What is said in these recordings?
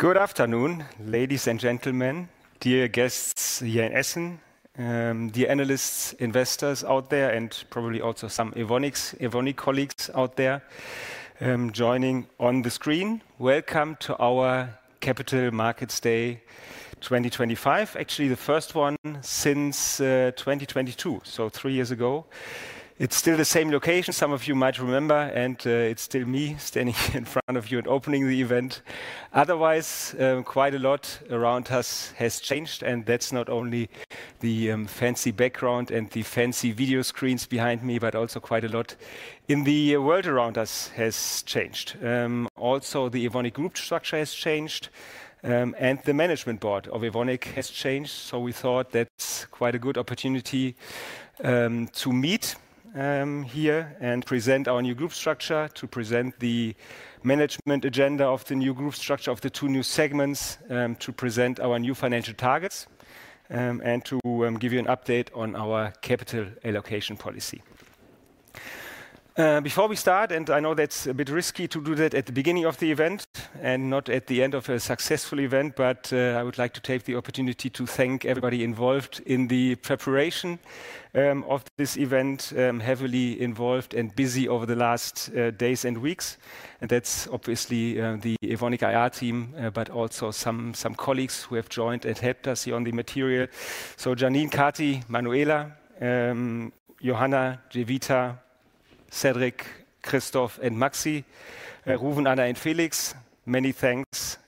Good afternoon, ladies and gentlemen, dear guests here in Essen, the analysts, investors out there, and probably also some Evonik colleagues out there joining on the screen. Welcome to our Capital Markets Day 2025, actually the first one since 2022, so three years ago. It is still the same location, some of you might remember, and it is still me standing in front of you and opening the event. Otherwise, quite a lot around us has changed, and that is not only the fancy background and the fancy video screens behind me, but also quite a lot in the world around us has changed. Also, the Evonik group structure has changed, and the management board of Evonik has changed, so we thought that's quite a good opportunity to meet here and present our new group structure, to present the management agenda of the new group structure of the two new segments, to present our new financial targets, and to give you an update on our capital allocation policy. Before we start, and I know that's a bit risky to do that at the beginning of the event and not at the end of a successful event, but I would like to take the opportunity to thank everybody involved in the preparation of this event, heavily involved and busy over the last days and weeks, and that's obviously the Evonik IR team, but also some colleagues who have joined and helped us here on the material. Janine Carti, Manuela, Johanna, Jevita, Cedric, Christoph, Maxi, Rouven, Anna, and Felix, many thanks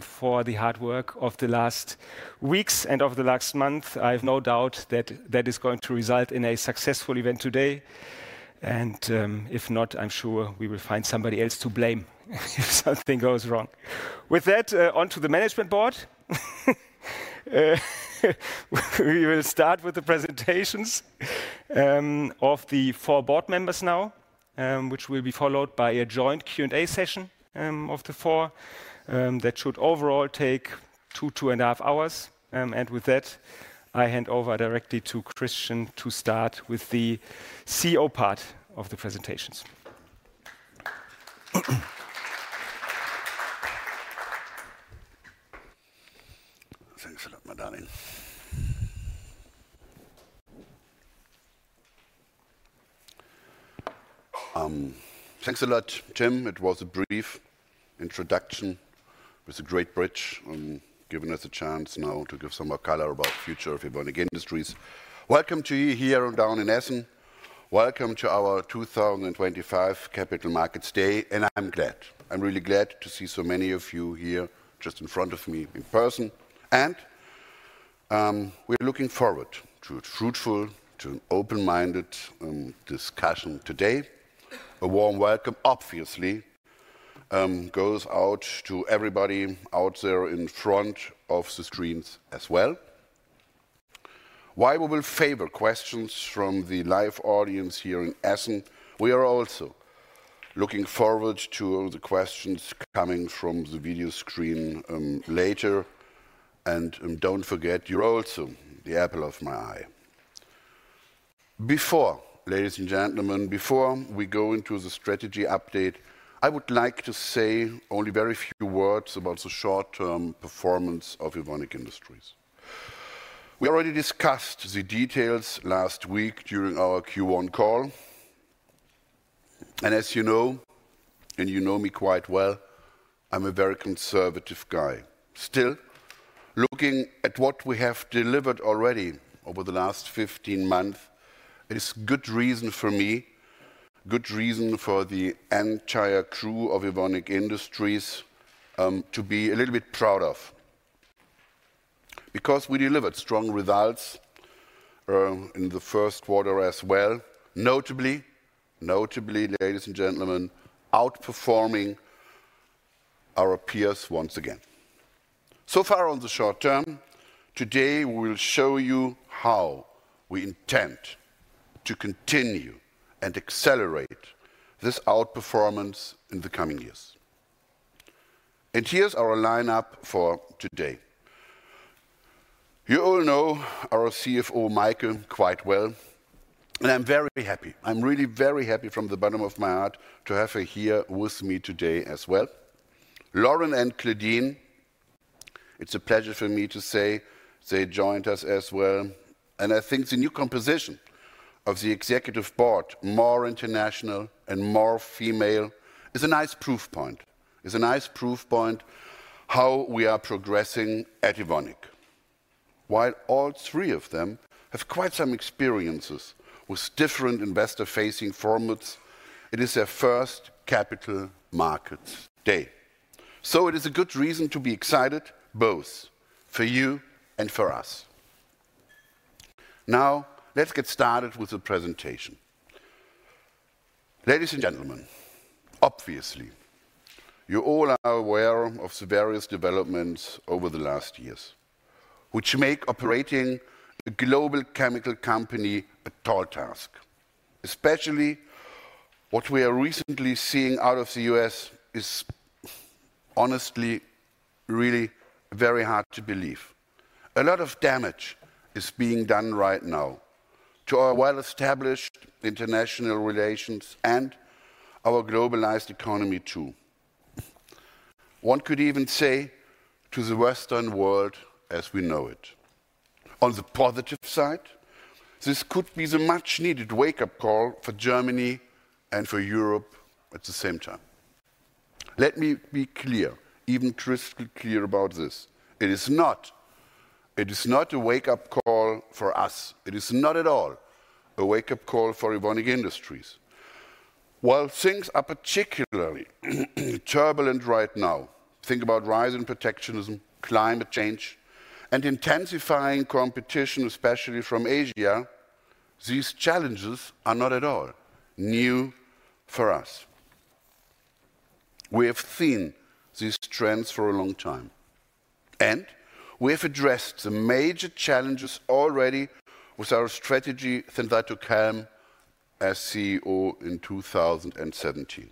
for the hard work of the last weeks and of the last month. I have no doubt that is going to result in a successful event today, and if not, I am sure we will find somebody else to blame if something goes wrong. With that, on to the management board. We will start with the presentations of the four board members now, which will be followed by a joint Q&A session of the four that should overall take two, two and a half hours. With that, I hand over directly to Christian to start with the CEO part of the presentations. Thanks a lot, Madani. Thanks a lot, Tim. It was a brief introduction with a great bridge and giving us a chance now to give some more color about the future of Evonik Industries. Welcome to you here down in Essen. Welcome to our 2025 Capital Markets Day, and I'm glad. I'm really glad to see so many of you here just in front of me in person, and we're looking forward to a fruitful, open-minded discussion today. A warm welcome, obviously, goes out to everybody out there in front of the screens as well. While we will favor questions from the live audience here in Essen, we are also looking forward to the questions coming from the video screen later. Do not forget, you're also the apple of my eye. Ladies and gentlemen, before we go into the strategy update, I would like to say only very few words about the short-term performance of Evonik Industries. We already discussed the details last week during our Q1 call. As you know, and you know me quite well, I'm a very conservative guy. Still, looking at what we have delivered already over the last 15 months, it is good reason for me, good reason for the entire crew of Evonik Industries to be a little bit proud of. Because we delivered strong results in the first quarter as well, notably, notably, ladies and gentlemen, outperforming our peers once again. So far on the short term, today we will show you how we intend to continue and accelerate this outperformance in the coming years. Here is our lineup for today. You all know our CFO, Maike, quite well, and I'm very happy. I'm really very happy from the bottom of my heart to have her here with me today as well. Lauren and Claudine, it's a pleasure for me to say they joined us as well. I think the new composition of the executive board, more international and more female, is a nice proof point. It's a nice proof point how we are progressing at Evonik. While all three of them have quite some experiences with different investor-facing formats, it is their first Capital Markets Day. It is a good reason to be excited both for you and for us. Now, let's get started with the presentation. Ladies and gentlemen, obviously, you all are aware of the various developments over the last years, which make operating a global chemical company a tall task. Especially what we are recently seeing out of the U.S. is honestly really very hard to believe. A lot of damage is being done right now to our well-established international relations and our globalized economy too. One could even say to the Western world as we know it. On the positive side, this could be the much-needed wake-up call for Germany and for Europe at the same time. Let me be clear, even crystal clear about this. It is not, it is not a wake-up call for us. It is not at all a wake-up call for Evonik Industries. While things are particularly turbulent right now, think about rising protectionism, climate change, and intensifying competition, especially from Asia, these challenges are not at all new for us. We have seen these trends for a long time, and we have addressed the major challenges already with our strategy since I took him as CEO in 2017.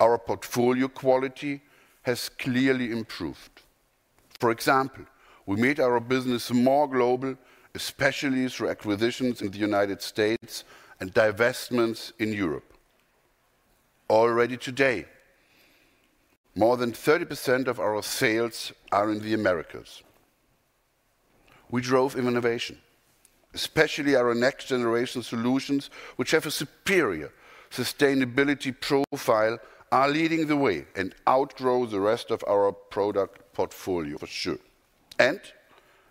Our portfolio quality has clearly improved. For example, we made our business more global, especially through acquisitions in the United States and divestments in Europe. Already today, more than 30% of our sales are in the Americas. We drove innovation, especially our next-generation solutions, which have a superior sustainability profile, are leading the way and outgrow the rest of our product portfolio for sure.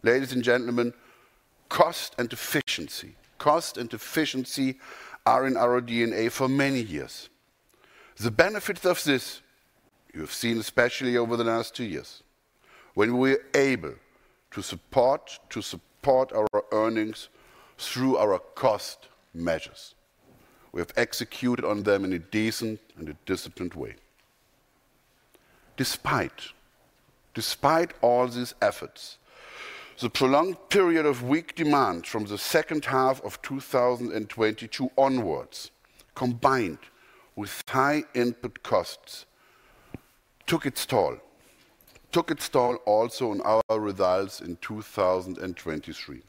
Ladies and gentlemen, cost and efficiency, cost and efficiency are in our DNA for many years. The benefits of this, you have seen especially over the last two years, when we were able to support our earnings through our cost measures. We have executed on them in a decent and a disciplined way. Despite all these efforts, the prolonged period of weak demand from the second half of 2022 onwards, combined with high input costs, took its toll also on our results in 2023.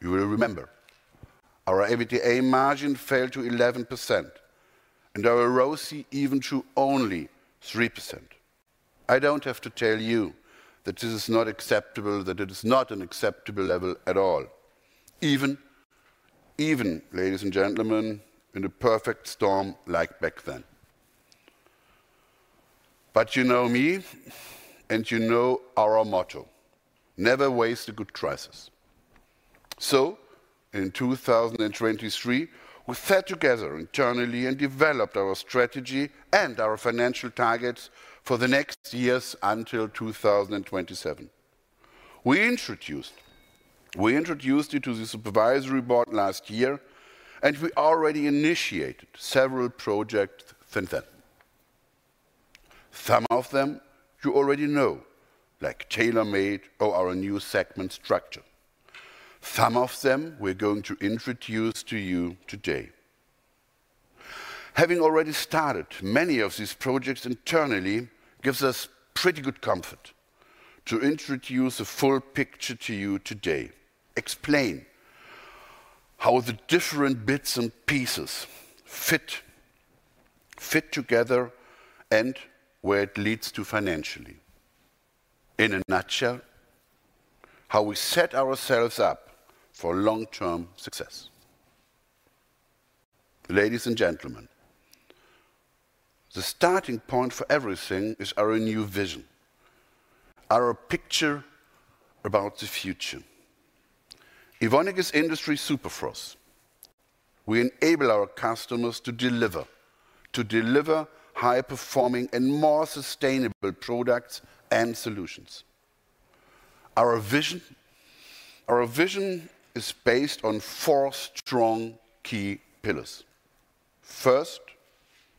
You will remember our EBITDA margin fell to 11%, and our ROCE even to only 3%. I do not have to tell you that this is not acceptable, that it is not an acceptable level at all, even, even ladies and gentlemen, in a perfect storm like back then. You know me, and you know our motto: never waste a good crisis. In 2023, we sat together internally and developed our strategy and our financial targets for the next years until 2027. We introduced it to the supervisory board last year, and we already initiated several projects since then. Some of them you already know, like Tailor-Made or our new segment structure. Some of them we are going to introduce to you today. Having already started many of these projects internally gives us pretty good comfort to introduce the full picture to you today, explain how the different bits and pieces fit together, and where it leads to financially. In a nutshell, how we set ourselves up for long-term success. Ladies and gentlemen, the starting point for everything is our new vision, our picture about the future. Evonik is industry superforce. We enable our customers to deliver high-performing and more sustainable products and solutions. Our vision is based on four strong key pillars. First,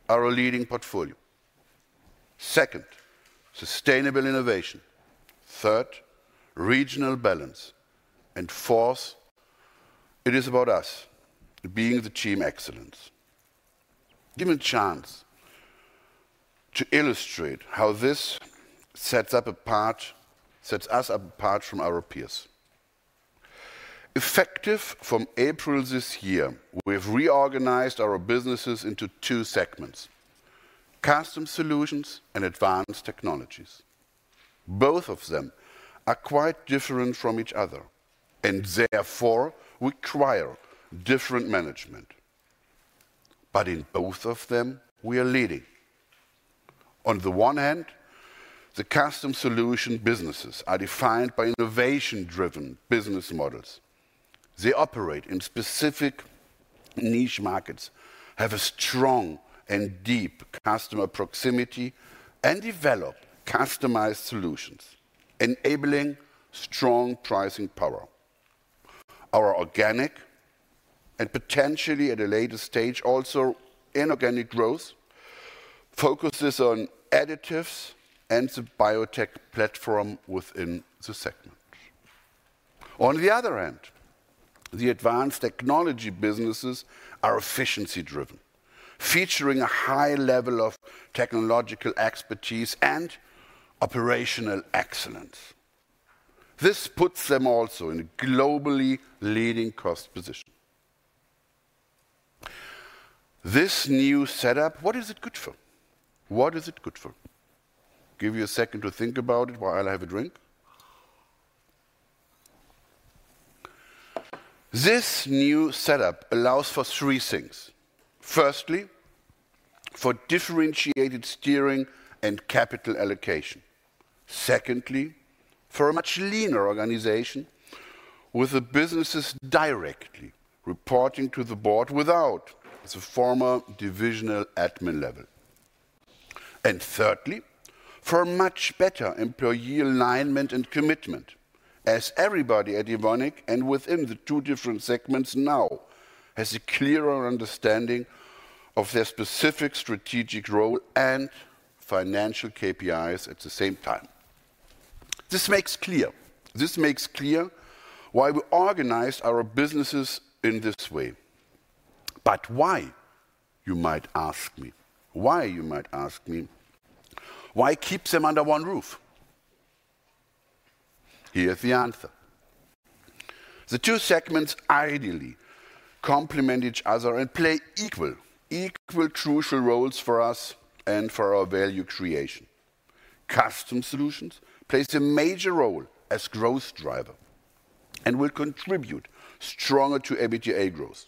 our leading portfolio. Second, sustainable innovation. Third, regional balance. And fourth, it is about us being the team excellence. Give me a chance to illustrate how this sets us apart from our peers. Effective from April this year, we have reorganized our businesses into two segments: Custom Solutions and Advanced Technologies. Both of them are quite different from each other, and therefore require different management. In both of them, we are leading. On the one hand, the Custom Solution businesses are defined by innovation-driven business models. They operate in specific niche markets, have a strong and deep customer proximity, and develop customized solutions, enabling strong pricing power. Our organic and potentially at a later stage also inorganic growth focuses on additives and the biotech platform within the segment. On the other hand, the Advanced Technology businesses are efficiency-driven, featuring a high level of technological expertise and operational excellence. This puts them also in a globally leading cost position. This new setup, what is it good for? What is it good for? Give you a second to think about it while I have a drink. This new setup allows for three things. Firstly, for differentiated steering and capital allocation. Secondly, for a much leaner organization with the businesses directly reporting to the board without the former divisional admin level. Thirdly, for much better employee alignment and commitment, as everybody at Evonik and within the two different segments now has a clearer understanding of their specific strategic role and financial KPIs at the same time. This makes clear why we organize our businesses in this way. You might ask me, why keep them under one roof? Here is the answer. The two segments ideally complement each other and play equal, crucial roles for us and for our value creation. Custom solutions play a major role as growth driver and will contribute stronger to EBITDA growth.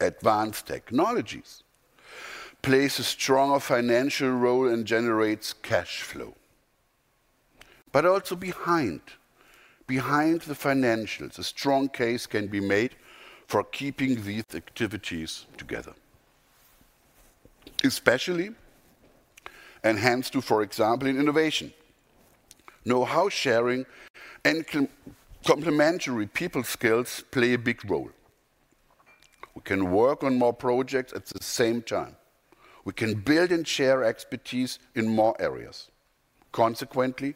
Advanced technologies play a stronger financial role and generate cash flow. Also, behind the financials, a strong case can be made for keeping these activities together. Especially enhanced to, for example, in innovation. Know-how sharing and complementary people skills play a big role. We can work on more projects at the same time. We can build and share expertise in more areas. Consequently,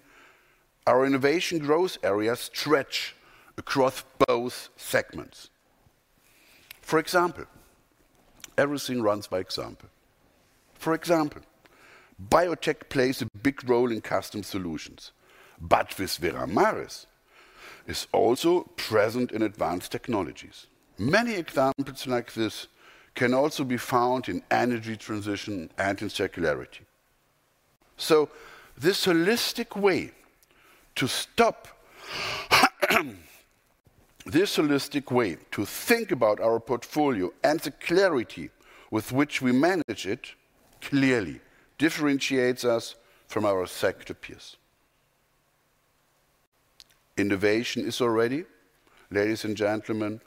our innovation growth areas stretch across both segments. For example, everything runs by example. For example, biotech plays a big role in Custom Solutions, but with Veramaris is also present in advanced technologies. Many examples like this can also be found in energy transition and in circularity. This holistic way to stop, this holistic way to think about our portfolio and the clarity with which we manage it clearly differentiates us from our sector peers. Innovation is already, ladies and gentlemen,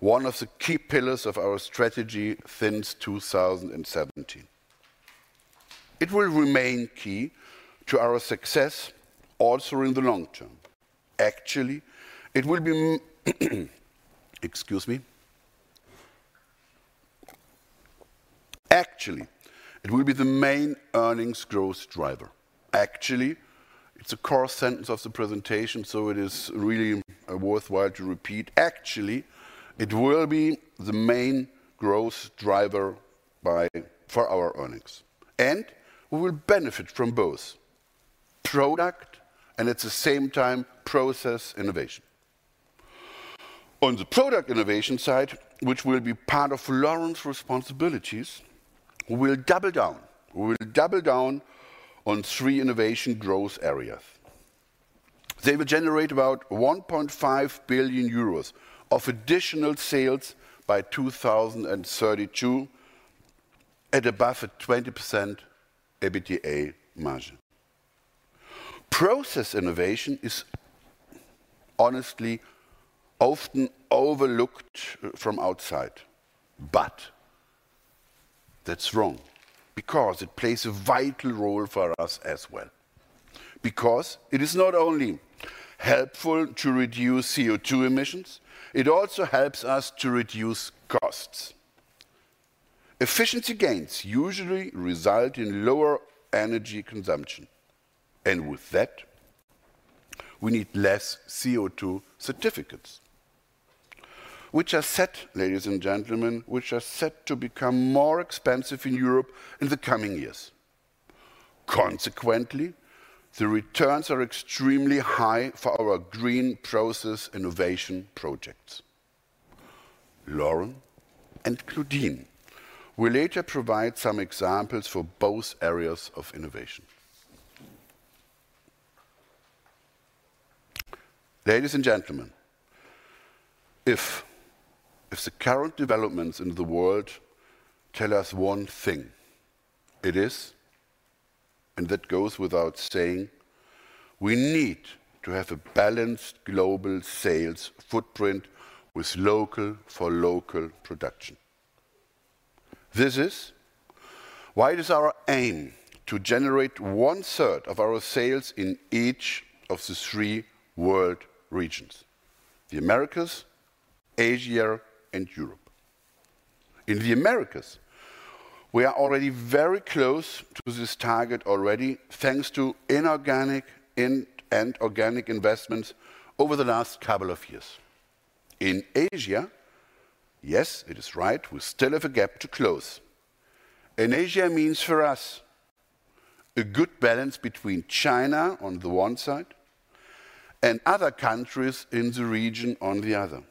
one of the key pillars of our strategy since 2017. It will remain key to our success also in the long term. Actually, it will be, excuse me, actually it will be the main earnings growth driver. Actually, it is a core sentence of the presentation, so it is really worthwhile to repeat. Actually, it will be the main growth driver for our earnings. We will benefit from both product and at the same time process innovation. On the product innovation side, which will be part of Lauren's responsibilities, we will double down on three innovation growth areas. They will generate about 1.5 billion euros of additional sales by 2032 at above a 20% EBITDA margin. Process innovation is honestly often overlooked from outside, but that's wrong because it plays a vital role for us as well. Because it is not only helpful to reduce CO2 emissions, it also helps us to reduce costs. Efficiency gains usually result in lower energy consumption. With that, we need fewer CO2 certificates, which are set, ladies and gentlemen, which are set to become more expensive in Europe in the coming years. Consequently, the returns are extremely high for our green process innovation projects. Lauren and Claudine will later provide some examples for both areas of innovation. Ladies and gentlemen, if the current developments in the world tell us one thing, it is, and that goes without saying, we need to have a balanced global sales footprint with local for local production. This is why it is our aim to generate one third of our sales in each of the three world regions: the Americas, Asia, and Europe. In the Americas, we are already very close to this target already, thanks to inorganic and organic investments over the last couple of years. In Asia, yes, it is right, we still have a gap to close. And Asia means for us a good balance between China on the one side and other countries in the region on the other.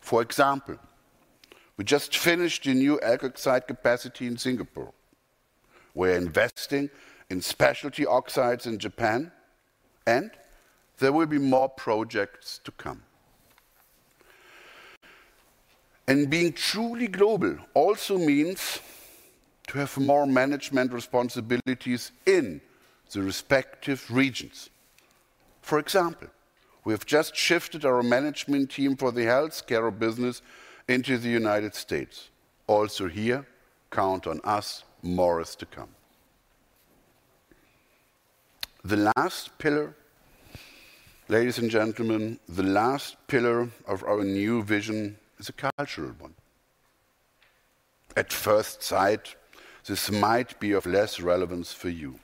For example, we just finished a new excites capacity in Singapore. We are investing in specialty oxides in Japan, and there will be more projects to come. Being truly global also means to have more management responsibilities in the respective regions. For example, we have just shifted our management team for the healthcare business into the United States. Also here, count on us more to come. The last pillar, ladies and gentlemen, the last pillar of our new vision is a cultural one. At first sight, this might be of less relevance for you,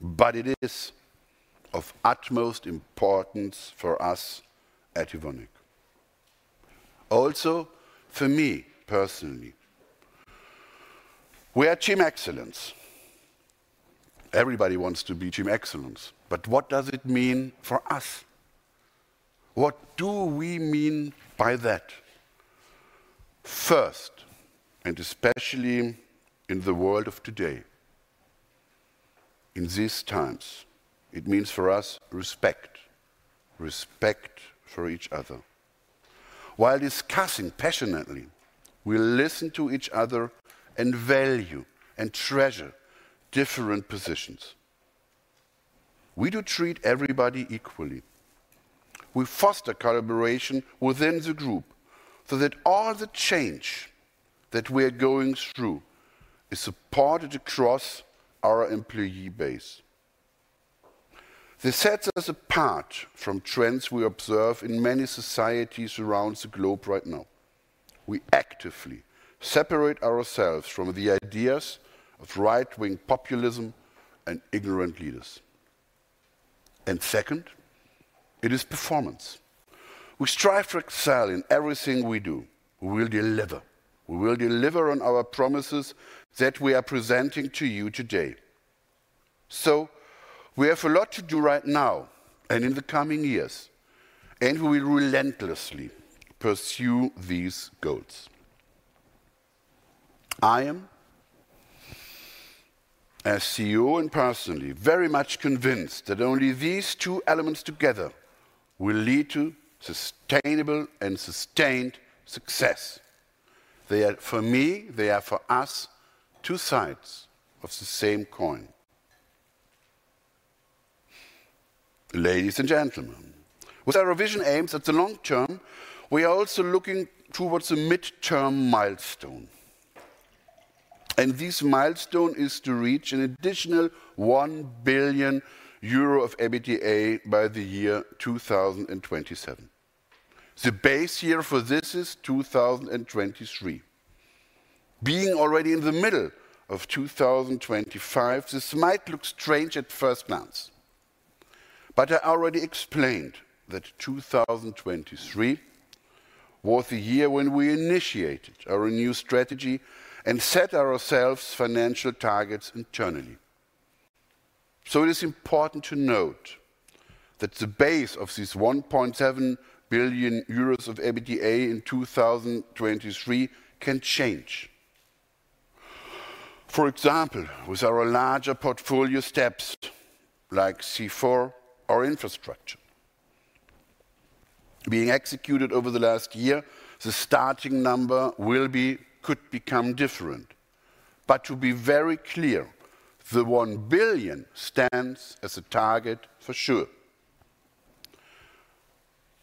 but it is of utmost importance for us at Evonik. Also for me personally, we are team excellence. Everybody wants to be team excellence, but what does it mean for us? What do we mean by that? First, and especially in the world of today, in these times, it means for us respect, respect for each other. While discussing passionately, we listen to each other and value and treasure different positions. We do treat everybody equally. We foster collaboration within the group so that all the change that we are going through is supported across our employee base. This sets us apart from trends we observe in many societies around the globe right now. We actively separate ourselves from the ideas of right-wing populism and ignorant leaders. Second, it is performance. We strive to excel in everything we do. We will deliver. We will deliver on our promises that we are presenting to you today. We have a lot to do right now and in the coming years, and we will relentlessly pursue these goals. I am, as CEO and personally, very much convinced that only these two elements together will lead to sustainable and sustained success. For me, they are for us two sides of the same coin. Ladies and gentlemen, with our vision aims at the long term, we are also looking towards a midterm milestone. This milestone is to reach an additional 1 billion euro of EBITDA by the year 2027. The base year for this is 2023. Being already in the middle of 2025, this might look strange at first glance. I already explained that 2023 was the year when we initiated our new strategy and set ourselves financial targets internally. It is important to note that the base of these 1.7 billion euros of EBITDA in 2023 can change. For example, with our larger portfolio steps like C4 or infrastructure being executed over the last year, the starting number will be, could become different. To be very clear, the 1 billion stands as a target for sure.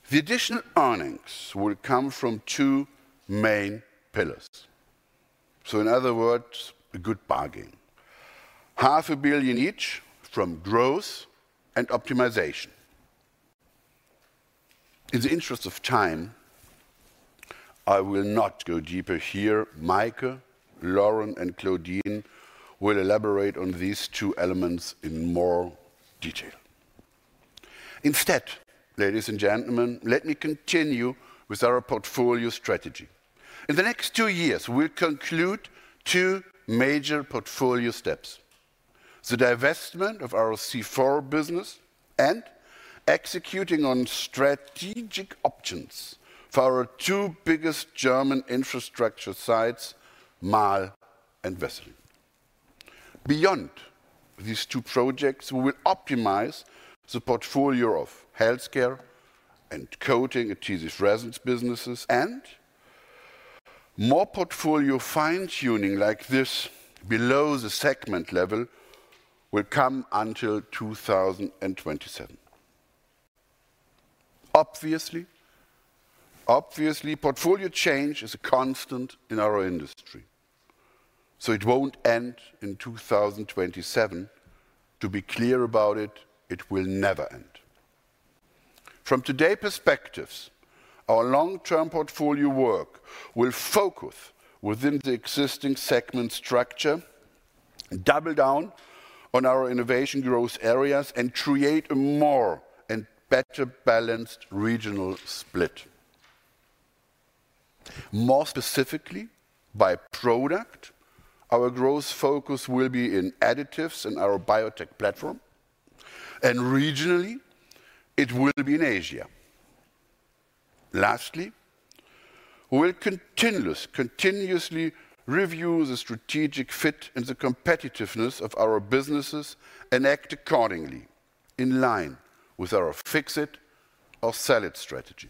The additional earnings will come from two main pillars. In other words, a good bargain. $500 million each from growth and optimization. In the interest of time, I will not go deeper here. Maike, Lauren, and Claudine will elaborate on these two elements in more detail. Instead, ladies and gentlemen, let me continue with our portfolio strategy. In the next two years, we will conclude two major portfolio steps: the divestment of our C4 business and executing on strategic options for our two biggest German infrastructure sites, Marl and Wesseling. Beyond these two projects, we will optimize the portfolio of healthcare and coating at these resins businesses. More portfolio fine-tuning like this below the segment level will come until 2027. Obviously, portfolio change is a constant in our industry. It will not end in 2027. To be clear about it, it will never end. From today's perspectives, our long-term portfolio work will focus within the existing segment structure, double down on our innovation growth areas, and create a more and better balanced regional split. More specifically, by product, our growth focus will be in additives and our biotech platform. Regionally, it will be in Asia. Lastly, we will continuously review the strategic fit and the competitiveness of our businesses and act accordingly in line with our fix-it-or-sell-it strategy.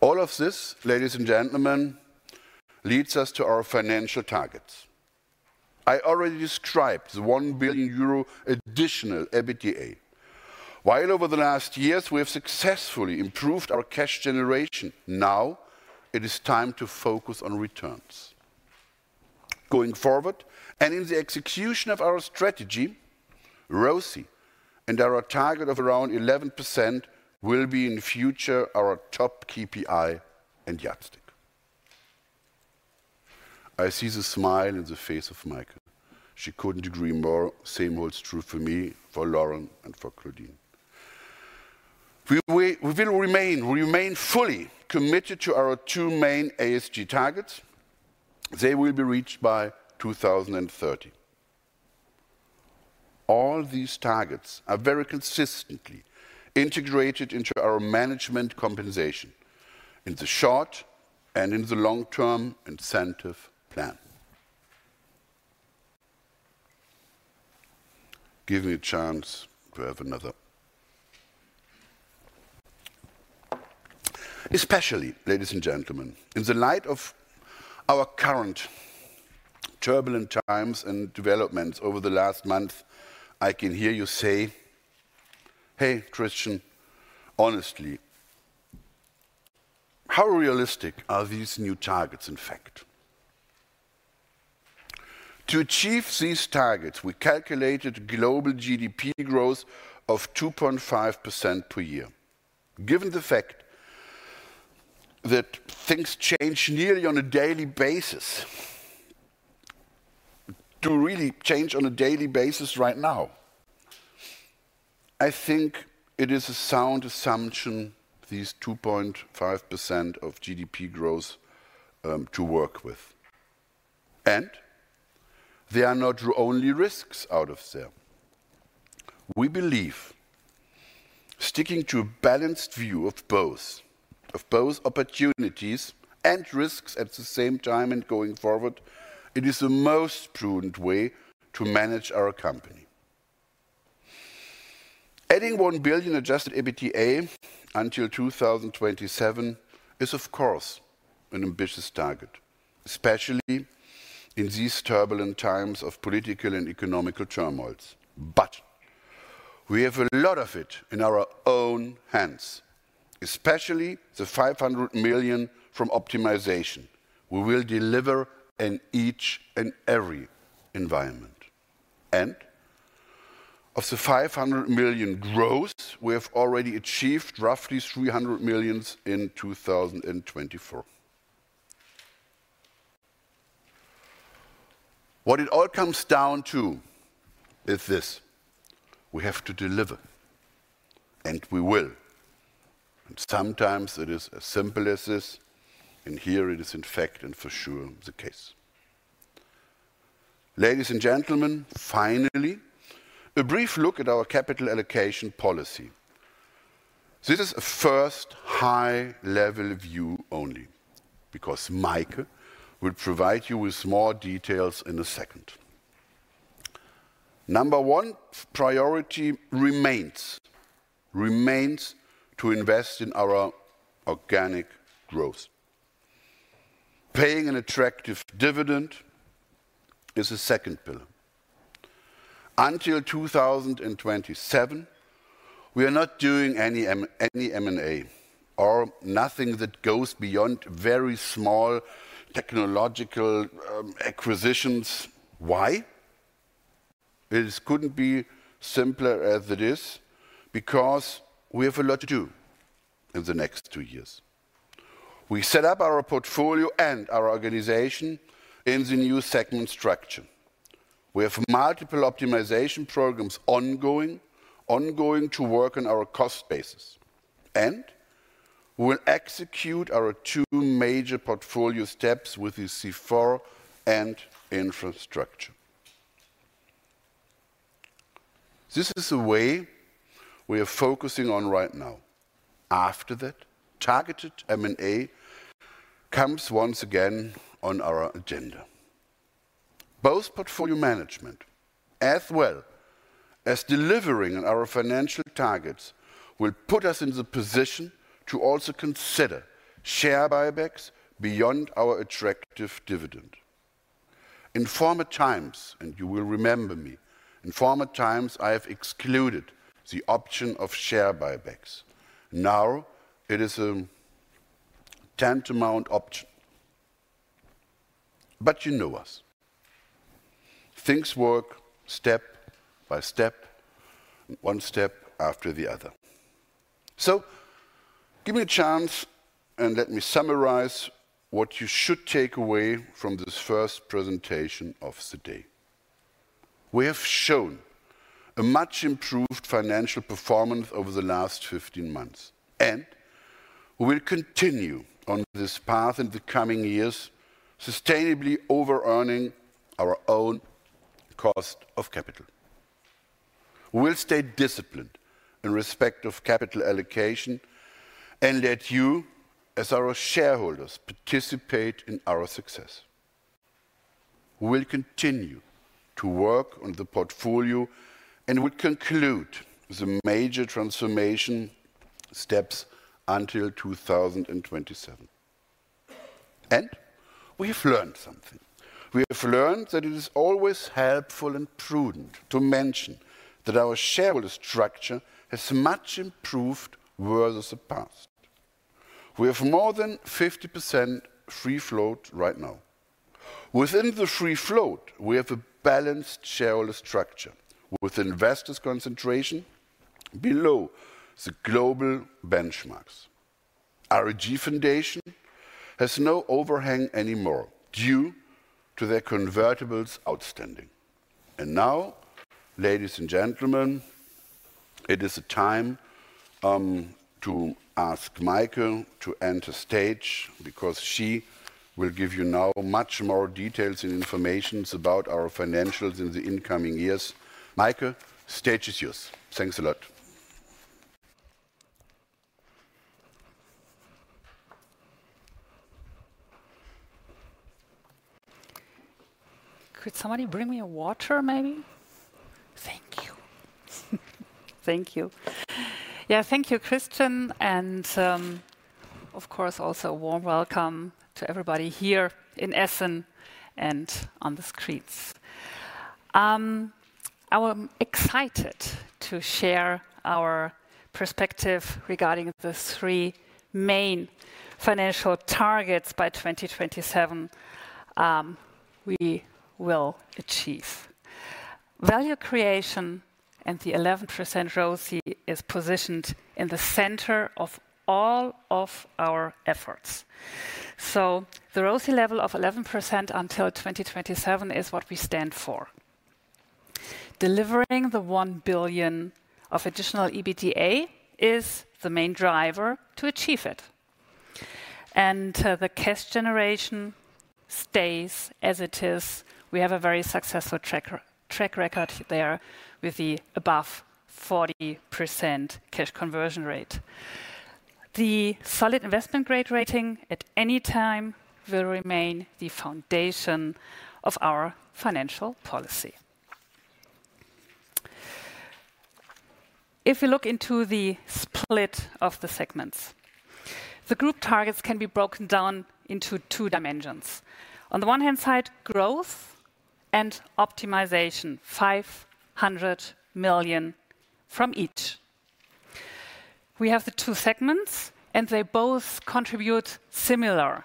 All of this, ladies and gentlemen, leads us to our financial targets. I already described the 1 billion euro additional EBITDA. While over the last years, we have successfully improved our cash generation, now it is time to focus on returns. Going forward and in the execution of our strategy, ROCE and our target of around 11% will be in future our top KPI and yardstick. I see the smile in the face of Maike. She couldn't agree more. Same holds true for me, for Lauren, and for Claudine. We will remain, we remain fully committed to our two main ESG targets. They will be reached by 2030. All these targets are very consistently integrated into our management compensation in the short and in the long-term incentive plan. Give me a chance to have another. Especially, ladies and gentlemen, in the light of our current turbulent times and developments over the last month, I can hear you say, "Hey, Christian, honestly, how realistic are these new targets in fact?" To achieve these targets, we calculated global GDP growth of 2.5% per year. Given the fact that things change nearly on a daily basis, to really change on a daily basis right now, I think it is a sound assumption these 2.5% of GDP growth to work with. There are not only risks out there. We believe sticking to a balanced view of both opportunities and risks at the same time and going forward is the most prudent way to manage our company. Adding 1 billion adjusted EBITDA until 2027 is, of course, an ambitious target, especially in these turbulent times of political and economic turmoils. We have a lot of it in our own hands, especially the 500 million from optimization. We will deliver in each and every environment. Of the 500 million growth, we have already achieved roughly 300 million in 2024. What it all comes down to is this: we have to deliver. We will. Sometimes it is as simple as this. Here it is in fact and for sure the case. Ladies and gentlemen, finally, a brief look at our capital allocation policy. This is a first high-level view only because Maike will provide you with more details in a second. Number one priority remains, remains to invest in our organic growth. Paying an attractive dividend is a second pillar. Until 2027, we are not doing any M&A or nothing that goes beyond very small technological acquisitions. Why? It could not be simpler as it is because we have a lot to do in the next two years. We set up our portfolio and our organization in the new segment structure. We have multiple optimization programs ongoing to work on our cost basis. We will execute our two major portfolio steps with the C4 and infrastructure. This is the way we are focusing on right now. After that, targeted M&A comes once again on our agenda. Both portfolio management, as well as delivering on our financial targets, will put us in the position to also consider share buybacks beyond our attractive dividend. In former times, and you will remember me, in former times, I have excluded the option of share buybacks. Now it is a tantamount option. You know us. Things work step by step, one step after the other. Give me a chance and let me summarize what you should take away from this first presentation of the day. We have shown a much improved financial performance over the last 15 months. We will continue on this path in the coming years, sustainably over-earning our own cost of capital. We will stay disciplined in respect of capital allocation and let you, as our shareholders, participate in our success. We will continue to work on the portfolio and would conclude the major transformation steps until 2027. We have learned something. We have learned that it is always helpful and prudent to mention that our shareholder structure has much improved versus the past. We have more than 50% free float right now. Within the free float, we have a balanced shareholder structure with investors' concentration below the global benchmarks. RAG Foundation has no overhang anymore due to their convertibles outstanding. Now, ladies and gentlemen, it is a time to ask Maike to enter stage because she will give you now much more details and information about our financials in the incoming years. Maike, stage is yours. Thanks a lot. Could somebody bring me a water maybe? Thank you. Thank you. Yeah, thank you, Christian. Of course, also a warm welcome to everybody here in Essen and on the screens. I'm excited to share our perspective regarding the three main financial targets by 2027 we will achieve. Value creation and the 11% ROCE is positioned in the center of all of our efforts. The ROCE level of 11% until 2027 is what we stand for. Delivering the 1 billion of additional EBITDA is the main driver to achieve it. The cash generation stays as it is. We have a very successful track record there with the above 40% cash conversion rate. The solid investment grade rating at any time will remain the foundation of our financial policy. If we look into the split of the segments, the group targets can be broken down into two dimensions. On the one hand side, growth and optimization, 500 million from each. We have the two segments and they both contribute similar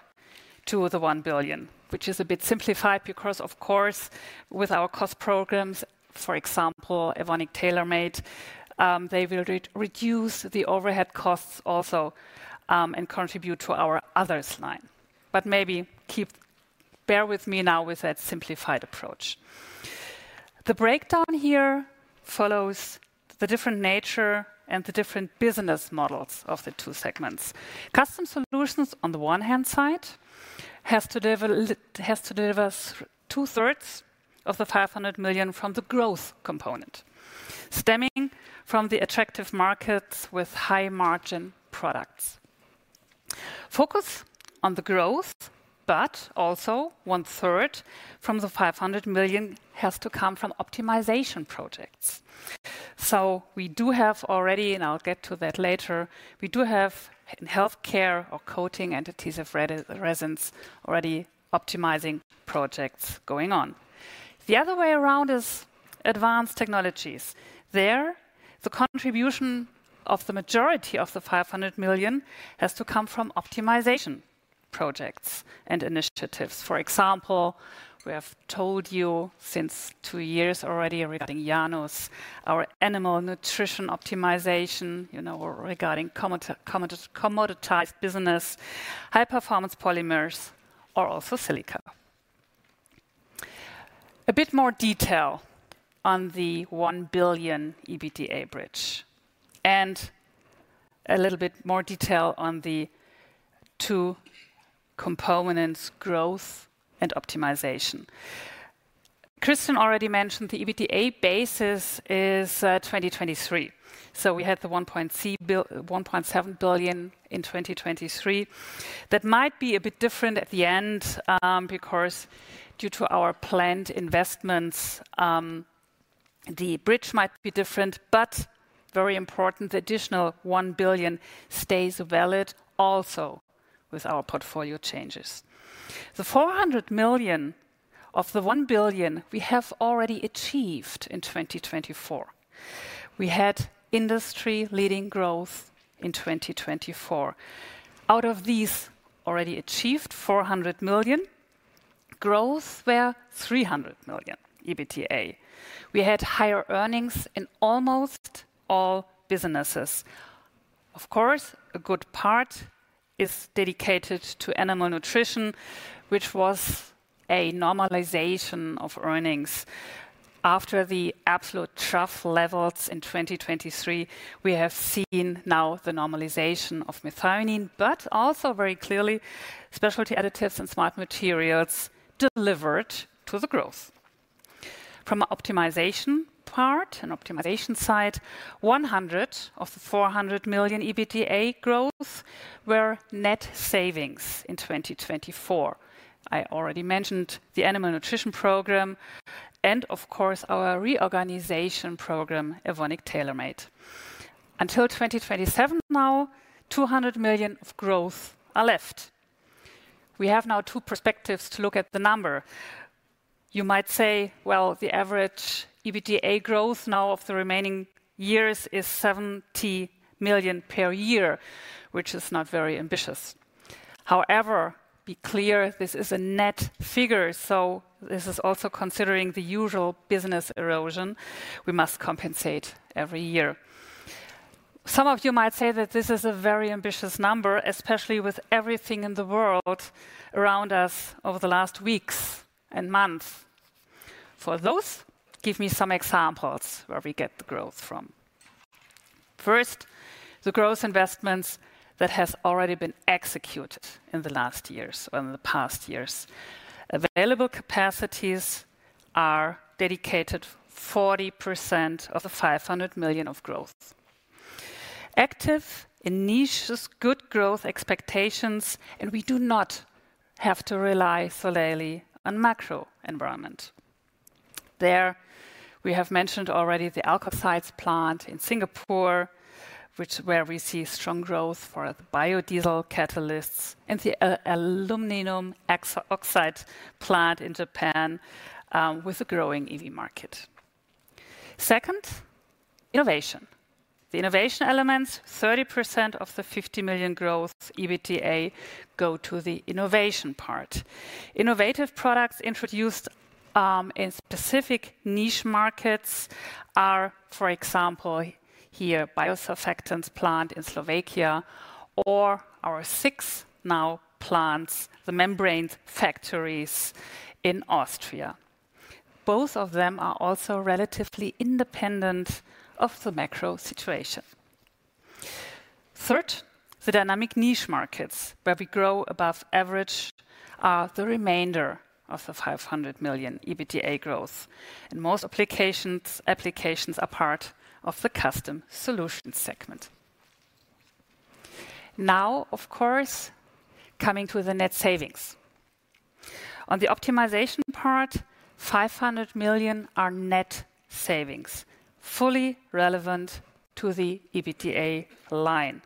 to the 1 billion, which is a bit simplified because, of course, with our cost programs, for example, Evonik Tailor Made, they will reduce the overhead costs also and contribute to our others line. Maybe bear with me now with that simplified approach. The breakdown here follows the different nature and the different business models of the two segments. Custom Solutions on the one hand side has to deliver two-thirds of the 500 million from the growth component, stemming from the attractive markets with high margin products. Focus on the growth, but also one-third from the 500 million has to come from optimization projects. We do have already, and I'll get to that later, we do have in healthcare or coating entities of resins already optimizing projects going on. The other way around is Advanced Technologies. There, the contribution of the majority of the 500 million has to come from optimization projects and initiatives. For example, we have told you since two years already regarding Janus, our animal nutrition optimization, you know, regarding commoditized business, high-performance polymers, or also silica. A bit more detail on the 1 billion EBITDA bridge and a little bit more detail on the two components, growth and optimization. Christian already mentioned the EBITDA basis is 2023. So we had the 1.7 billion in 2023. That might be a bit different at the end because due to our planned investments, the bridge might be different, but very important, the additional 1 billion stays valid also with our portfolio changes. The 400 million of the 1 billion we have already achieved in 2024. We had industry leading growth in 2024. Out of these already achieved 400 million, growth were 300 million EBITDA. We had higher earnings in almost all businesses. Of course, a good part is dedicated to animal nutrition, which was a normalization of earnings. After the absolute trough levels in 2023, we have seen now the normalization of methionine, but also very clearly Specialty Additives and Smart Materials delivered to the growth. From an optimization part, an optimization side, 100 of the 400 million EUR EBITDA growth were net savings in 2024. I already mentioned the animal nutrition program and, of course, our reorganization program, Evonik Tailor Made. Until 2027 now, 200 million EUR of growth are left. We have now two perspectives to look at the number. You might say, the average EBITDA growth now of the remaining years is 70 million EUR per year, which is not very ambitious. However, be clear, this is a net figure. This is also considering the usual business erosion we must compensate every year. Some of you might say that this is a very ambitious number, especially with everything in the world around us over the last weeks and months. For those, give me some examples where we get the growth from. First, the growth investments that have already been executed in the last years or in the past years. Available capacities are dedicated 40% of the 500 million of growth. Active in niche good growth expectations, and we do not have to rely solely on macro environment. There we have mentioned already the alkoxides plant in Singapore, where we see strong growth for the biodiesel catalysts and the aluminum oxide plant in Japan with a growing EV market. Second, innovation. The innovation elements, 30% of the 500 million growth EBITDA go to the innovation part. Innovative products introduced in specific niche markets are, for example, here biosurfactants plant in Slovakia or our six now plants, the membrane factories in Austria. Both of them are also relatively independent of the macro situation. Third, the dynamic niche markets where we grow above average are the remainder of the 500 million EBITDA growth. And most applications apart of the Custom Solutions segment. Now, of course, coming to the net savings. On the optimization part, 500 million are net savings, fully relevant to the EBITDA line.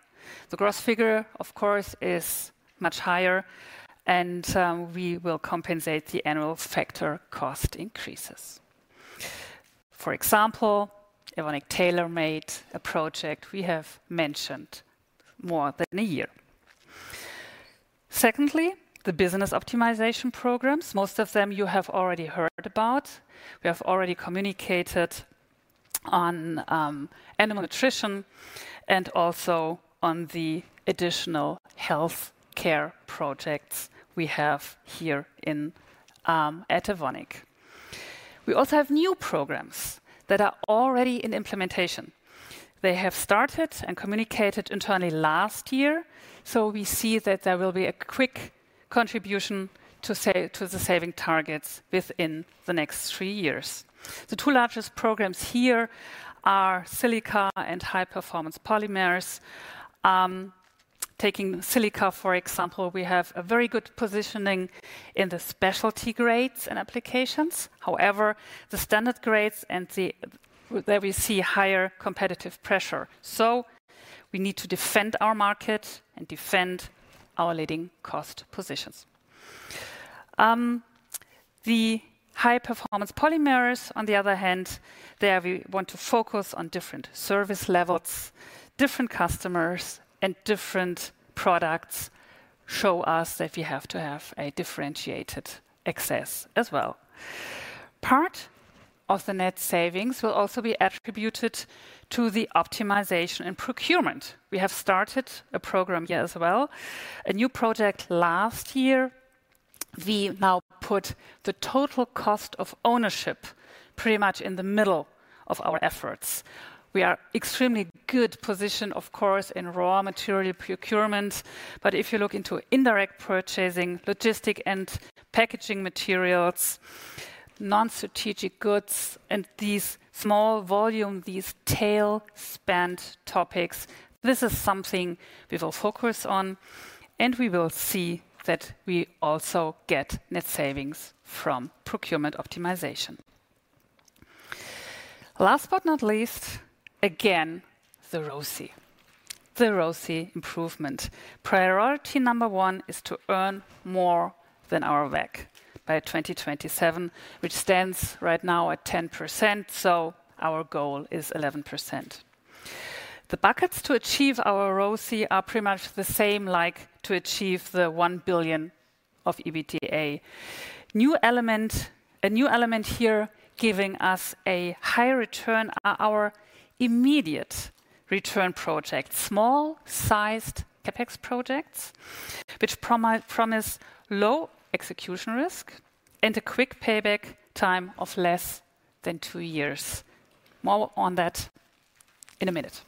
The gross figure, of course, is much higher and we will compensate the annual factor cost increases. For example, Evonik Tailor Made a project we have mentioned more than a year. Secondly, the business optimization programs, most of them you have already heard about. We have already communicated on Animal Nutrition and also on the additional healthcare projects we have here at Evonik. We also have new programs that are already in implementation. They have started and communicated internally last year. We see that there will be a quick contribution to the saving targets within the next three years. The two largest programs here are silica and high-performance polymers. Taking silica, for example, we have a very good positioning in the specialty grades and applications. However, the standard grades, and there we see higher competitive pressure. We need to defend our market and defend our leading cost positions. The high-performance polymers, on the other hand, there we want to focus on different service levels, different customers, and different products show us that we have to have a differentiated access as well. Part of the net savings will also be attributed to the optimization and procurement. We have started a program here as well, a new project last year. We now put the total cost of ownership pretty much in the middle of our efforts. We are in an extremely good position, of course, in raw material procurement. If you look into indirect purchasing, logistic and packaging materials, non-strategic goods, and these small volume, these tail spend topics, this is something we will focus on and we will see that we also get net savings from procurement optimization. Last but not least, again, the ROCE. The ROCE improvement. Priority number one is to earn more than our WACC by 2027, which stands right now at 10%. Our goal is 11%. The buckets to achieve our ROCE are pretty much the same, like to achieve the 1 billion of EBITDA. A new element here giving us a high return are our immediate return projects, small-sized CapEx projects, which promise low execution risk and a quick payback time of less than two years. More on that in a minute.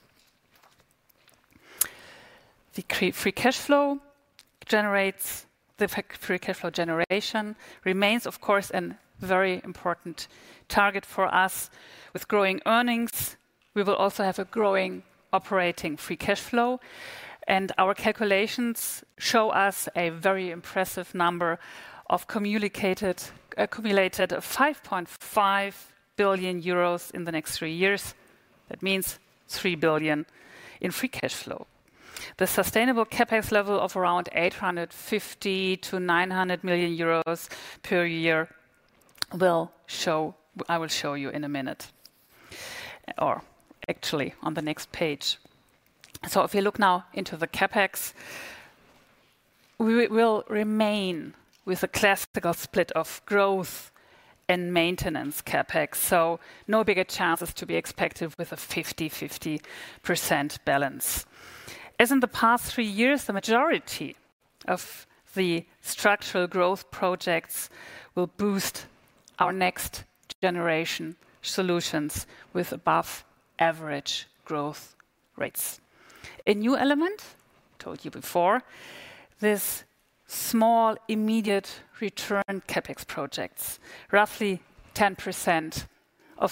The free cash flow generation remains, of course, a very important target for us. With growing earnings, we will also have a growing operating free cash flow. Our calculations show us a very impressive number of accumulated 5.5 billion euros in the next three years. That means 3 billion in free cash flow. The sustainable CapEx level of around 850 million-900 million euros per year will show, I will show you in a minu te, or actually on the next page. If we look now into the CapEx, we will remain with a classical split of growth and maintenance CapEx. No bigger chances to be expected with a 50-50% balance. As in the past three years, the majority of the structural growth projects will boost our next generation solutions with above average growth rates. A new element, I told you before, these small immediate return CapEx projects, roughly 10% of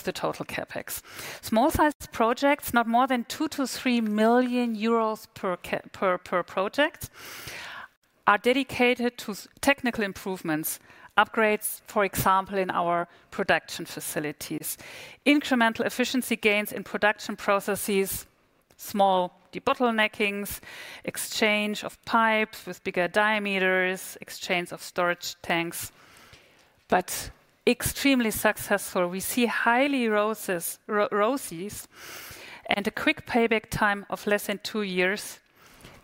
the total CapEx. Small-sized projects, not more than 2 million-3 million euros per project, are dedicated to technical improvements, upgrades, for example, in our production facilities, incremental efficiency gains in production processes, small debottleneckings, exchange of pipes with bigger diameters, exchange of storage tanks, but extremely successful. We see highly ROCEs and a quick payback time of less than two years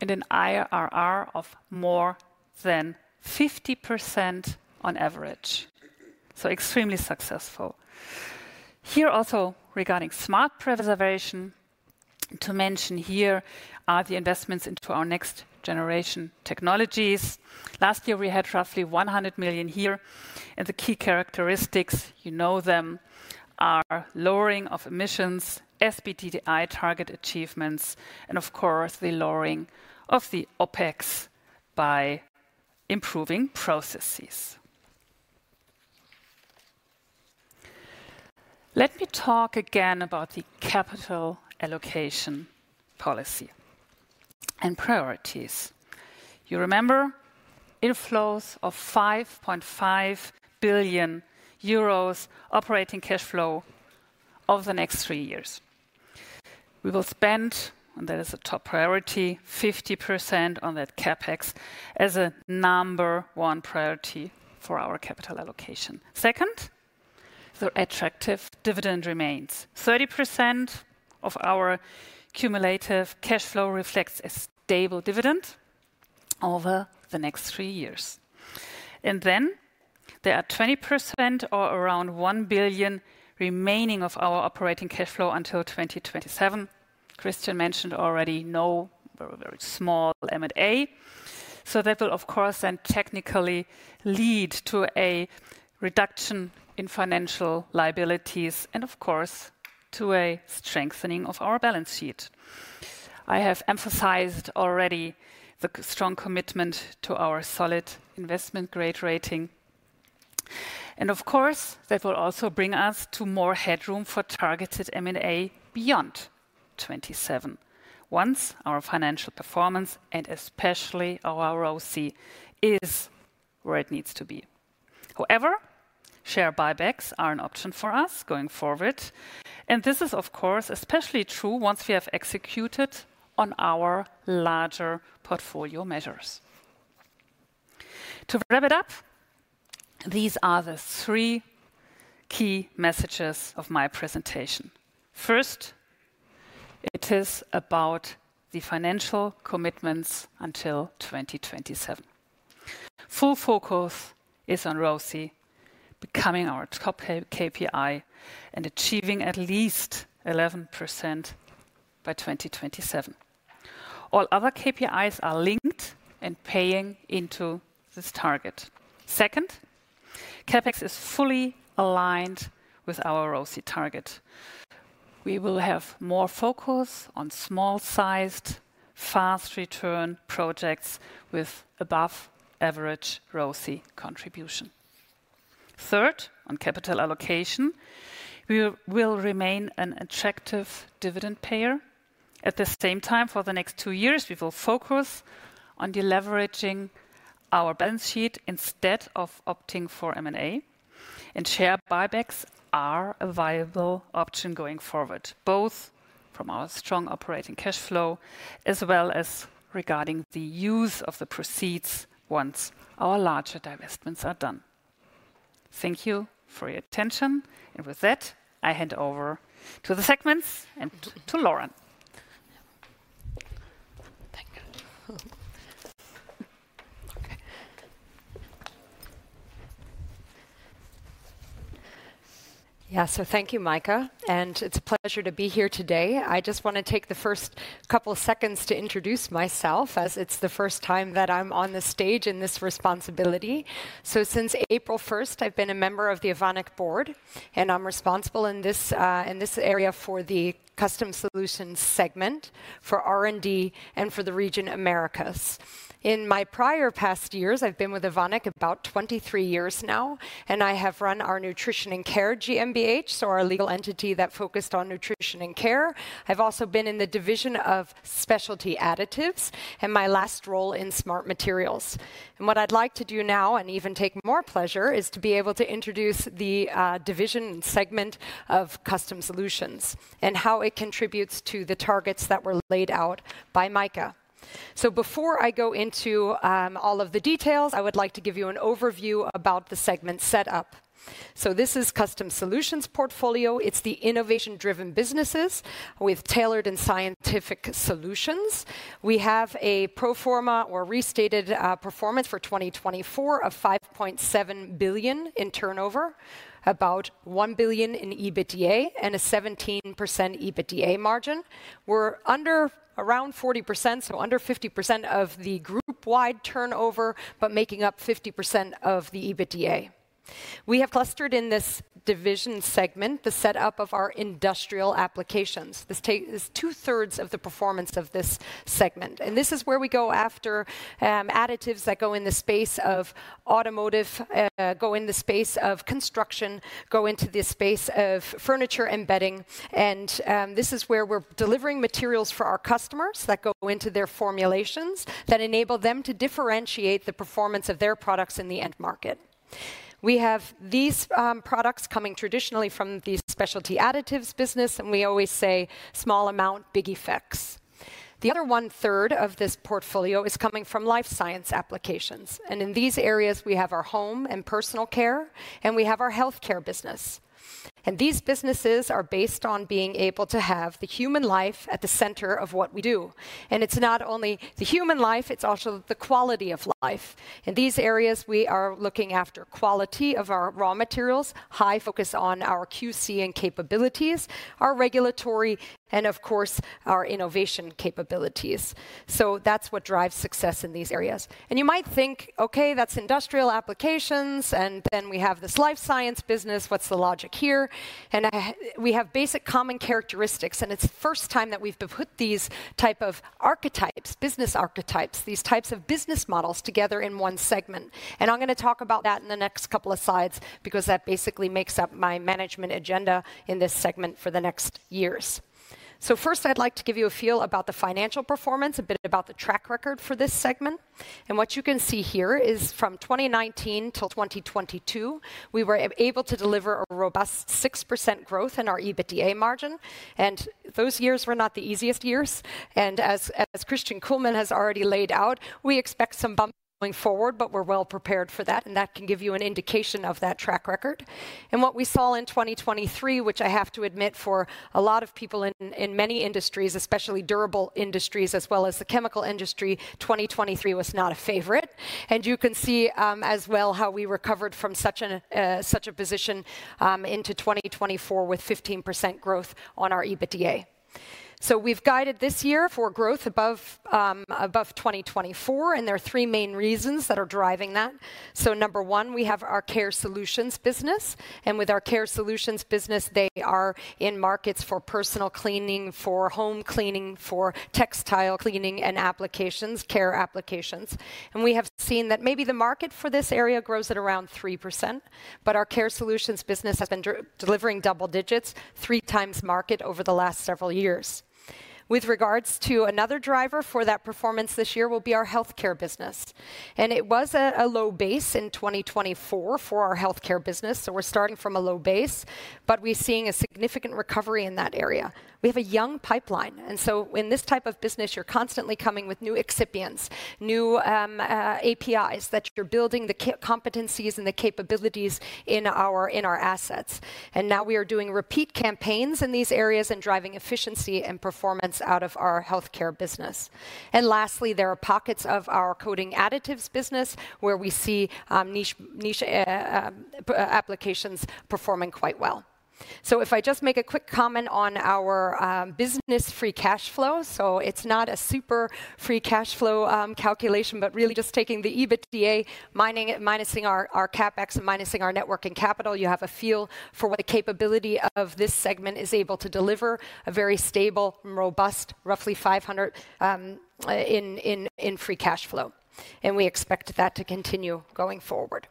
and an IRR of more than 50% on average. Extremely successful. Here also regarding smart preservation, to mention here are the investments into our next generation technologies. Last year we had roughly 100 million here and the key characteristics, you know them, are lowering of emissions, SBTi target achievements, and of course the lowering of the OpEx by improving processes. Let me talk again about the capital allocation policy and priorities. You remember inflows of 5.5 billion euros operating cash flow over the next three years. We will spend, and that is a top priority, 50% on that CapEx as a number one priority for our capital allocation. Second, the attractive dividend remains. 30% of our cumulative cash flow reflects a stable dividend over the next three years. There are 20% or around 1 billion remaining of our operating cash flow until 2027. Christian mentioned already no very, very small M&A. That will, of course, then technically lead to a reduction in financial liabilities and, of course, to a strengthening of our balance sheet. I have emphasized already the strong commitment to our solid investment grade rating. Of course, that will also bring us to more headroom for targeted M&A beyond 2027, once our financial performance and especially our ROCE is where it needs to be. However, share buybacks are an option for us going forward. This is, of course, especially true once we have executed on our larger portfolio measures. To wrap it up, these are the three key messages of my presentation. First, it is about the financial commitments until 2027. Full focus is on ROCE becoming our top KPI and achieving at least 11% by 2027. All other KPIs are linked and paying into this target. Second, CapEx is fully aligned with our ROCE target. We will have more focus on small-sized, fast return projects with above average ROCE contribution. Third, on capital allocation, we will remain an attractive dividend payer. At the same time, for the next two years, we will focus on leveraging our balance sheet instead of opting for M&A. Share buybacks are a viable option going forward, both from our strong operating cash flow as well as regarding the use of the proceeds once our larger divestments are done. Thank you for your attention. With that, I hand over to the segments and to Lauren. Thank you. Yeah, thank you, Maike. It's a pleasure to be here today. I just want to take the first couple of seconds to introduce myself as it's the first time that I'm on the stage in this responsibility. Since April 1st, I've been a member of the Evonik board and I'm responsible in this area for the Custom Solutions segment, for R&D, and for the region Americas. In my prior past years, I've been with Evonik about 23 years now and I have run our Nutrition & Care GmbH, so our legal entity that focused on Nutrition & Care. I've also been in the division of Specialty Additives and my last role in Smart Materials. What I'd like to do now and even take more pleasure is to be able to introduce the division segment of Custom Solutions and how it contributes to the targets that were laid out by Maike. Before I go into all of the details, I would like to give you an overview about the segment setup. This is Custom Solutions portfolio. It's the innovation-driven businesses with tailored and scientific solutions. We have a pro forma or restated performance for 2024 of 5.7 billion in turnover, about 1 billion in EBITDA and a 17% EBITDA margin. We're under around 40%, so under 50% of the group-wide turnover, but making up 50% of the EBITDA. We have clustered in this division segment the setup of our industrial applications. This is two-thirds of the performance of this segment. This is where we go after additives that go in the space of automotive, go in the space of construction, go into the space of furniture embedding. This is where we're delivering materials for our customers that go into their formulations that enable them to differentiate the performance of their products in the end market. We have these products coming traditionally from the Specialty Additives business, and we always say small amount, big effects. The other one-third of this portfolio is coming from life science applications. In these areas, we have our home and personal care, and we have our healthcare business. These businesses are based on being able to have the human life at the center of what we do. It is not only the human life, it is also the quality of life. In these areas, we are looking after quality of our raw materials, high focus on our QC and capabilities, our regulatory, and of course, our innovation capabilities. That is what drives success in these areas. You might think, okay, that is industrial applications, and then we have this life science business. What is the logic here? We have basic common characteristics, and it is the first time that we have put these types of archetypes, business archetypes, these types of business models together in one segment. I'm going to talk about that in the next couple of slides because that basically makes up my management agenda in this segment for the next years. First, I'd like to give you a feel about the financial performance, a bit about the track record for this segment. What you can see here is from 2019 to 2022, we were able to deliver a robust 6% growth in our EBITDA margin. Those years were not the easiest years. As Christian Kullmann has already laid out, we expect some bumps going forward, but we're well prepared for that. That can give you an indication of that track record. What we saw in 2023, which I have to admit for a lot of people in many industries, especially durable industries, as well as the chemical industry, 2023 was not a favorite. You can see as well how we recovered from such a position into 2024 with 15% growth on our EBITDA. We have guided this year for growth above 2024, and there are three main reasons that are driving that. Number one, we have our care solutions business. With our care solutions business, they are in markets for personal cleaning, for home cleaning, for textile cleaning and applications, care applications. We have seen that maybe the market for this area grows at around 3%, but our care solutions business has been delivering double digits, three times market over the last several years. With regards to another driver for that performance this year, it will be our healthcare business. It was a low base in 2024 for our healthcare business. We are starting from a low base, but we are seeing a significant recovery in that area. We have a young pipeline. In this type of business, you're constantly coming with new excipients, new APIs that you're building, the competencies and the capabilities in our assets. Now we are doing repeat campaigns in these areas and driving efficiency and performance out of our healthcare business. Lastly, there are pockets of our coating additives business where we see niche applications performing quite well. If I just make a quick comment on our business free cash flow, it is not a super free cash flow calculation, but really just taking the EBITDA, minusing our CapEx and minusing our net working capital, you have a feel for what the capability of this segment is able to deliver, a very stable, robust, roughly 500 million in free cash flow. We expect that to continue going forward.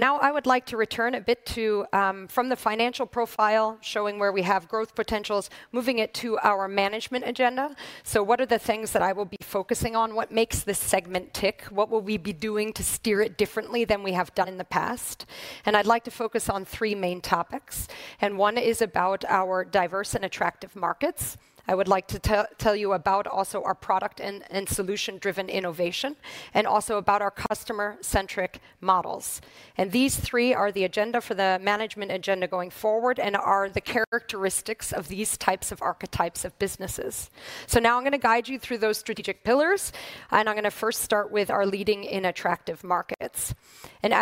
Now I would like to return a bit from the financial profile showing where we have growth potentials, moving it to our management agenda. What are the things that I will be focusing on? What makes this segment tick? What will we be doing to steer it differently than we have done in the past? I'd like to focus on three main topics. One is about our diverse and attractive markets. I would like to tell you about also our product and solution-driven innovation and also about our customer-centric models. These three are the agenda for the management agenda going forward and are the characteristics of these types of archetypes of businesses. Now I'm going to guide you through those strategic pillars, and I'm going to first start with our leading in attractive markets.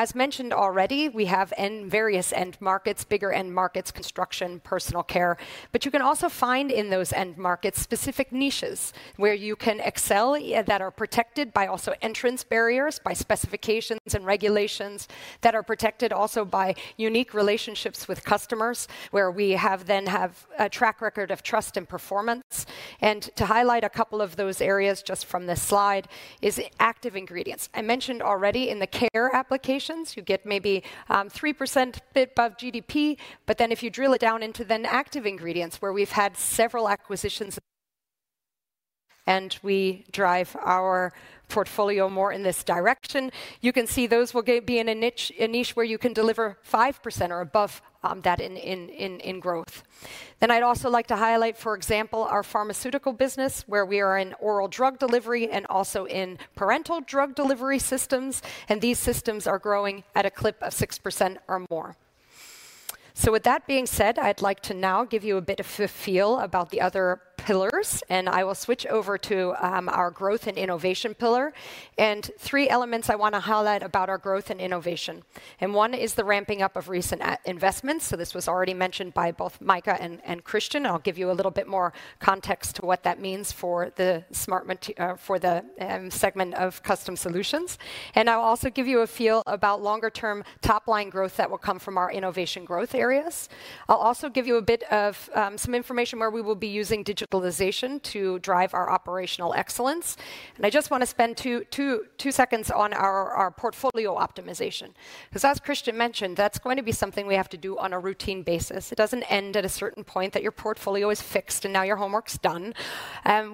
As mentioned already, we have various end markets, bigger end markets, construction, personal care, but you can also find in those end markets specific niches where you can excel that are protected by also entrance barriers, by specifications and regulations that are protected also by unique relationships with customers where we then have a track record of trust and performance. To highlight a couple of those areas just from this slide is active ingredients. I mentioned already in the care applications, you get maybe 3% bit above GDP, but then if you drill it down into then active ingredients where we've had several acquisitions and we drive our portfolio more in this direction, you can see those will be in a niche where you can deliver 5% or above that in growth. I would also like to highlight, for example, our pharmaceutical business where we are in oral drug delivery and also in parenteral drug delivery systems, and these systems are growing at a clip of 6% or more. With that being said, I would like to now give you a bit of a feel about the other pillars, and I will switch over to our growth and innovation pillar. Three elements I want to highlight about our growth and innovation. One is the ramping up of recent investments. This was already mentioned by both Maike and Christian. I will give you a little bit more context to what that means for the segment of Custom Solutions. I will also give you a feel about longer-term top-line growth that will come from our innovation growth areas. I'll also give you a bit of some information where we will be using digitalization to drive our operational excellence. I just want to spend two seconds on our portfolio optimization. Because as Christian mentioned, that's going to be something we have to do on a routine basis. It does not end at a certain point that your portfolio is fixed and now your homework's done.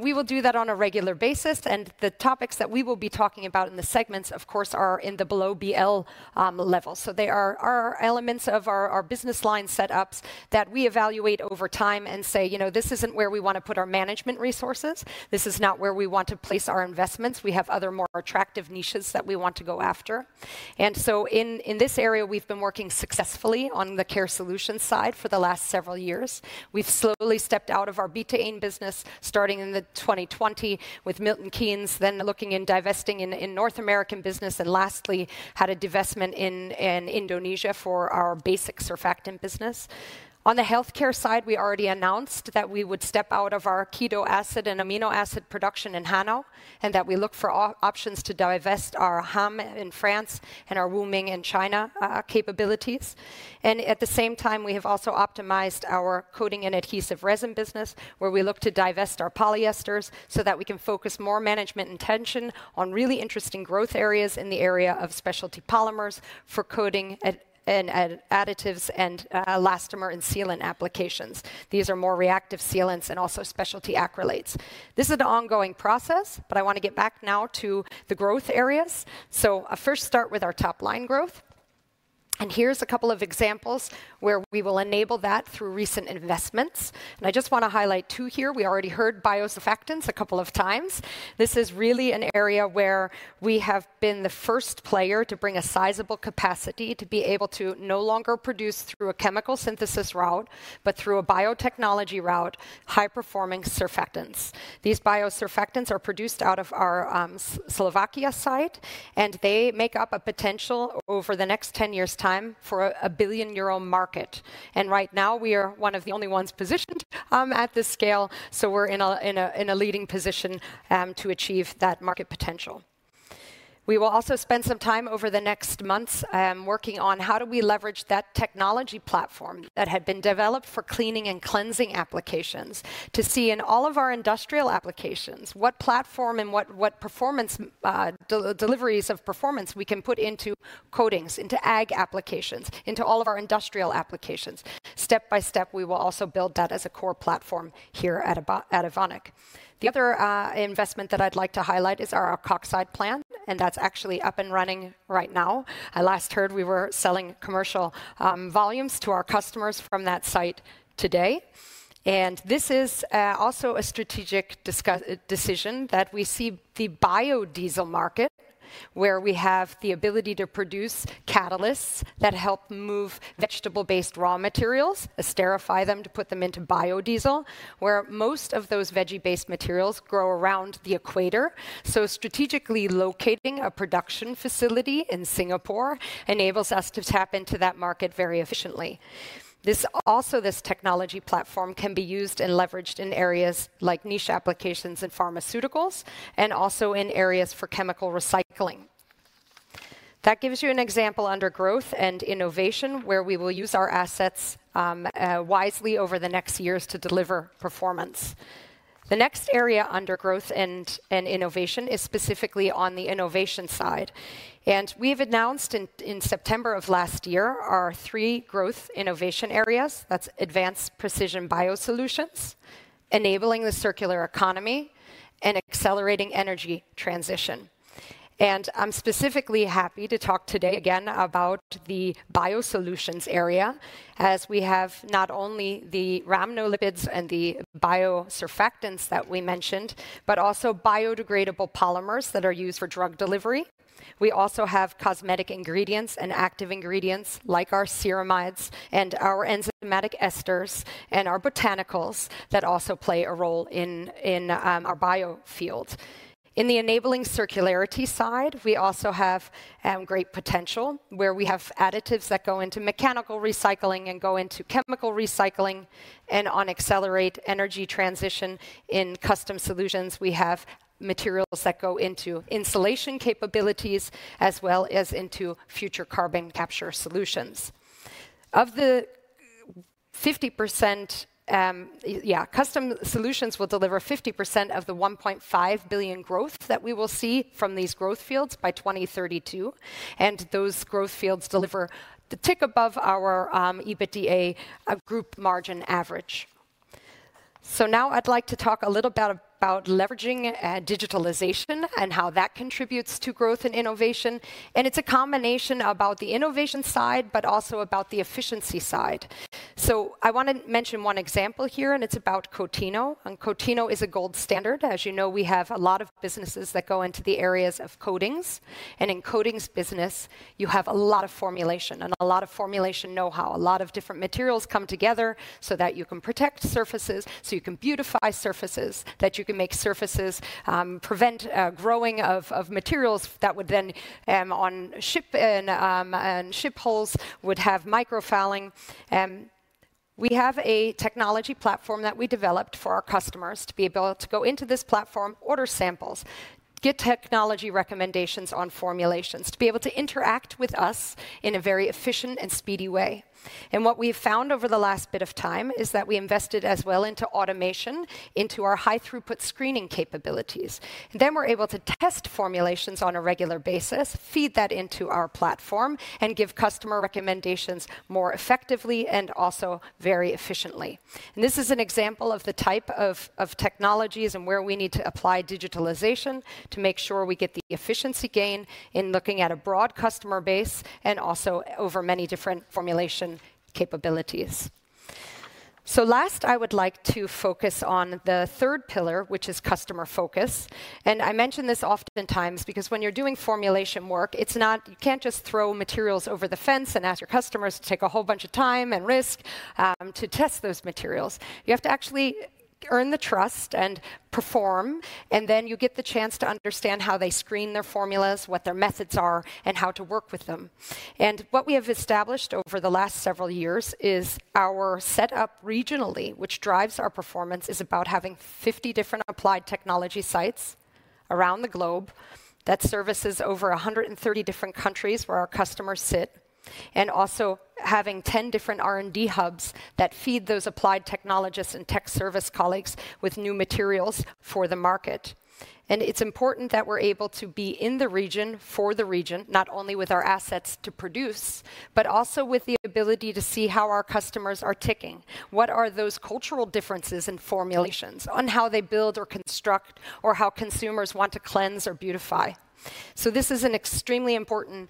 We will do that on a regular basis. The topics that we will be talking about in the segments, of course, are in the below BL level. They are elements of our business line setups that we evaluate over time and say, you know, this is not where we want to put our management resources. This is not where we want to place our investments. We have other more attractive niches that we want to go after. In this area, we've been working successfully on the care solutions side for the last several years. We've slowly stepped out of our betaines business starting in 2020 with Milton Keynes, then looking at divesting in North American business, and lastly had a divestment in Indonesia for our basic surfactant business. On the healthcare side, we already announced that we would step out of our keto acid and amino acid production in Hanau and that we look for options to divest our Hamel in France and our Wuxi in China capabilities. At the same time, we have also optimized our coating and adhesive resin business where we look to divest our polyesters so that we can focus more management attention on really interesting growth areas in the area of specialty polymers for coating and additives and elastomer and sealant applications. These are more reactive sealants and also specialty acrylates. This is an ongoing process, but I want to get back now to the growth areas. I'll first start with our top-line growth. Here are a couple of examples where we will enable that through recent investments. I just want to highlight two here. We already heard biosurfactants a couple of times. This is really an area where we have been the first player to bring a sizable capacity to be able to no longer produce through a chemical synthesis route, but through a biotechnology route, high-performing surfactants. These biosurfactants are produced out of our Slovakia site, and they make up a potential over the next 10 years' time for a 1 billion euro market. Right now, we are one of the only ones positioned at this scale, so we're in a leading position to achieve that market potential. We will also spend some time over the next months working on how do we leverage that technology platform that had been developed for cleaning and cleansing applications to see in all of our industrial applications what platform and what deliveries of performance we can put into coatings, into ag applications, into all of our industrial applications. Step by step, we will also build that as a core platform here at Evonik. The other investment that I'd like to highlight is our alkoxide plant, and that's actually up and running right now. I last heard we were selling commercial volumes to our customers from that site today. This is also a strategic decision that we see the biodiesel market where we have the ability to produce catalysts that help move vegetable-based raw materials, esterify them to put them into biodiesel, where most of those veggie-based materials grow around the equator. Strategically locating a production facility in Singapore enables us to tap into that market very efficiently. Also, this technology platform can be used and leveraged in areas like niche applications and pharmaceuticals, and also in areas for chemical recycling. That gives you an example under growth and innovation where we will use our assets wisely over the next years to deliver performance. The next area under growth and innovation is specifically on the innovation side. We have announced in September of last year our three growth innovation areas. That is advanced precision biosolutions, enabling the circular economy, and accelerating energy transition. I am specifically happy to talk today again about the biosolutions area as we have not only the rhamnolipids and the biosurfactants that we mentioned, but also biodegradable polymers that are used for drug delivery. We also have cosmetic ingredients and active ingredients like our ceramides and our enzymatic esters and our botanicals that also play a role in our biofield. In the enabling circularity side, we also have great potential where we have additives that go into mechanical recycling and go into chemical recycling and on accelerate energy transition. In Custom Solutions, we have materials that go into insulation capabilities as well as into future carbon capture solutions. Of the 50%, yeah, Custom Solutions will deliver 50% of the 1.5 billion growth that we will see from these growth fields by 2032. Those growth fields deliver the tick above our EBITDA group margin average. Now I'd like to talk a little bit about leveraging digitalization and how that contributes to growth and innovation. It's a combination about the innovation side, but also about the efficiency side. I want to mention one example here, and it's about COATINO. COATINO is a gold standard. As you know, we have a lot of businesses that go into the areas of coatings. In coatings business, you have a lot of formulation and a lot of formulation know-how. A lot of different materials come together so that you can protect surfaces, so you can beautify surfaces, that you can make surfaces prevent growing of materials that would then on ship and ship holes would have microfouling. We have a technology platform that we developed for our customers to be able to go into this platform, order samples, get technology recommendations on formulations to be able to interact with us in a very efficient and speedy way. What we have found over the last bit of time is that we invested as well into automation, into our high-throughput screening capabilities. We are able to test formulations on a regular basis, feed that into our platform, and give customer recommendations more effectively and also very efficiently. This is an example of the type of technologies and where we need to apply digitalization to make sure we get the efficiency gain in looking at a broad customer base and also over many different formulation capabilities. Last, I would like to focus on the third pillar, which is customer focus. I mention this oftentimes because when you're doing formulation work, you can't just throw materials over the fence and ask your customers to take a whole bunch of time and risk to test those materials. You have to actually earn the trust and perform, and then you get the chance to understand how they screen their formulas, what their methods are, and how to work with them. What we have established over the last several years is our setup regionally, which drives our performance, is about having 50 different applied technology sites around the globe that services over 130 different countries where our customers sit, and also having 10 different R&D hubs that feed those applied technologists and tech service colleagues with new materials for the market. It is important that we are able to be in the region for the region, not only with our assets to produce, but also with the ability to see how our customers are ticking. What are those cultural differences in formulations on how they build or construct or how consumers want to cleanse or beautify? This is an extremely important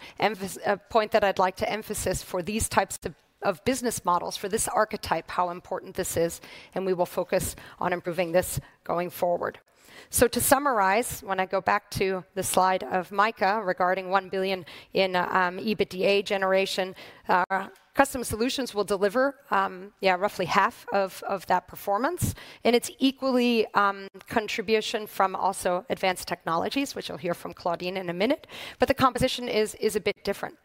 point that I would like to emphasize for these types of business models, for this archetype, how important this is, and we will focus on improving this going forward. To summarize, when I go back to the slide of Maike regarding 1 billion in EBITDA generation, Custom Solutions will deliver, yeah, roughly half of that performance. It is equally contribution from also Advanced Technologies, which you will hear from Claudine in a minute, but the composition is a bit different.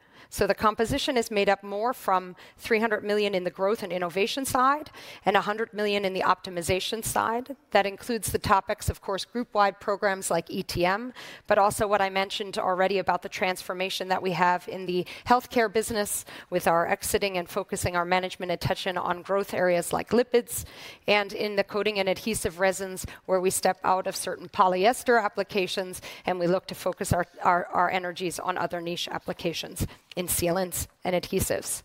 The composition is made up more from 300 million in the growth and innovation side and 100 million in the optimization side. That includes the topics, of course, group-wide programs like ETM, but also what I mentioned already about the transformation that we have in the healthcare business with our exiting and focusing our management attention on growth areas like lipids and in the coating and adhesive resins where we step out of certain polyester applications and we look to focus our energies on other niche applications in sealants and adhesives.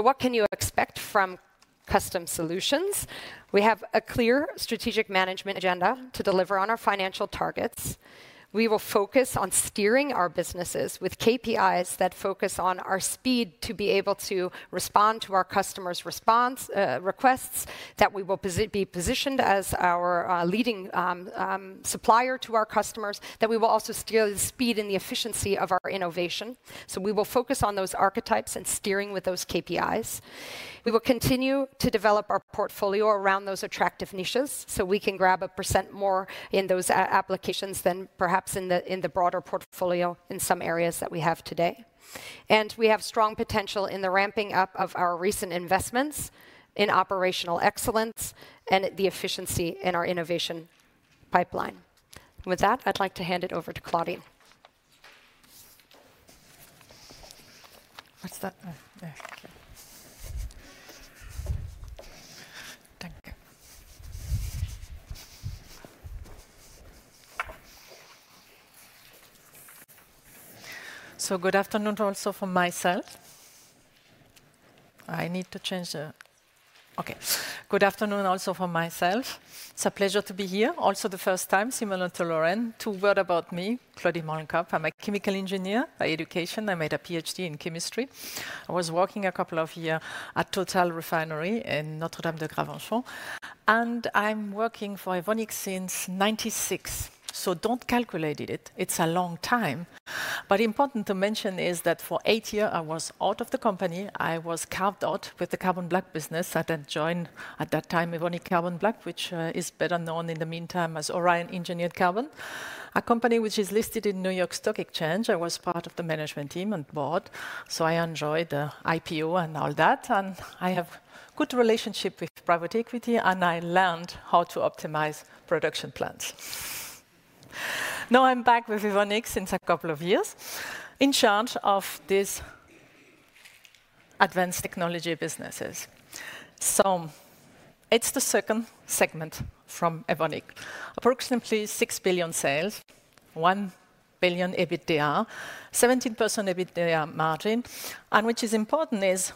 What can you expect from Custom Solutions? We have a clear strategic management agenda to deliver on our financial targets. We will focus on steering our businesses with KPIs that focus on our speed to be able to respond to our customers' requests, that we will be positioned as our leading supplier to our customers, that we will also steer the speed and the efficiency of our innovation. We will focus on those archetypes and steering with those KPIs. We will continue to develop our portfolio around those attractive niches so we can grab a percent more in those applications than perhaps in the broader portfolio in some areas that we have today. We have strong potential in the ramping up of our recent investments in operational excellence and the efficiency in our innovation pipeline. With that, I'd like to hand it over to Claudine. Good afternoon also from myself. I need to change the okay. Good afternoon also from myself. It's a pleasure to be here. Also the first time, similar to Lauren. Two words about me. Claudine Mollenkopf. I'm a chemical engineer by education. I made a PhD in chemistry. I was working a couple of years at Total Refinery in Notre-Dame-de-Gravenchon. I'm working for Evonik since 1996. Do not calculate it. It's a long time. Important to mention is that for eight years, I was out of the company. I was carved out with the Carbon Black business. I then joined at that time Evonik Carbon Black, which is better known in the meantime as Orion Engineered Carbon, a company which is listed in New York Stock Exchange. I was part of the management team and board. I enjoyed the IPO and all that. I have a good relationship with private equity, and I learned how to optimize production plants. Now I'm back with Evonik since a couple of years in charge of these advanced technology businesses. It is the second segment from Evonik. Approximately 6 billion sales, 1 billion EBITDA, 17% EBITDA margin. What is important is,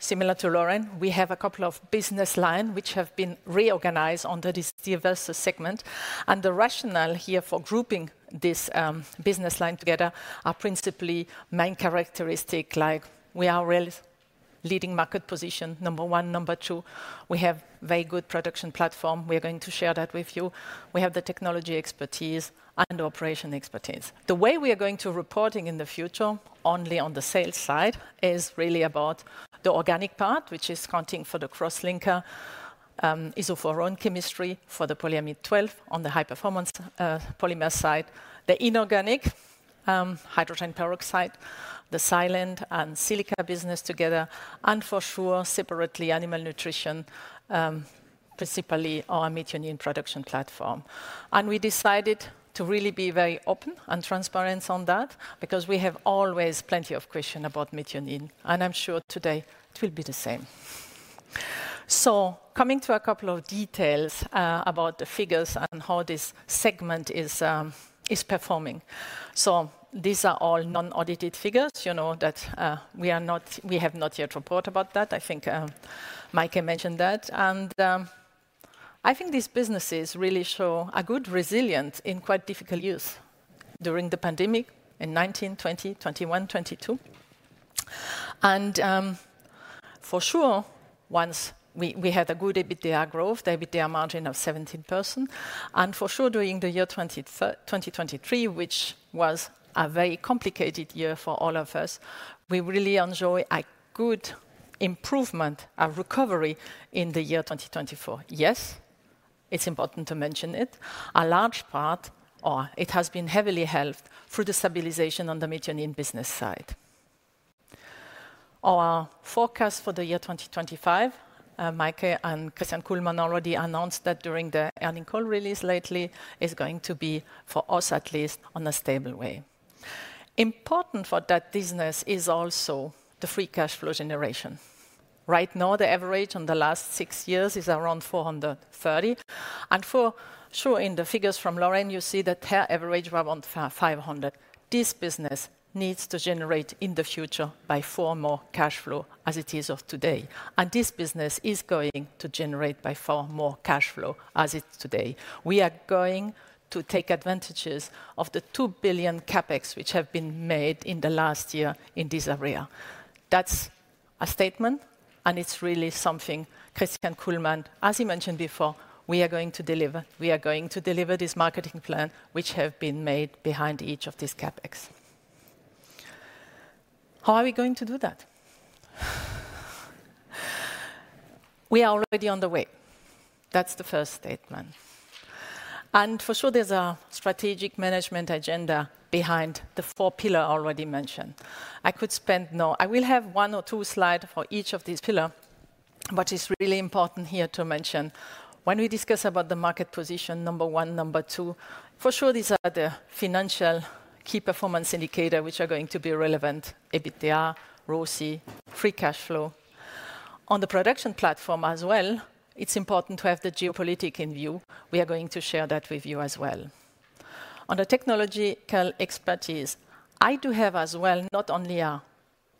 similar to Lauren, we have a couple of business lines which have been reorganized under this diverse segment. The rationale here for grouping this business line together are principally main characteristics like we are really leading market position, number one, number two. We have a very good production platform. We are going to share that with you. We have the technology expertise and operation expertise. The way we are going to report in the future only on the sales side is really about the organic part, which is accounting for the crosslinker, isoflurane chemistry for the polyamide 12 on the high-performance polymer side, the inorganic hydrogen peroxide, the silane and silica business together, and for sure separately animal nutrition, principally our methionine production platform. We decided to really be very open and transparent on that because we have always plenty of questions about methionine. I'm sure today it will be the same. Coming to a couple of details about the figures and how this segment is performing. These are all non-audited figures. You know that we have not yet reported about that. I think Maike mentioned that. I think these businesses really show a good resilience in quite difficult years during the pandemic in 2019, 2020, 2021, 2022. For sure, once we had a good EBITDA growth, the EBITDA margin of 17%. For sure, during the year 2023, which was a very complicated year for all of us, we really enjoy a good improvement, a recovery in the year 2024. Yes, it's important to mention it. A large part, or it has been heavily helped through the stabilization on the methionine business side. Our forecast for the year 2025, Maike and Christian Kullmann already announced that during the earning call release lately, is going to be for us at least on a stable way. Important for that business is also the free cash flow generation. Right now, the average on the last six years is around 430. For sure, in the figures from Lauren, you see that her average is around 500. This business needs to generate in the future by four more cash flow as it is of today. This business is going to generate by four more cash flow as it's today. We are going to take advantage of the 2 billion CapEx which have been made in the last year in this area. That's a statement, and it's really something Christian Kullmann, as he mentioned before, we are going to deliver. We are going to deliver this marketing plan which has been made behind each of these CapEx. How are we going to do that? We are already on the way. That's the first statement. For sure, there's a strategic management agenda behind the four pillars already mentioned. I could spend, no, I will have one or two slides for each of these pillars, but it's really important here to mention when we discuss about the market position, number one, number two, for sure these are the financial key performance indicators which are going to be relevant: EBITDA, ROCE, free cash flow. On the production platform as well, it's important to have the geopolitics in view. We are going to share that with you as well. On the technological expertise, I do have as well not only a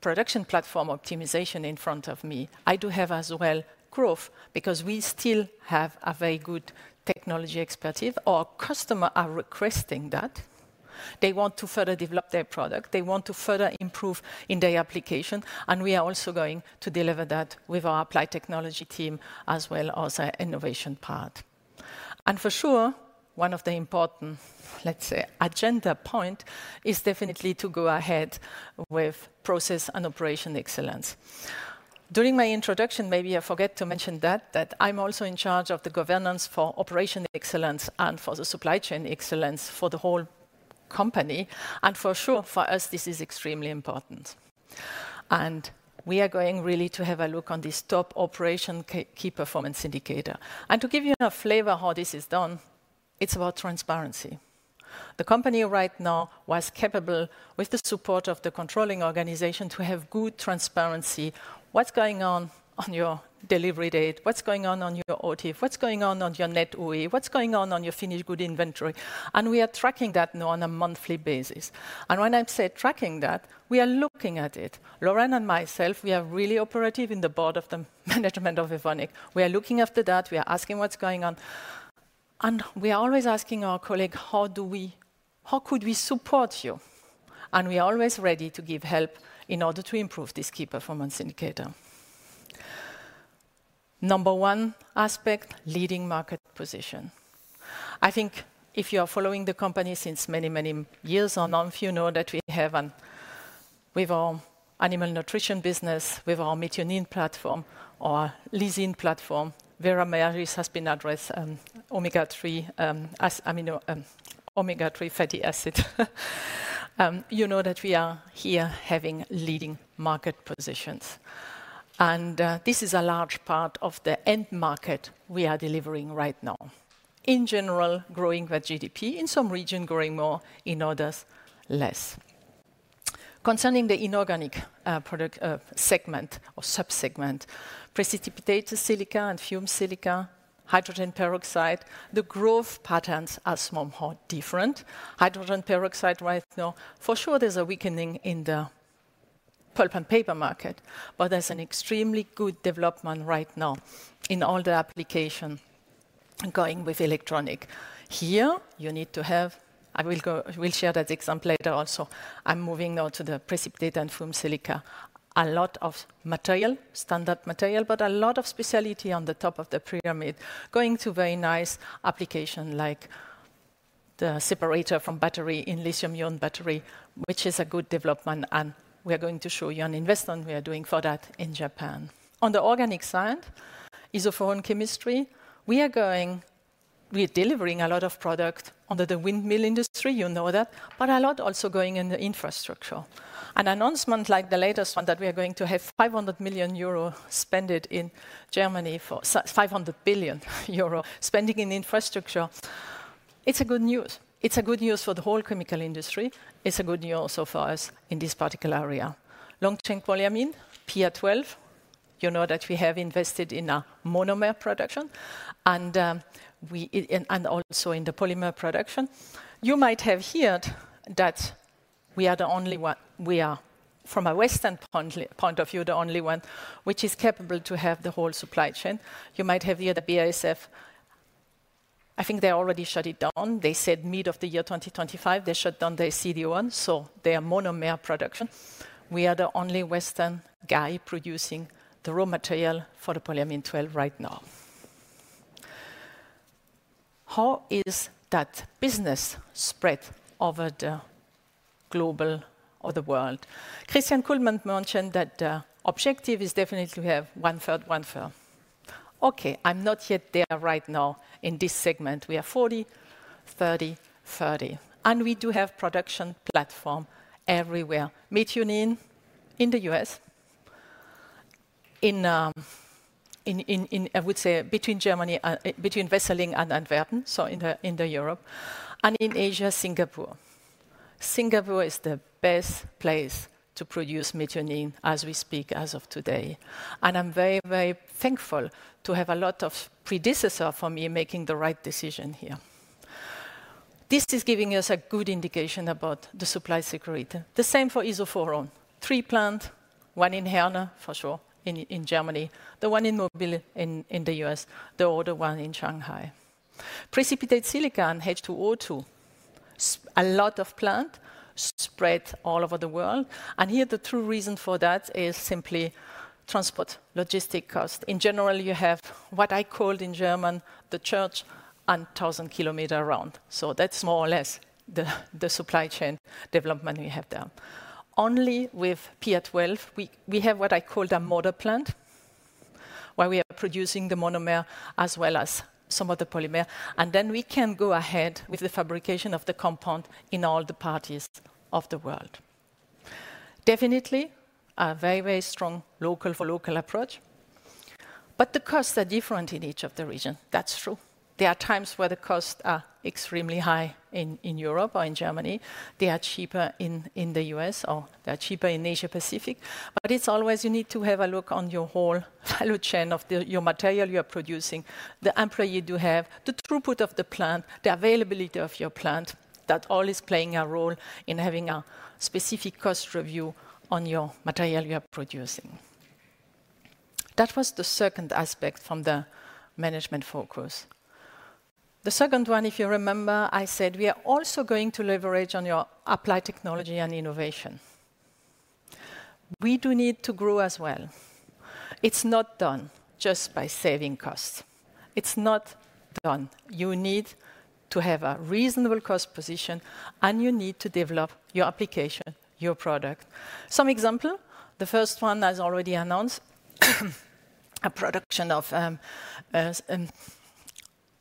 production platform optimization in front of me. I do have as well growth because we still have a very good technology expertise or customers are requesting that. They want to further develop their product. They want to further improve in their application. We are also going to deliver that with our applied technology team as well as our innovation part. For sure, one of the important, let's say, agenda points is definitely to go ahead with process and operation excellence. During my introduction, maybe I forgot to mention that I am also in charge of the governance for operation excellence and for the supply chain excellence for the whole company. For sure, for us, this is extremely important. We are going really to have a look on this top operation key performance indicator. To give you a flavor of how this is done, it is about transparency. The company right now was capable, with the support of the controlling organization, to have good transparency. What is going on on your delivery date? What is going on on your OTF? What is going on on your net OE? What's going on on your finished good inventory? We are tracking that now on a monthly basis. When I say tracking that, we are looking at it. Lauren and myself, we are really operative in the board of the management of Evonik. We are looking after that. We are asking what's going on. We are always asking our colleagues, how do we, how could we support you? We are always ready to give help in order to improve this key performance indicator. Number one aspect, leading market position. I think if you are following the company since many, many years on, you know that we have an, with our animal nutrition business, with our methionine platform or leasing platform, Veramaris has been addressed omega-3 fatty acid. You know that we are here having leading market positions. This is a large part of the end market we are delivering right now. In general, growing with GDP in some regions, growing more in others, less. Concerning the inorganic product segment or subsegment, precipitated silica and fumed silica, hydrogen peroxide, the growth patterns are somehow different. Hydrogen peroxide right now, for sure, there is a weakening in the pulp and paper market, but there is an extremely good development right now in all the applications going with electronic. Here, you need to have, I will share that example later also. I am moving now to the precipitated and fumed silica. A lot of material, standard material, but a lot of specialty on the top of the pyramid going to very nice applications like the separator from battery in lithium-ion battery, which is a good development. We are going to show you an investment we are doing for that in Japan. On the organic side, isoflurane chemistry, we are going, we are delivering a lot of product under the windmill industry, you know that, but a lot also going in the infrastructure. An announcement like the latest one that we are going to have 500 million euro spending in Germany for 500 billion euro spending in infrastructure. It's good news. It's good news for the whole chemical industry. It's good news also for us in this particular area. Long-chain polyamine, PA12, you know that we have invested in a monomer production and also in the polymer production. You might have heard that we are the only one, we are from a Western point of view, the only one which is capable to have the whole supply chain. You might have heard the BASF, I think they already shut it down. They said mid of the year 2025, they shut down the CD1. So they are monomer production. We are the only Western guy producing the raw material for the polyamide 12 right now. How is that business spread over the global or the world? Christian Kullmann mentioned that the objective is definitely to have one third, one third. Okay, I'm not yet there right now in this segment. We are 40, 30, 30. And we do have production platform everywhere. Methionine in the U.S., in, I would say, between Germany, between Wesseling and Antwerpen, so in the Europe, and in Asia, Singapore. Singapore is the best place to produce methionine as we speak as of today. And I'm very, very thankful to have a lot of predecessors for me making the right decision here. This is giving us a good indication about the supply security. The same for isoflurane, three plants, one in Herne for sure in Germany, the one in Mobile in the U.S., the other one in Shanghai. Precipitated silica and H2O2, a lot of plants spread all over the world. Here the true reason for that is simply transport logistic cost. In general, you have what I called in German, the church and 1,000 kilometers around. That is more or less the supply chain development we have there. Only with PA12, we have what I call the model plant where we are producing the monomer as well as some of the polymer. Then we can go ahead with the fabrication of the compound in all the parties of the world. Definitely a very, very strong local for local approach. The costs are different in each of the regions. That is true. There are times where the costs are extremely high in Europe or in Germany. They are cheaper in the U.S. or they are cheaper in Asia-Pacific. It is always you need to have a look on your whole value chain of your material you are producing, the employee you have, the throughput of the plant, the availability of your plant. That all is playing a role in having a specific cost review on your material you are producing. That was the second aspect from the management focus. The second one, if you remember, I said we are also going to leverage on your applied technology and innovation. We do need to grow as well. It is not done just by saving costs. It is not done. You need to have a reasonable cost position and you need to develop your application, your product. Some example, the first one I already announced, a production of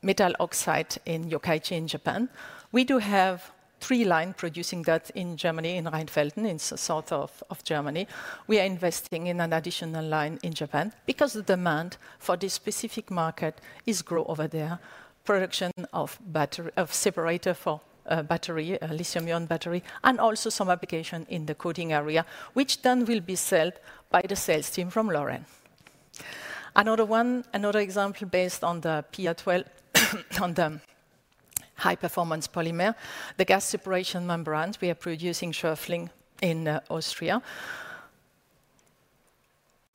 metal oxide in Yokkaichi in Japan. We do have three lines producing that in Germany, in Rheinfelden, in south of Germany. We are investing in an additional line in Japan because the demand for this specific market is grow over there. Production of separator for battery, lithium-ion battery, and also some application in the coating area, which then will be sold by the sales team from Lauren. Another one, another example based on the PA12, on the high-performance polymer, the gas separation membranes we are producing in Schörfling in Austria.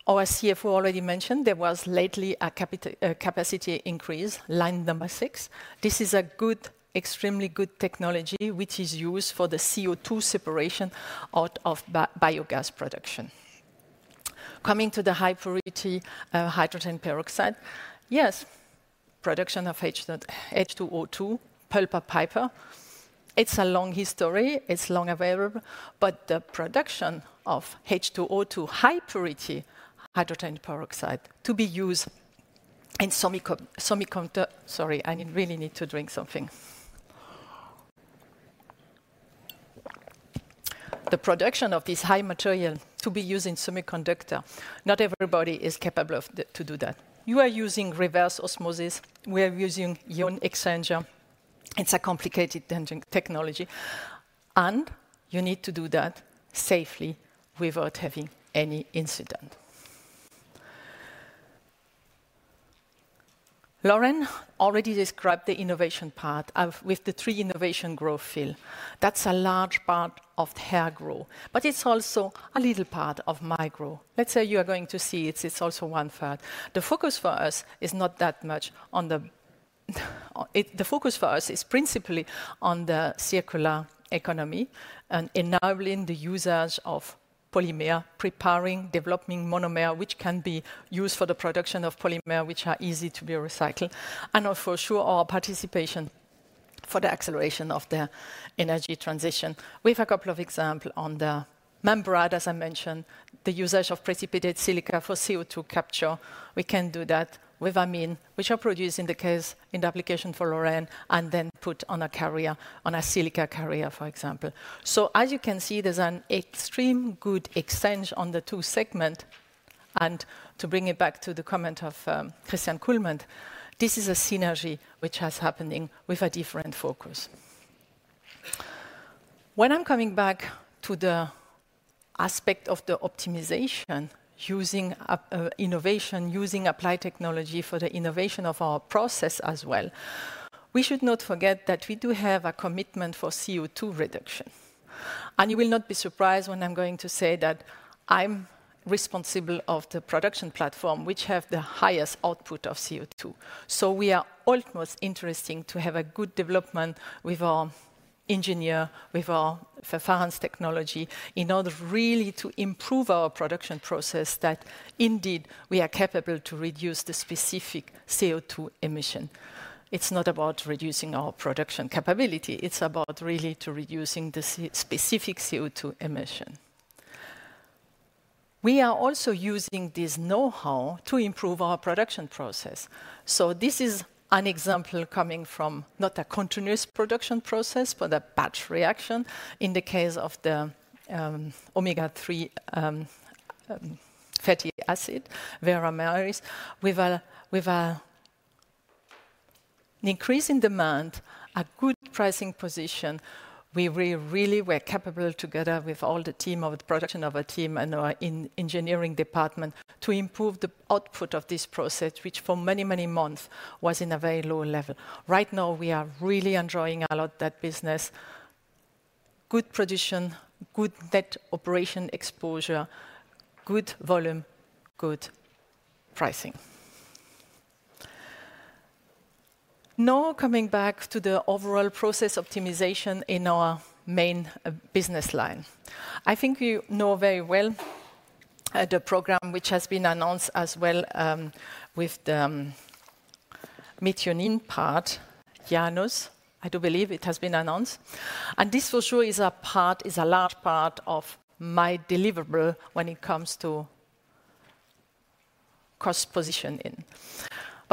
OSCF, who already mentioned, there was lately a capacity increase, line number six. This is a good, extremely good technology, which is used for the CO2 separation out of biogas production. Coming to the high-purity hydrogen peroxide, yes, production of H2O2, pulp or piper. It's a long history. It's long available, but the production of H2O2, high-purity hydrogen peroxide to be used in semiconductor, sorry, I really need to drink something. The production of this high material to be used in semiconductor, not everybody is capable of doing that. You are using reverse osmosis. We are using ion exchanger. It's a complicated technology. You need to do that safely without having any incident. Lauren already described the innovation part with the three innovation growth field. That's a large part of her growth, but it's also a little part of my growth. Let's say you are going to see it's also one third. The focus for us is not that much on the, the focus for us is principally on the circular economy and enabling the users of polymer, preparing, developing monomer, which can be used for the production of polymer, which are easy to be recycled. For sure, our participation for the acceleration of the energy transition. We have a couple of examples on the membrane, as I mentioned, the usage of precipitated silica for CO2 capture. We can do that with amine, which are produced in the case in the application for Lauren and then put on a carrier, on a silica carrier, for example. As you can see, there's an extreme good exchange on the two segments. To bring it back to the comment of Christian Kullmann, this is a synergy which is happening with a different focus. When I'm coming back to the aspect of the optimization, using innovation, using applied technology for the innovation of our process as well, we should not forget that we do have a commitment for CO2 reduction. You will not be surprised when I'm going to say that I'm responsible for the production platform, which has the highest output of CO2. We are almost interesting to have a good development with our engineer, with our performance technology in order really to improve our production process that indeed we are capable to reduce the specific CO2 emission. It's not about reducing our production capability. It's about really reducing the specific CO2 emission. We are also using this know-how to improve our production process. This is an example coming from not a continuous production process, but a batch reaction in the case of the omega-3 fatty acid, Veramaris. With an increase in demand, a good pricing position, we really were capable together with all the team of the production of our team and our engineering department to improve the output of this process, which for many, many months was in a very low level. Right now, we are really enjoying a lot of that business. Good production, good net operation exposure, good volume, good pricing. Now coming back to the overall process optimization in our main business line. I think you know very well the program which has been announced as well with the methionine part, Janus, I do believe it has been announced. This for sure is a part, is a large part of my deliverable when it comes to cost positioning.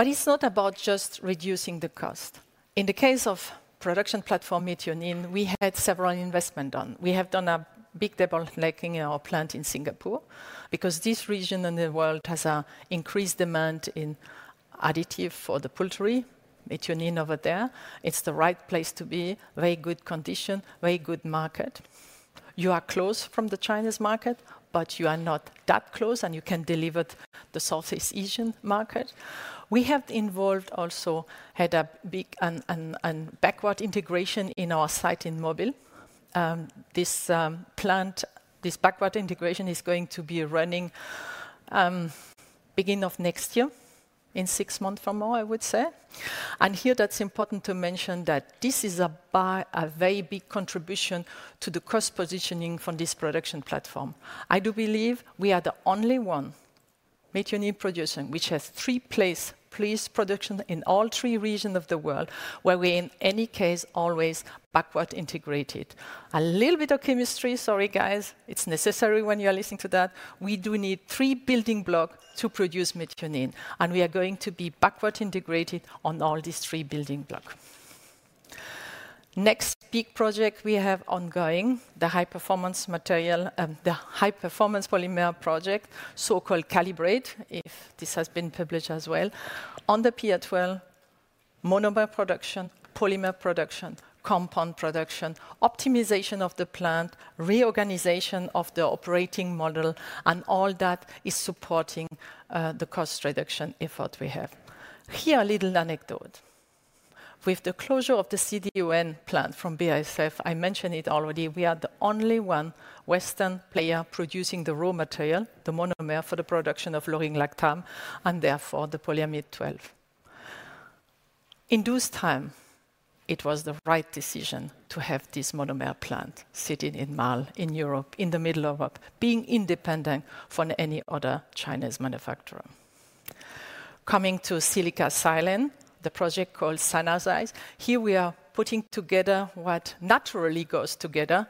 It is not about just reducing the cost. In the case of production platform methionine, we had several investments done. We have done a big double-legging in our plant in Singapore because this region in the world has an increased demand in additive for the poultry, methionine over there. It's the right place to be, very good condition, very good market. You are close from the Chinese market, but you are not that close and you can deliver the Southeast Asian market. We have also had a big and backward integration in our site in Mobile. This plant, this backward integration is going to be running beginning of next year, in six months from now, I would say. Here that's important to mention that this is a very big contribution to the cost positioning for this production platform. I do believe we are the only one methionine producing which has three place production in all three regions of the world where we are in any case always backward integrated. A little bit of chemistry, sorry guys, it's necessary when you are listening to that. We do need three building blocks to produce methionine. We are going to be backward integrated on all these three building blocks. Next big project we have ongoing, the high-performance material, the high-performance polymer project, so-called Calibrate, if this has been published as well. On the PA12, monomer production, polymer production, compound production, optimization of the plant, reorganization of the operating model, and all that is supporting the cost reduction effort we have. Here a little anecdote. With the closure of the CD1 plant from BASF, I mentioned it already, we are the only one Western player producing the raw material, the monomer for the production of laurolactam and therefore the polyamide 12. In those times, it was the right decision to have this monomer plant sitting in Marl in Europe in the middle of being independent from any other Chinese manufacturer. Coming to silica-silane, the project called Silanize, here we are putting together what naturally goes together,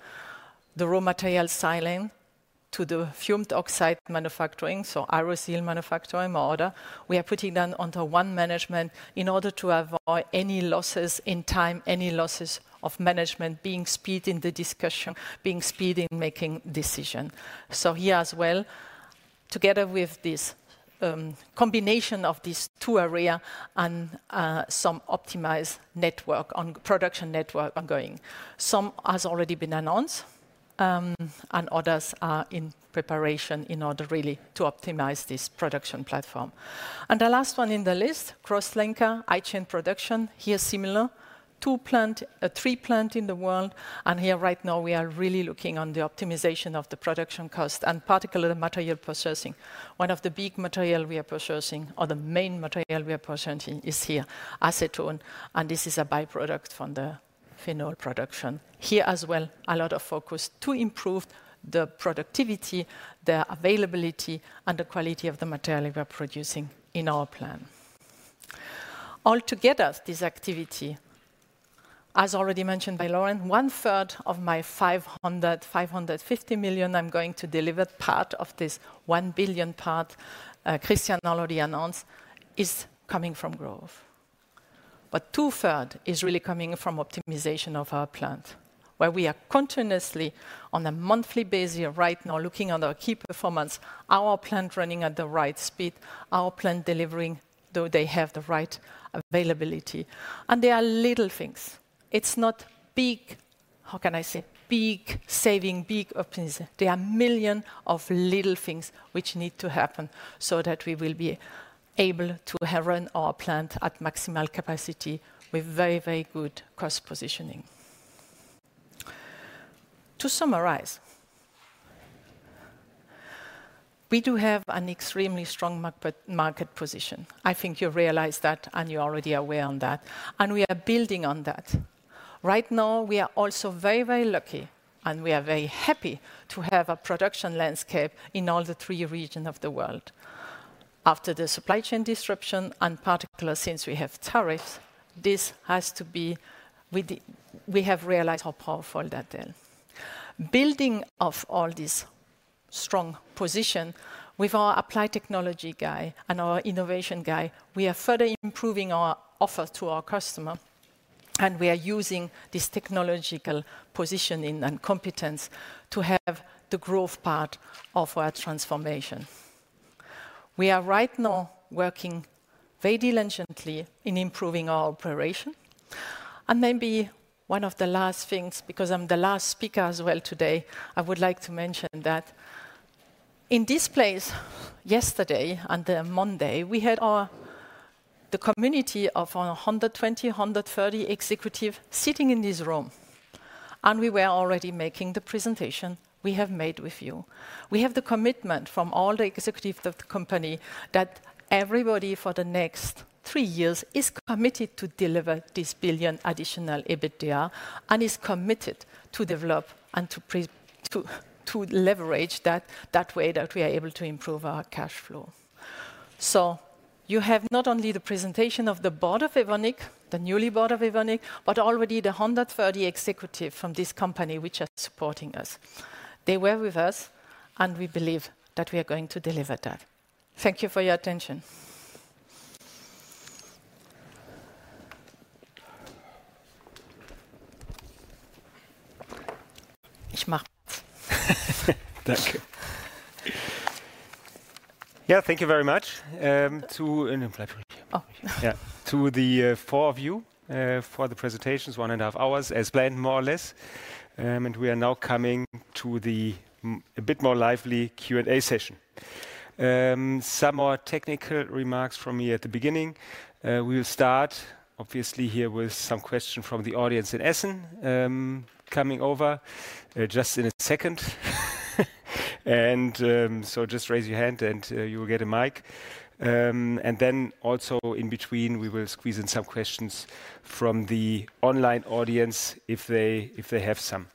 the raw material silane to the fumed oxide manufacturing, so AEROCEL manufacturing model. We are putting that under one management in order to avoid any losses in time, any losses of management being speed in the discussion, being speed in making decisions. Here as well, together with this combination of these two areas and some optimized network on production network ongoing. Some has already been announced and others are in preparation in order really to optimize this production platform. The last one in the list, Crosslinker, iChain production, here similar, two plant, three plant in the world. Here right now we are really looking on the optimization of the production cost and particularly the material processing. One of the big material we are processing or the main material we are processing is here, acetone. This is a byproduct from the phenol production. Here as well, a lot of focus to improve the productivity, the availability and the quality of the material we are producing in our plant. Altogether, this activity, as already mentioned by Lauren, one third of my 500 million-550 million I'm going to deliver part of this 1 billion part, Christian already announced, is coming from growth. Two thirds is really coming from optimization of our plant, where we are continuously on a monthly basis right now looking at our key performance, our plant running at the right speed, our plant delivering though they have the right availability. There are little things. It's not big, how can I say, big saving, big optimization. There are millions of little things which need to happen so that we will be able to run our plant at maximal capacity with very, very good cost positioning. To summarize, we do have an extremely strong market position. I think you realize that and you're already aware of that. We are building on that. Right now, we are also very, very lucky and we are very happy to have a production landscape in all the three regions of the world. After the supply chain disruption and particularly since we have tariffs, this has to be, we have realized how powerful that is. Building off all this strong position with our applied technology guy and our innovation guy, we are further improving our offer to our customer. We are using this technological positioning and competence to have the growth part of our transformation. We are right now working very diligently in improving our operation. Maybe one of the last things, because I am the last speaker as well today, I would like to mention that in this place yesterday and the Monday, we had the community of 120-130 executives sitting in this room. We were already making the presentation we have made with you. We have the commitment from all the executives of the company that everybody for the next three years is committed to deliver this billion additional EBITDA and is committed to develop and to leverage that way that we are able to improve our cash flow. You have not only the presentation of the board of Evonik, the newly bought of Evonik, but already the 130 executives from this company which are supporting us. They were with us and we believe that we are going to deliver that. Thank you for your attention. Ich mache Platz. Thank you. Yeah, thank you very much. To the four of you for the presentations, one and a half hours as planned, more or less. We are now coming to the a bit more lively Q&A session. Some more technical remarks from me at the beginning. We will start obviously here with some questions from the audience in Essen, coming over just in a second. Just raise your hand and you will get a mic. Also in between, we will squeeze in some questions from the online audience if they have some.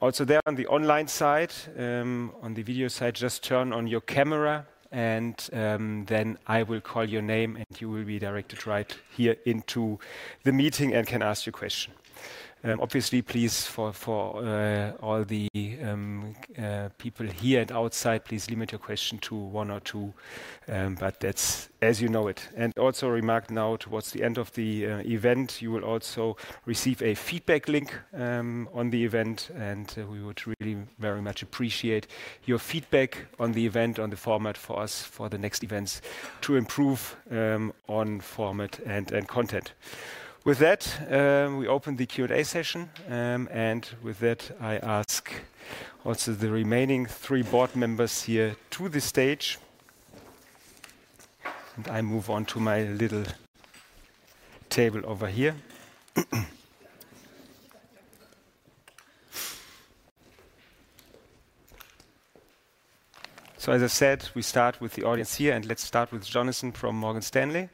Also there on the online side, on the video side, just turn on your camera and then I will call your name and you will be directed right here into the meeting and can ask your question. Obviously, please for all the people here and outside, please limit your question to one or two, but that's as you know it. Also, a remark now towards the end of the event, you will also receive a feedback link on the event and we would really very much appreciate your feedback on the event, on the format for us for the next events to improve on format and content. With that, we open the Q&A session and with that, I ask also the remaining three board members here to the stage. I move on to my little table over here. As I said, we start with the audience here and let's start with Jonathan from Morgan Stanley.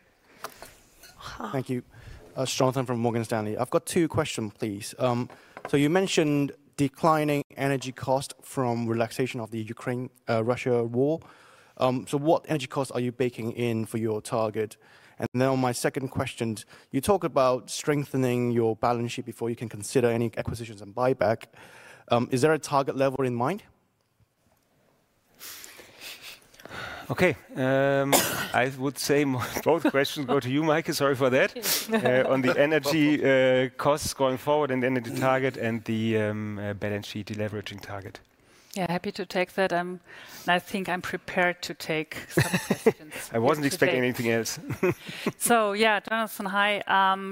Thank you. Jonathan from Morgan Stanley. I've got two questions, please. You mentioned declining energy cost from relaxation of the Ukraine-Russia war. What energy cost are you baking in for your target? On my second question, you talk about strengthening your balance sheet before you can consider any acquisitions and buyback. Is there a target level in mind? Okay, I would say both questions go to you, Maike. Sorry for that. On the energy costs going forward and the energy target and the balance sheet leveraging target. Yeah, happy to take that. I think I'm prepared to take some questions. I wasn't expecting anything else. Jonathan, hi.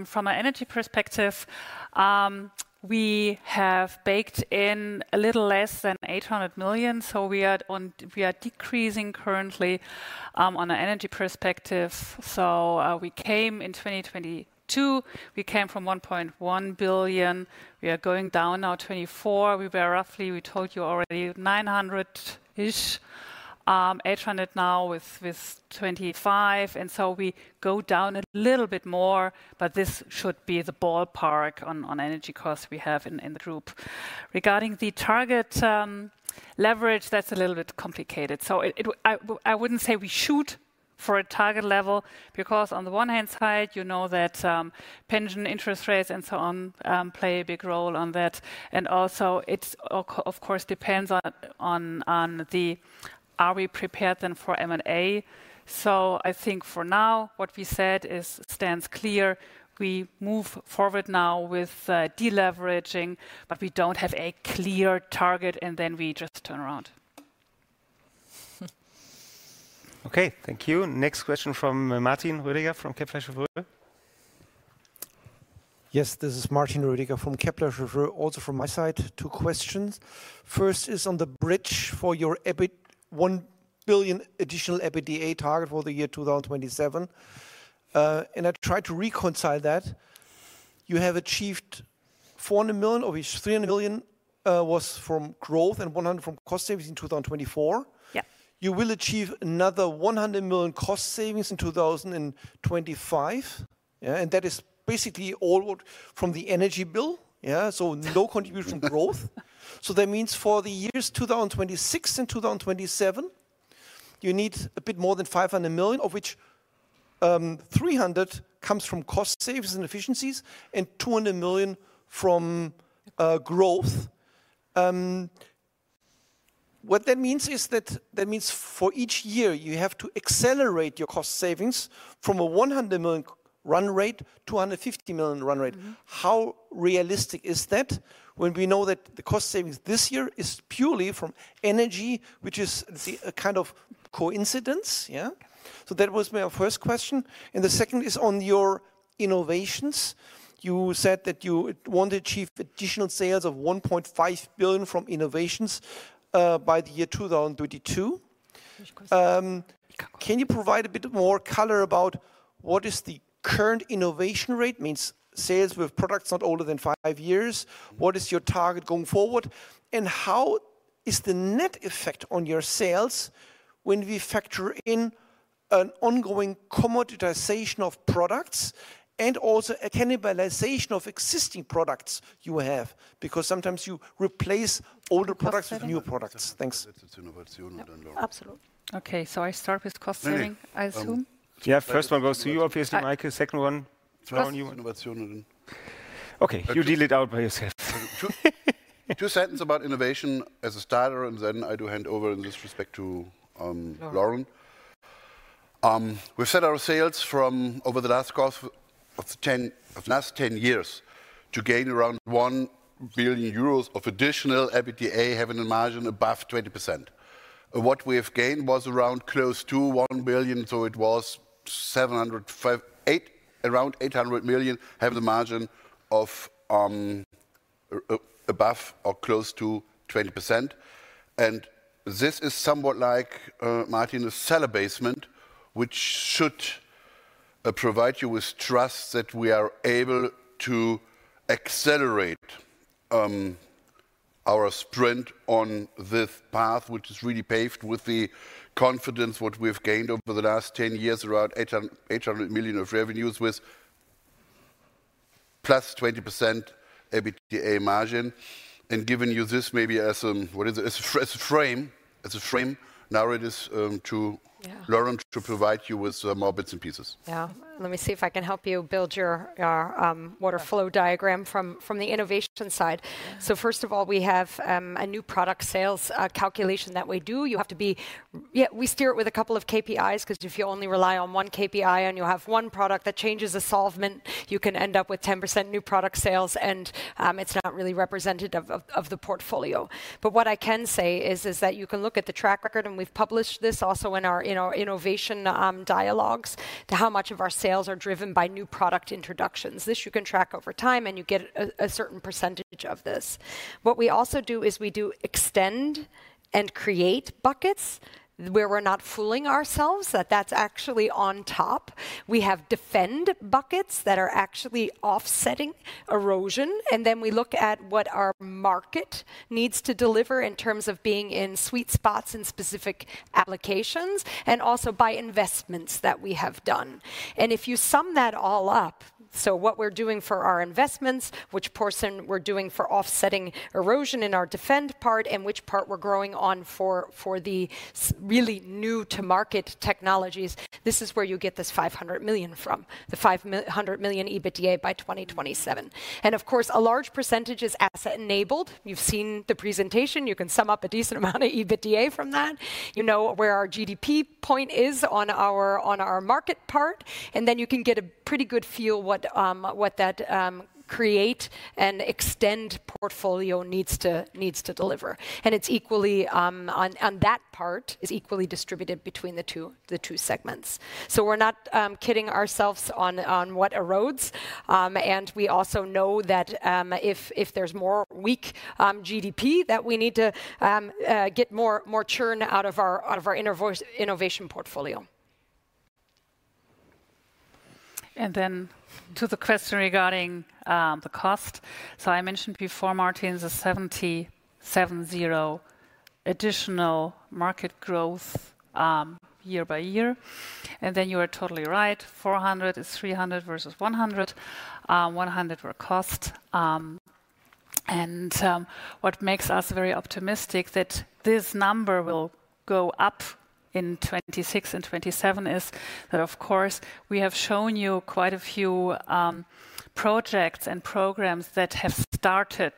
From an energy perspective, we have baked in a little less than 800 million. We are decreasing currently on an energy perspective. We came in 2022, we came from 1.1 billion. We are going down now 2024. We were roughly, we told you already, 900-ish, 800 now with 2025. We go down a little bit more, but this should be the ballpark on energy costs we have in the group. Regarding the target leverage, that's a little bit complicated. I would not say we shoot for a target level because on the one hand side, you know that pension interest rates and so on play a big role on that. Also, it of course depends on the, are we prepared then for M&A? I think for now what we said stands clear. We move forward now with deleveraging, but we do not have a clear target and then we just turn around. Okay, thank you. Next question from Martin Rüdiger from Kepler Cheuvreux. Yes, this is Martin Rüdiger from Kepler Cheuvreux, also from my side two questions. First is on the bridge for your 1 billion additional EBITDA target for the year 2027. I tried to reconcile that. You have achieved 400 million, or 300 million was from growth and 100 million from cost savings in 2024. You will achieve another 100 million cost savings in 2025. That is basically all from the energy bill, so no contribution growth. That means for the years 2026 and 2027, you need a bit more than 500 million, of which 300 million comes from cost savings and efficiencies and 200 million from growth. What that means is that for each year you have to accelerate your cost savings from a 100 million run rate to a 150 million run rate. How realistic is that when we know that the cost savings this year is purely from energy, which is a kind of coincidence? That was my first question. The second is on your innovations. You said that you want to achieve additional sales of 1.5 billion from innovations by the year 2022. Can you provide a bit more color about what is the current innovation rate? Means sales with products not older than five years. What is your target going forward? How is the net effect on your sales when we factor in an ongoing commoditization of products and also a cannibalization of existing products you have? Because sometimes you replace older products with new products. Thanks. Absolutely. Okay, so I start with cost saving, I assume? Yeah, first one goes to you, obviously, Maike. Second one around you. Okay, you deal it out by yourself. Two sentences about innovation as a starter and then I do hand over in this respect to Lauren. have set our sales from over the last 10 years to gain around 1 billion euros of additional EBITDA, having a margin above 20%. What we have gained was around close to 1 billion, so it was around 800 million, having a margin of above or close to 20%. This is somewhat like margin cellar basement, which should provide you with trust that we are able to accelerate our sprint on this path, which is really paved with the confidence we have gained over the last 10 years, around 800 million of revenues with plus 20% EBITDA margin. Giving you this maybe as a frame, as a frame narrative to Lauren to provide you with more bits and pieces. Yeah, let me see if I can help you build your water flow diagram from the innovation side. First of all, we have a new product sales calculation that we do. You have to be, yeah, we steer it with a couple of KPIs because if you only rely on one KPI and you have one product that changes a solvent, you can end up with 10% new product sales and it is not really representative of the portfolio. What I can say is that you can look at the track record and we have published this also in our innovation dialogues to show how much of our sales are driven by new product introductions. This you can track over time and you get a certain percentage of this. What we also do is we do extend and create buckets where we are not fooling ourselves, that that is actually on top. We have defend buckets that are actually offsetting erosion. We look at what our market needs to deliver in terms of being in sweet spots in specific applications and also by investments that we have done. If you sum that all up, what we are doing for our investments, which portion we are doing for offsetting erosion in our defend part and which part we are growing on for the really new to market technologies, this is where you get this 500 million from, the 500 million EBITDA by 2027. Of course, a large percentage is asset enabled. You have seen the presentation. You can sum up a decent amount of EBITDA from that. You know where our GDP point is on our market part. You can get a pretty good feel what that create and extend portfolio needs to deliver. It is equally on that part, is equally distributed between the two segments. We're not kidding ourselves on what erodes. We also know that if there's more weak GDP, we need to get more churn out of our innovation portfolio. To the question regarding the cost, I mentioned before Martin its a 70 million additional market growth year by year. You are totally right. 400 million is 300 million versus 100. 100 million were cost. What makes us very optimistic that this number will go up in 2026 and 2027 is that of course we have shown you quite a few projects and programs that have started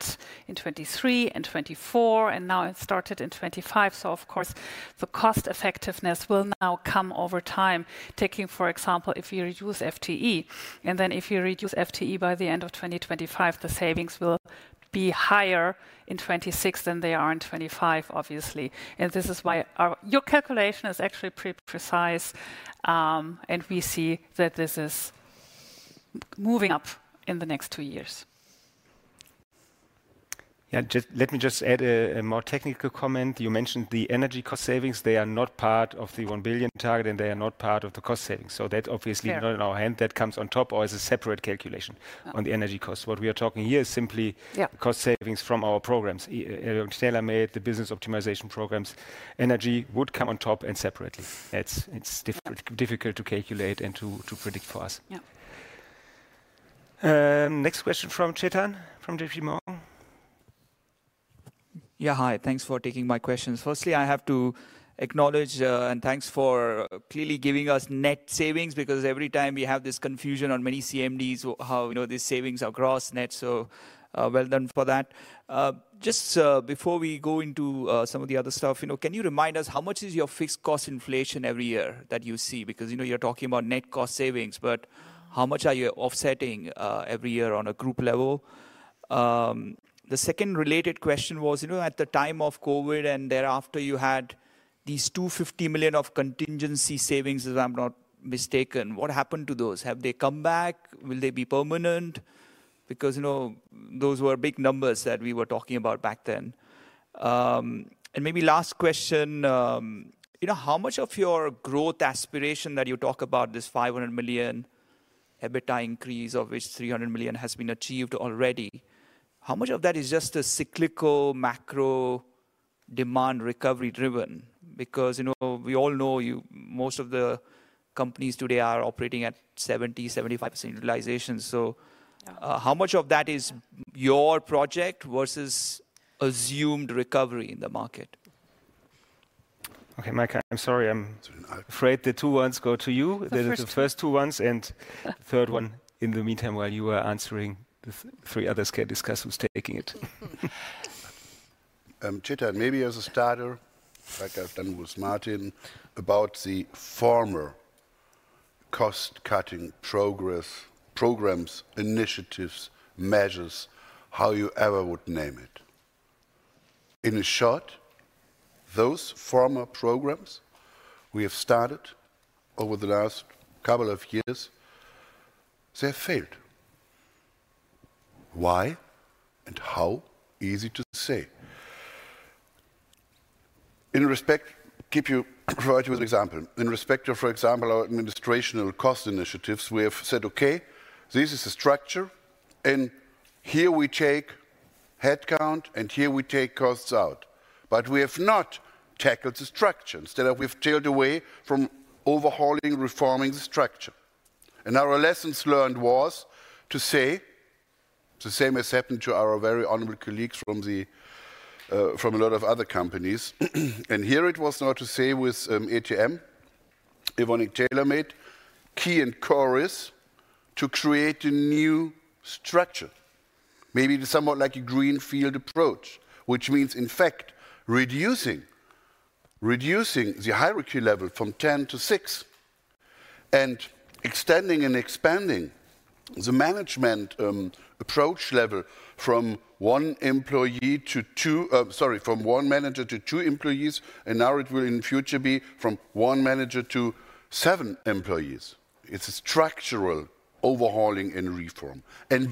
in 2023 and 2024 and now started in 2025. Of course, the cost effectiveness will now come over time. Taking for example if you reduce FTE and then if you reduce FTE by the end of 2025, the savings will be higher in 2026 than they are in 2025 obviously. This is why your calculation is actually pretty precise. We see that this is moving up in the next two years. Let me just add a more technical comment. You mentioned the energy cost savings. They are not part of the 1 billion target and they are not part of the cost savings. That is obviously not in our hand. That comes on top or is a separate calculation on the energy cost. What we are talking about here is simply cost savings from our programs, the business optimization programs. Energy would come on top and separately. It is difficult to calculate and to predict for us. Next question from Chetan from JPMorgan. Hi. Thanks for taking my questions. Firstly, I have to acknowledge and thanks for clearly giving us net savings because every time we have this confusion on many CMDs how these savings are gross, net. Just before we go into some of the other stuff, can you remind us how much is your fixed cost inflation every year that you see? Because you're talking about net cost savings, but how much are you offsetting every year on a group level? The second related question was at the time of COVID and thereafter you had these 250 million of contingency savings if I'm not mistaken. What happened to those? Have they come back? Will they be permanent? Because those were big numbers that we were talking about back then. Maybe last question, how much of your growth aspiration that you talk about, this 500 million EBITDA increase of which 300 million has been achieved already, how much of that is just a cyclical macro demand recovery driven? Because we all know most of the companies today are operating at 70-75% utilization. How much of that is your project versus assumed recovery in the market? Okay, Maike, I'm sorry. I'm afraid the two ones go to you. This is the first two ones and the third one in the meantime while you are answering, the three others can discuss who's taking it. Chetan, maybe as a starter, like I've done with Martin about the former cost cutting programs, initiatives, measures, however you would name it. In short, those former programs we have started over the last couple of years, they have failed. Why and how? Easy to say. In respect, keep your priority with example. In respect of, for example, our administrational cost initiatives, we have said, okay, this is the structure and here we take headcount and here we take costs out. We have not tackled the structure. Instead, we have tailed away from overhauling, reforming the structure. Our lessons learned was to say the same as happened to our very honorable colleagues from a lot of other companies. Here it was not to say with ATM, Evonik Tailor Made, key and core is to create a new structure. Maybe it is somewhat like a greenfield approach, which means in fact reducing the hierarchy level from 10 to 6 and extending and expanding the management approach level from one employee to two, sorry, from one manager to two employees. Now it will in future be from one manager to seven employees. is a structural overhauling and reform.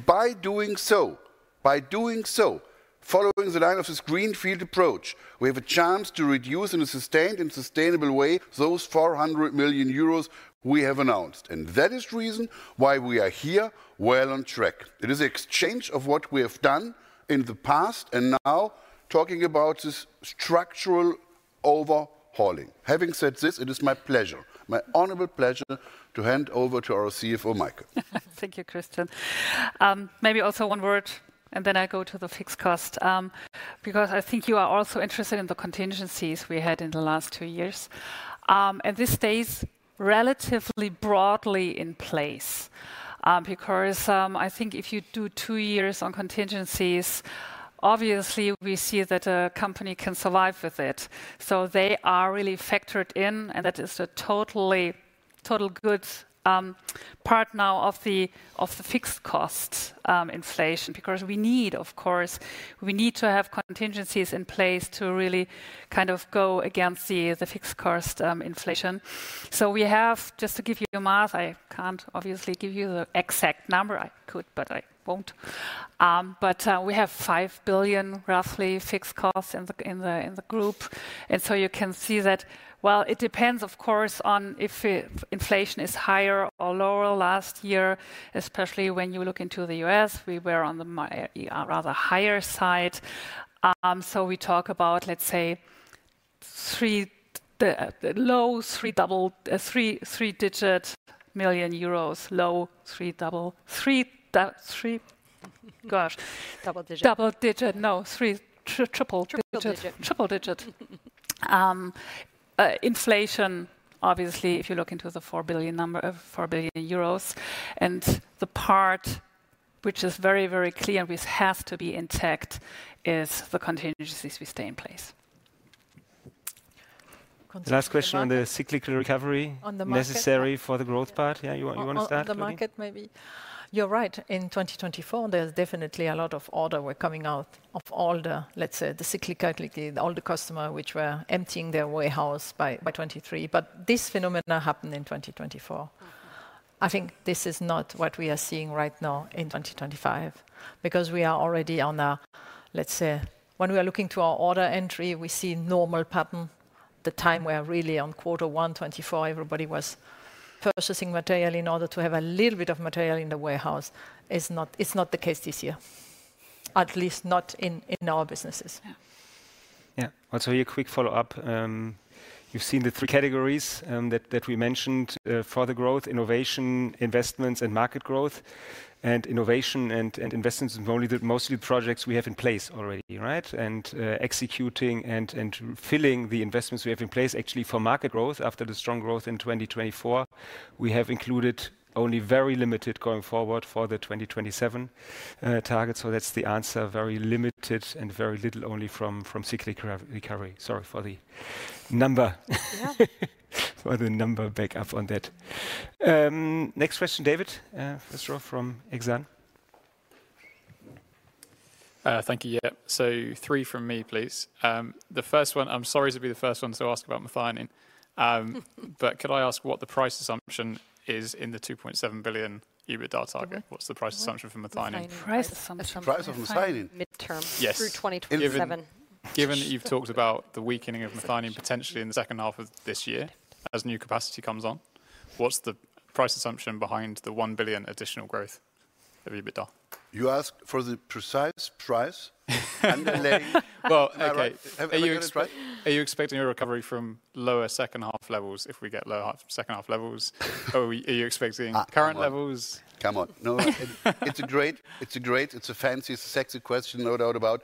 By doing so, by doing so, following the line of this greenfield approach, we have a chance to reduce in a sustained and sustainable way those 400 million euros we have announced. That is the reason why we are here well on track. It is an exchange of what we have done in the past and now talking about this structural overhauling. Having said this, it is my pleasure, my honorable pleasure to hand over to our CFO, Maike. Thank you, Christian. Maybe also one word and then I go to the fixed cost because I think you are also interested in the contingencies we had in the last two years. This stays relatively broadly in place because I think if you do two years on contingencies, obviously we see that a company can survive with it. They are really factored in and that is a totally good part now of the fixed cost inflation because we need, of course, we need to have contingencies in place to really kind of go against the fixed cost inflation. We have, just to give you a math, I cannot obviously give you the exact number, I could, but I will not. We have 5 billion roughly fixed costs in the group. You can see that, it depends of course on if inflation is higher or lower. Last year, especially when you look into the U.S., we were on the rather higher side. We talk about, let's say, low triple digit million euros, low triple digit, triple digit, gosh. Double digit. Double digit, no, triple digit, triple digit. Inflation, obviously, if you look into the 4 billion number of 4 billion euros and the part which is very, very clear which has to be intact is the contingencies we stay in place. Last question on the cyclical recovery necessary for the growth part. Yeah, you want to start? The market maybe. You're right. In 2024, there's definitely a lot of order were coming out of all the, let's say, the cyclical, all the customer which were emptying their warehouse by 2023. But this phenomenon happened in 2024. I think this is not what we are seeing right now in 2025 because we are already on a, let's say, when we are looking to our order entry, we see normal pattern. The time where really on quarter one, 2024, everybody was purchasing material in order to have a little bit of material in the warehouse is not the case this year, at least not in our businesses. Yeah. Yeah. Also, a quick follow-up. You have seen the three categories that we mentioned for the growth, innovation, investments, and market growth. And innovation and investments are mostly the projects we have in place already, right? And executing and filling the investments we have in place actually for market growth after the strong growth in 2024. We have included only very limited going forward for the 2027 target. That is the answer, very limited and very little only from cyclical recovery. Sorry for the number. For the number backup on that. Next question, David, first row from Exane. Thank you. Yeah. So three from me, please. The first one, I'm sorry to be the first one to ask about methionine, but can I ask what the price assumption is in the 2.7 billion EBITDA target? What's the price assumption for methionine? Price assumption. Price of methionine? Midterm through 2027. Given that you've talked about the weakening of methionine potentially in the second half of this year as new capacity comes on, what's the price assumption behind the 1 billion additional growth of EBITDA? You asked for the precise price? Are you expecting a recovery from lower second half levels if we get lower second half levels? Are you expecting current levels? Come on. No, it's a great, it's a great, it's a fancy, sexy question, no doubt about.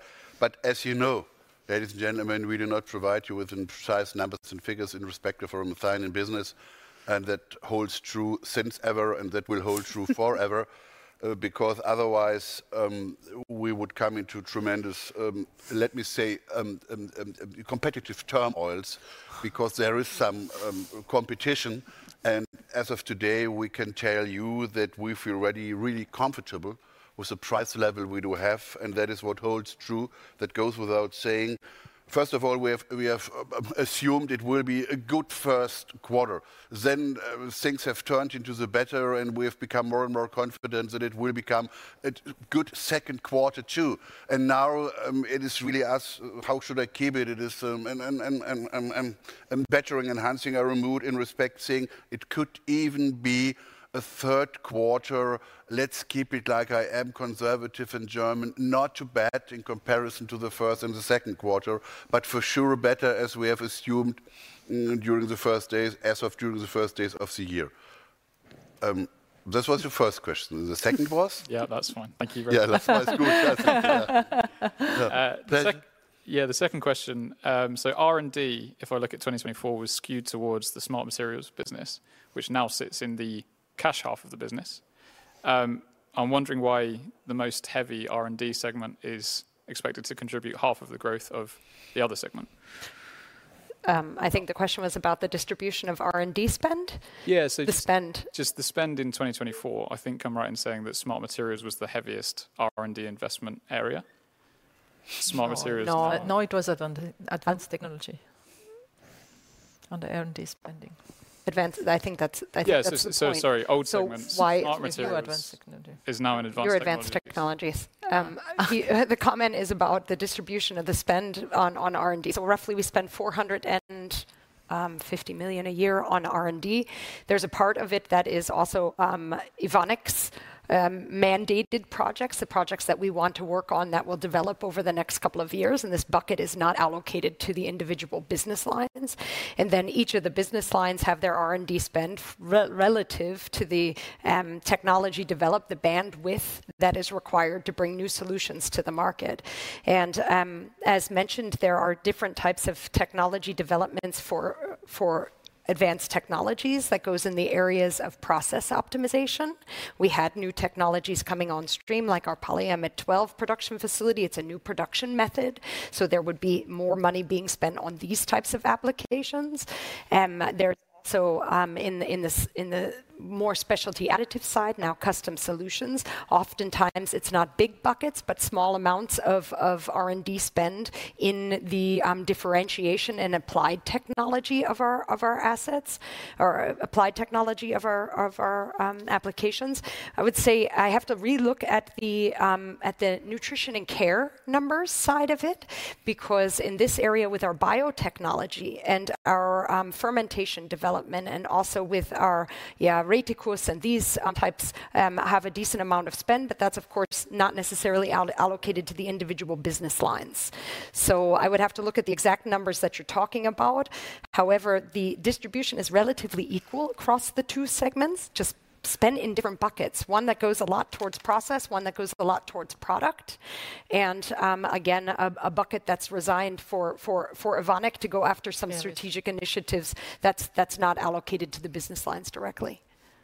As you know, ladies and gentlemen, we do not provide you with precise numbers and figures in respect of our methionine business. That holds true since ever and that will hold true forever because otherwise we would come into tremendous, let me say, competitive turmoils because there is some competition. As of today, we can tell you that we feel really, really comfortable with the price level we do have. That is what holds true, that goes without saying. First of all, we have assumed it will be a good first quarter. Things have turned into the better and we have become more and more confident that it will become a good second quarter too. Now it is really us, how should I keep it? It is bettering, enhancing our mood in respect saying it could even be a third quarter. Let's keep it like I am conservative in German, not too bad in comparison to the first and the second quarter, but for sure better as we have assumed during the first days, as of during the first days of the year. This was your first question. The second was? Yeah, that's fine. Thank you very much. Yeah, that's good. Yeah, the second question. R&D, if I look at 2024, was skewed towards the Smart Materials business, which now sits in the cash half of the business. I'm wondering why the most heavy R&D segment is expected to contribute half of the growth of the other segment. I think the question was about the distribution of R&D spend? Yeah, just the spend in 2024, I think I'm right in saying that Smart Materials was the heaviest R&D investment area. Smart Materials now. No, it wasn't Advanced Technology under R&D spending. Advanced, I think that's. Yeah, sorry, old segments. Smart Materials is now in Advanced Technologies. The comment is about the distribution of the spend on R&D. So roughly we spend 450 million a year on R&D. There's a part of it that is also Evonik's mandated projects, the projects that we want to work on that will develop over the next couple of years. This bucket is not allocated to the individual business lines. Each of the business lines have their R&D spend relative to the technology developed, the bandwidth that is required to bring new solutions to the market. As mentioned, there are different types of technology developments for Advanced Technologies that goes in the areas of process optimization. We had new technologies coming on stream like our Polyamide 12 production facility. It's a new production method. There would be more money being spent on these types of applications. There's also in the more Specialty Additives side, now Custom Solutions. Oftentimes it's not big buckets, but small amounts of R&D spend in the differentiation and applied technology of our assets or applied technology of our applications. I would say I have to re-look at the Nutrition & Care numbers side of it because in this area with our biotechnology and our fermentation development and also with our reticules and these types have a decent amount of spend, but that's of course not necessarily allocated to the individual business lines. I would have to look at the exact numbers that you're talking about. However, the distribution is relatively equal across the two segments, just spent in different buckets. One that goes a lot towards process, one that goes a lot towards product. Again, a bucket that's resigned for Evonik to go after some strategic initiatives, that's not allocated to the business lines directly.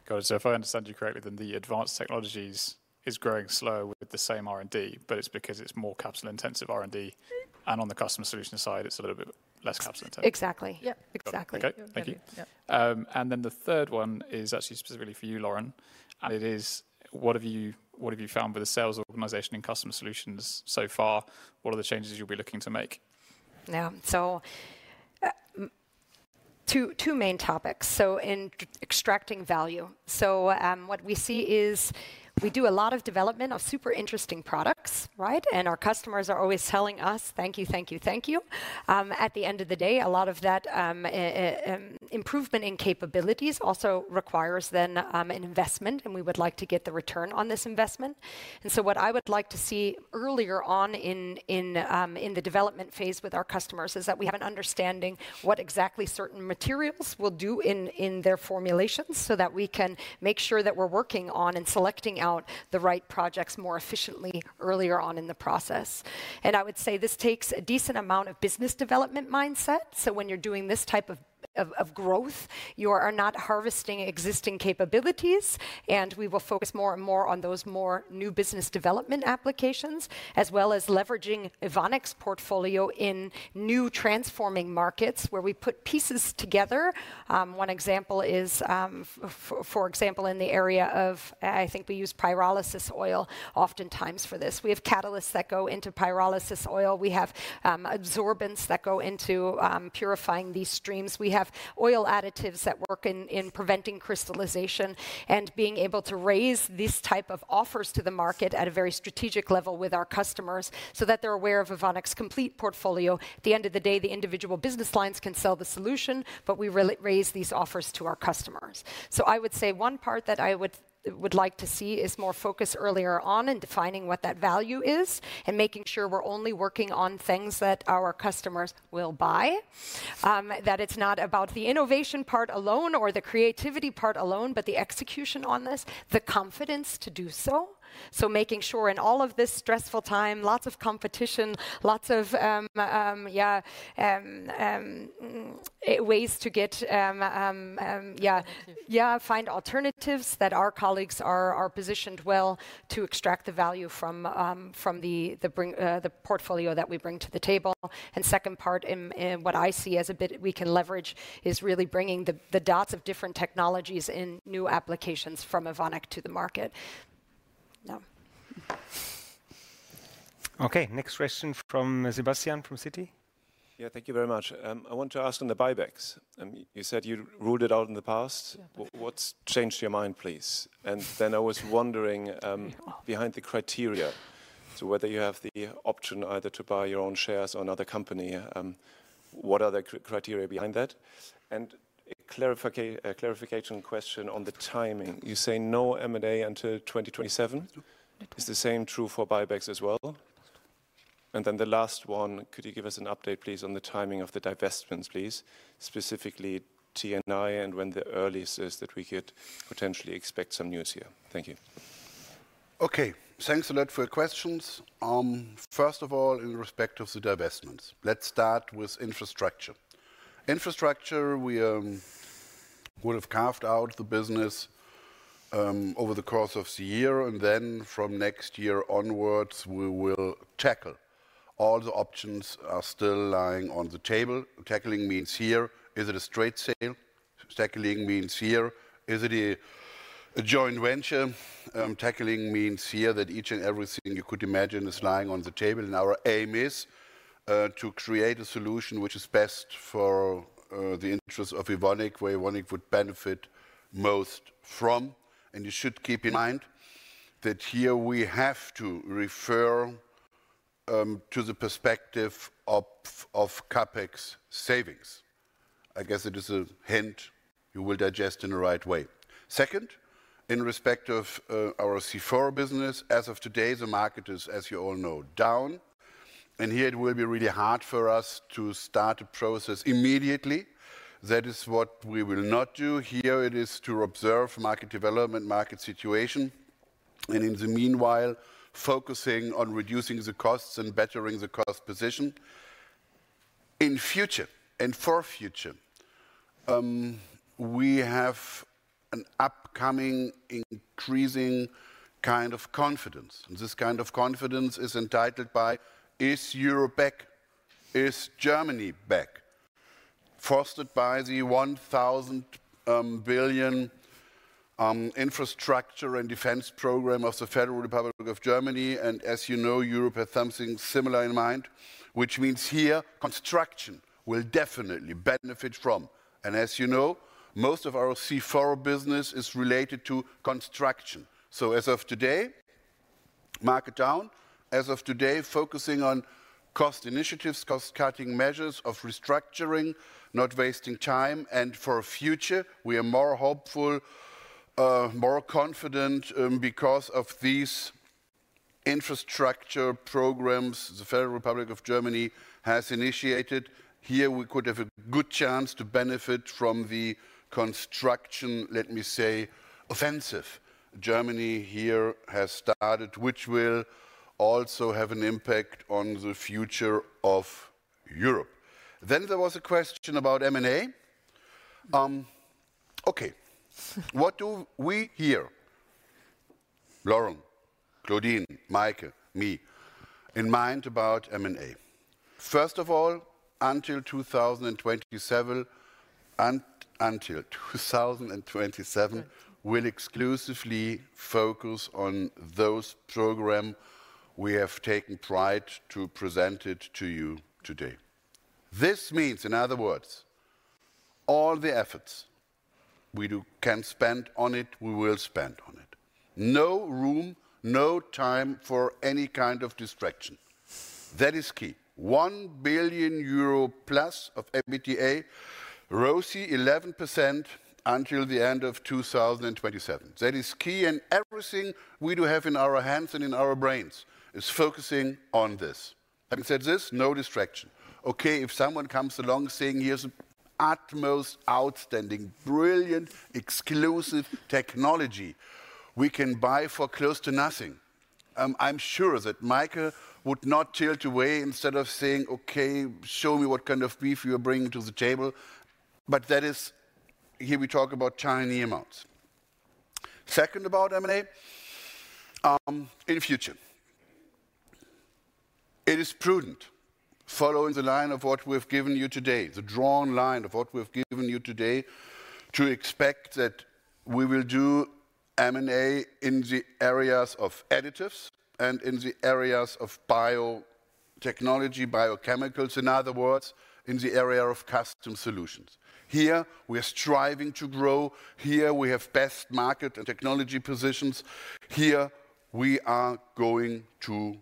Got it. If I understand you correctly, then the Advanced Technologies is growing slow with the same R&D, but it's because it's more CapEx intensive R&D and on the Customer Solutions side, it's a little bit less CapEx intensive. Exactly. Yeah, exactly. Okay, thank you. The third one is actually specifically for you, Lauren. It is, what have you found with the sales organization and Customer Solutions so far? What are the changes you'll be looking to make? Yeah, two main topics. In extracting value, what we see is we do a lot of development of super interesting products, right? Our customers are always telling us, thank you, thank you, thank you. At the end of the day, a lot of that improvement in capabilities also requires then an investment, and we would like to get the return on this investment. What I would like to see earlier on in the development phase with our customers is that we have an understanding what exactly certain materials will do in their formulations so that we can make sure that we're working on and selecting out the right projects more efficiently earlier on in the process. I would say this takes a decent amount of business development mindset. When you're doing this type of growth, you are not harvesting existing capabilities, and we will focus more and more on those more new business development applications, as well as leveraging Evonik's portfolio in new transforming markets where we put pieces together. One example is, for example, in the area of, I think we use pyrolysis oil oftentimes for this. We have catalysts that go into pyrolysis oil. We have absorbents that go into purifying these streams. We have oil additives that work in preventing crystallization and being able to raise this type of offers to the market at a very strategic level with our customers so that they're aware of Evonik's complete portfolio. At the end of the day, the individual business lines can sell the solution, but we raise these offers to our customers. I would say one part that I would like to see is more focus earlier on in defining what that value is and making sure we're only working on things that our customers will buy, that it's not about the innovation part alone or the creativity part alone, but the execution on this, the confidence to do so. Making sure in all of this stressful time, lots of competition, lots of ways to get, yeah, find alternatives that our colleagues are positioned well to extract the value from the portfolio that we bring to the table. The second part, what I see as a bit we can leverage is really bringing the dots of different technologies in new applications from Evonik to the market. Okay, next question from Sebastian from Citi. Yeah, thank you very much. I want to ask on the buybacks. You said you ruled it out in the past. What's changed your mind, please? I was wondering behind the criteria, so whether you have the option either to buy your own shares or another company, what are the criteria behind that? A clarification question on the timing. You say no M&A until 2027. Is the same true for buybacks as well? The last one, could you give us an update, please, on the timing of the divestments, please? Specifically T&I and when the earliest is that we could potentially expect some news here. Thank you. Okay, thanks a lot for your questions. First of all, in respect of the divestments, let's start with infrastructure. Infrastructure, we would have carved out the business over the course of the year, and then from next year onwards, we will tackle. All the options are still lying on the table. Tackling means here, is it a straight sale? Tackling means here, is it a joint venture? Tackling means here that each and everything you could imagine is lying on the table. Our aim is to create a solution which is best for the interests of Evonik, where Evonik would benefit most from. You should keep in mind that here we have to refer to the perspective of CapEx savings. I guess it is a hint you will digest in the right way. Second, in respect of our C4 business, as of today, the market is, as you all know, down. Here it will be really hard for us to start a process immediately. That is what we will not do here. It is to observe market development, market situation. In the meanwhile, focusing on reducing the costs and bettering the cost position. In future, and for future, we have an upcoming increasing kind of confidence. This kind of confidence is entitled by, is Europe back? Is Germany back? Fostered by the 1,000 billion infrastructure and defense program of the Federal Republic of Germany. As you know, Europe has something similar in mind, which means here construction will definitely benefit from. As you know, most of our C4 business is related to construction. As of today, market down. As of today, focusing on cost initiatives, cost-cutting measures of restructuring, not wasting time. For future, we are more hopeful, more confident because of these infrastructure programs the Federal Republic of Germany has initiated. Here we could have a good chance to benefit from the construction, let me say, offensive. Germany here has started, which will also have an impact on the future of Europe. There was a question about M&A. Okay, what do we hear? Lauren, Claudine, Maike, me, in mind about M&A? First of all, until 2027, we will exclusively focus on those programs we have taken pride to present to you today. This means, in other words, all the efforts we can spend on it, we will spend on it. No room, no time for any kind of distraction. That is key. +1 billion euro of EBITDA, ROCE 11% until the end of 2027. That is key and everything we do have in our hands and in our brains is focusing on this. Having said this, no distraction. Okay, if someone comes along saying here's an utmost outstanding, brilliant, exclusive technology we can buy for close to nothing, I'm sure that Maike would not tilt away instead of saying, okay, show me what kind of beef you're bringing to the table. That is, here we talk about tiny amounts. Second, about M&A, in future, it is prudent following the line of what we've given you today, the drawn line of what we've given you today, to expect that we will do M&A in the areas of additives and in the areas of biotechnology, biochemicals, in other words, in the area of Custom Solutions. Here we are striving to grow. Here we have best market and technology positions. Here we are going to grow.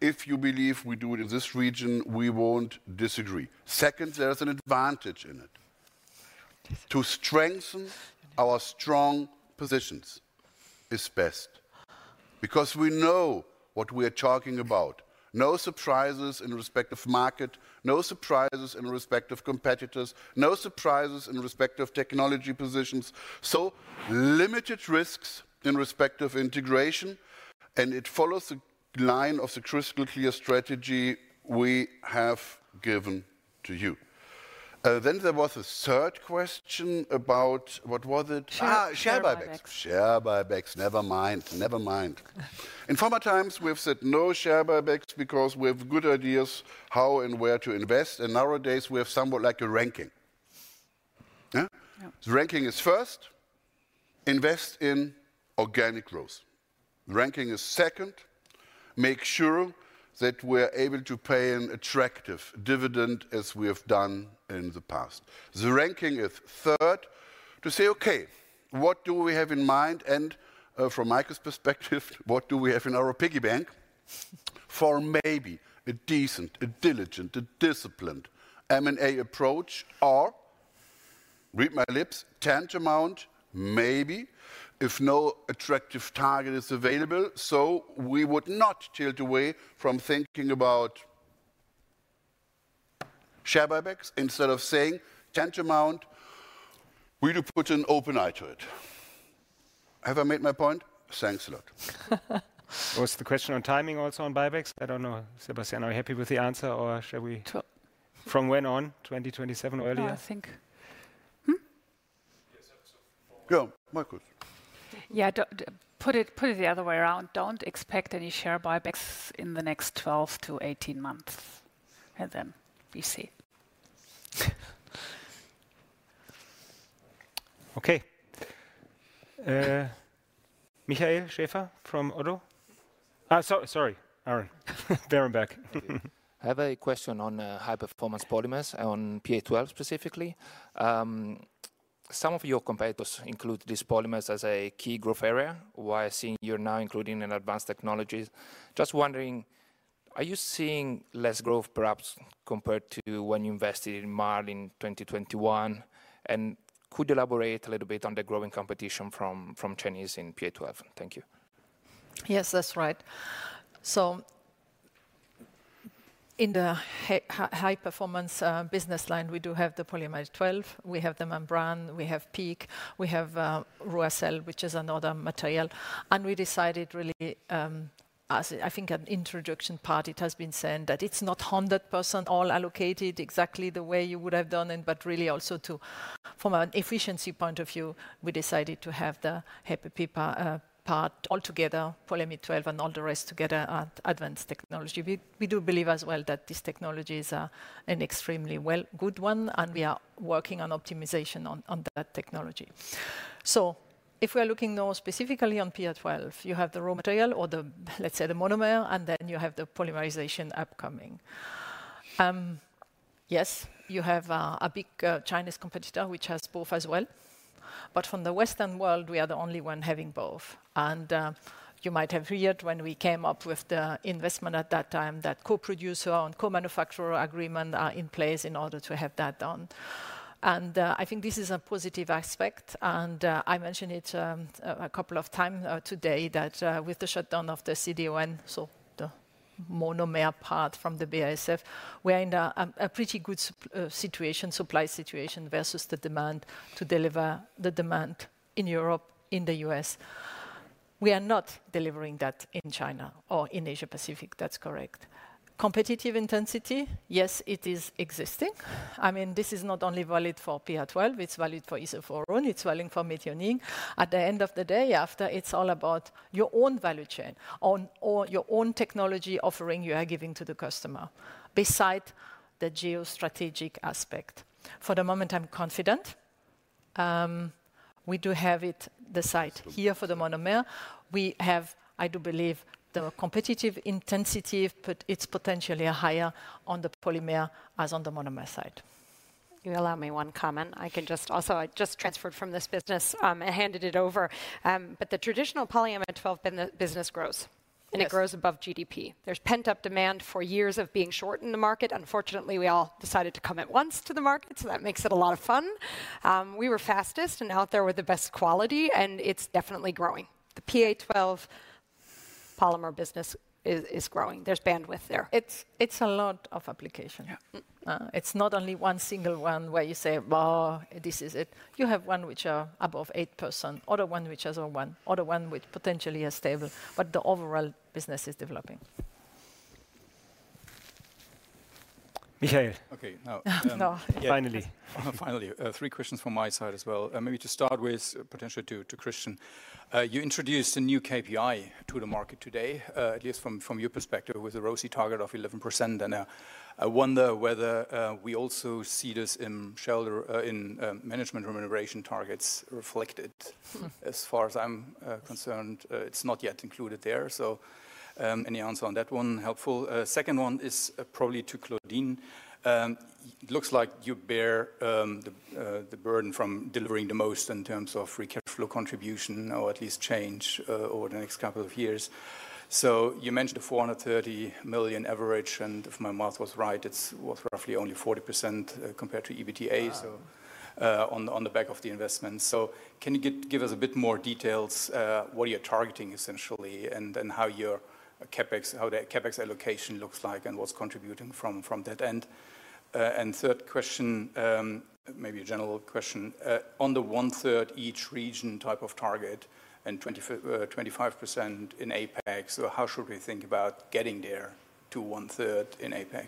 If you believe we do it in this region, we won't disagree. Second, there is an advantage in it. To strengthen our strong positions is best because we know what we are talking about. No surprises in respect of market, no surprises in respect of competitors, no surprises in respect of technology positions. Limited risks in respect of integration, and it follows the line of the crystal clear strategy we have given to you. There was a third question about what was it? Share buybacks. Share buybacks, never mind, never mind. In former times, we've said no share buybacks because we have good ideas how and where to invest. Nowadays, we have somewhat like a ranking. The ranking is first, invest in organic growth. The ranking is second, make sure that we're able to pay an attractive dividend as we have done in the past. The ranking is third to say, okay, what do we have in mind? From Maike's perspective, what do we have in our piggy bank for maybe a decent, a diligent, a disciplined M&A approach or read my lips, tantamount maybe if no attractive target is available. We would not tilt away from thinking about share buybacks instead of saying tantamount, we do put an open eye to it. Have I made my point? Thanks a lot. Was the question on timing also on buybacks? I do not know, Sebastian, are you happy with the answer or shall we from when on 2027 earlier? I think. Yeah, Maike. Yeah, put it the other way around. Do not expect any share buybacks in the next 12-18 months and then we see. Okay. Michael Schäfer from Otto. Sorry, sorry, Aaron. Berenberg. I have a question on high-performance polymers and on PA12 specifically. Some of your competitors include these polymers as a key growth area. Why, I see you're now including an advanced technology. Just wondering, are you seeing less growth perhaps compared to when you invested in Marl in 2021? Could you elaborate a little bit on the growing competition from Chinese in PA12? Thank you. Yes, that's right. In the high-performance business line, we do have the Polyamide 12. We have the Membrane, we have PEEK, we have ROSiL, which is another material. We decided really, as I think in the introduction part, it has been said that it's not 100% all allocated exactly the way you would have done it, but really also, from an efficiency point of view, we decided to have the HPP/PPA part altogether, Polyamide 12 and all the rest together at advanced technology. We do believe as well that this technology is an extremely good one, and we are working on optimization on that technology. If we are looking more specifically on PA12, you have the raw material or the, let's say, the monomer, and then you have the polymerization upcoming. Yes, you have a big Chinese competitor, which has both as well. From the Western world, we are the only one having both. You might have heard when we came up with the investment at that time that co-producer and co-manufacturer agreement are in place in order to have that done. I think this is a positive aspect. I mentioned it a couple of times today that with the shutdown of the CDON, so the monomer part from BASF, we are in a pretty good supply situation versus the demand to deliver the demand in Europe, in the U.S. We are not delivering that in China or in Asia-Pacific, that's correct. Competitive intensity, yes, it is existing. I mean, this is not only valid for PA12, it's valid for isoflurane, it's valid for methionine. At the end of the day, after, it's all about your own value chain or your own technology offering you are giving to the customer beside the geostrategic aspect. For the moment, I'm confident. We do have the site here for the monomer. We have, I do believe, the competitive intensity, but it's potentially higher on the polymer as on the monomer side. You allow me one comment. I can just also, I just transferred from this business and handed it over. But the traditional polymer 12 business grows and it grows above GDP. There's pent-up demand for years of being short in the market. Unfortunately, we all decided to come at once to the market, so that makes it a lot of fun. We were fastest and out there with the best quality, and it's definitely growing. The PA12 polymer business is growing. There's bandwidth there. It's a lot of application. It's not only one single one where you say, this is it. You have one which are above 8%, other one which has a 1, other one which potentially is stable, but the overall business is developing. Michael. Okay, now. Finally. Finally, three questions from my side as well. Maybe to start with potentially to Christian. You introduced a new KPI to the market today, at least from your perspective, with a ROCE target of 11%. And I wonder whether we also see this in management remuneration targets reflected. As far as I'm concerned, it's not yet included there. So any answer on that one? Helpful. Second one is probably to Claudine. It looks like you bear the burden from delivering the most in terms of free cash flow contribution or at least change over the next couple of years. You mentioned a 430 million average, and if my math was right, it was roughly only 40% compared to EBITDA on the back of the investment. Can you give us a bit more details? What are you targeting essentially and how your CapEx allocation looks like and what is contributing from that end? Third question, maybe a general question. On the one-third each region type of target and 25% in APAC, how should we think about getting there to one-third in APAC?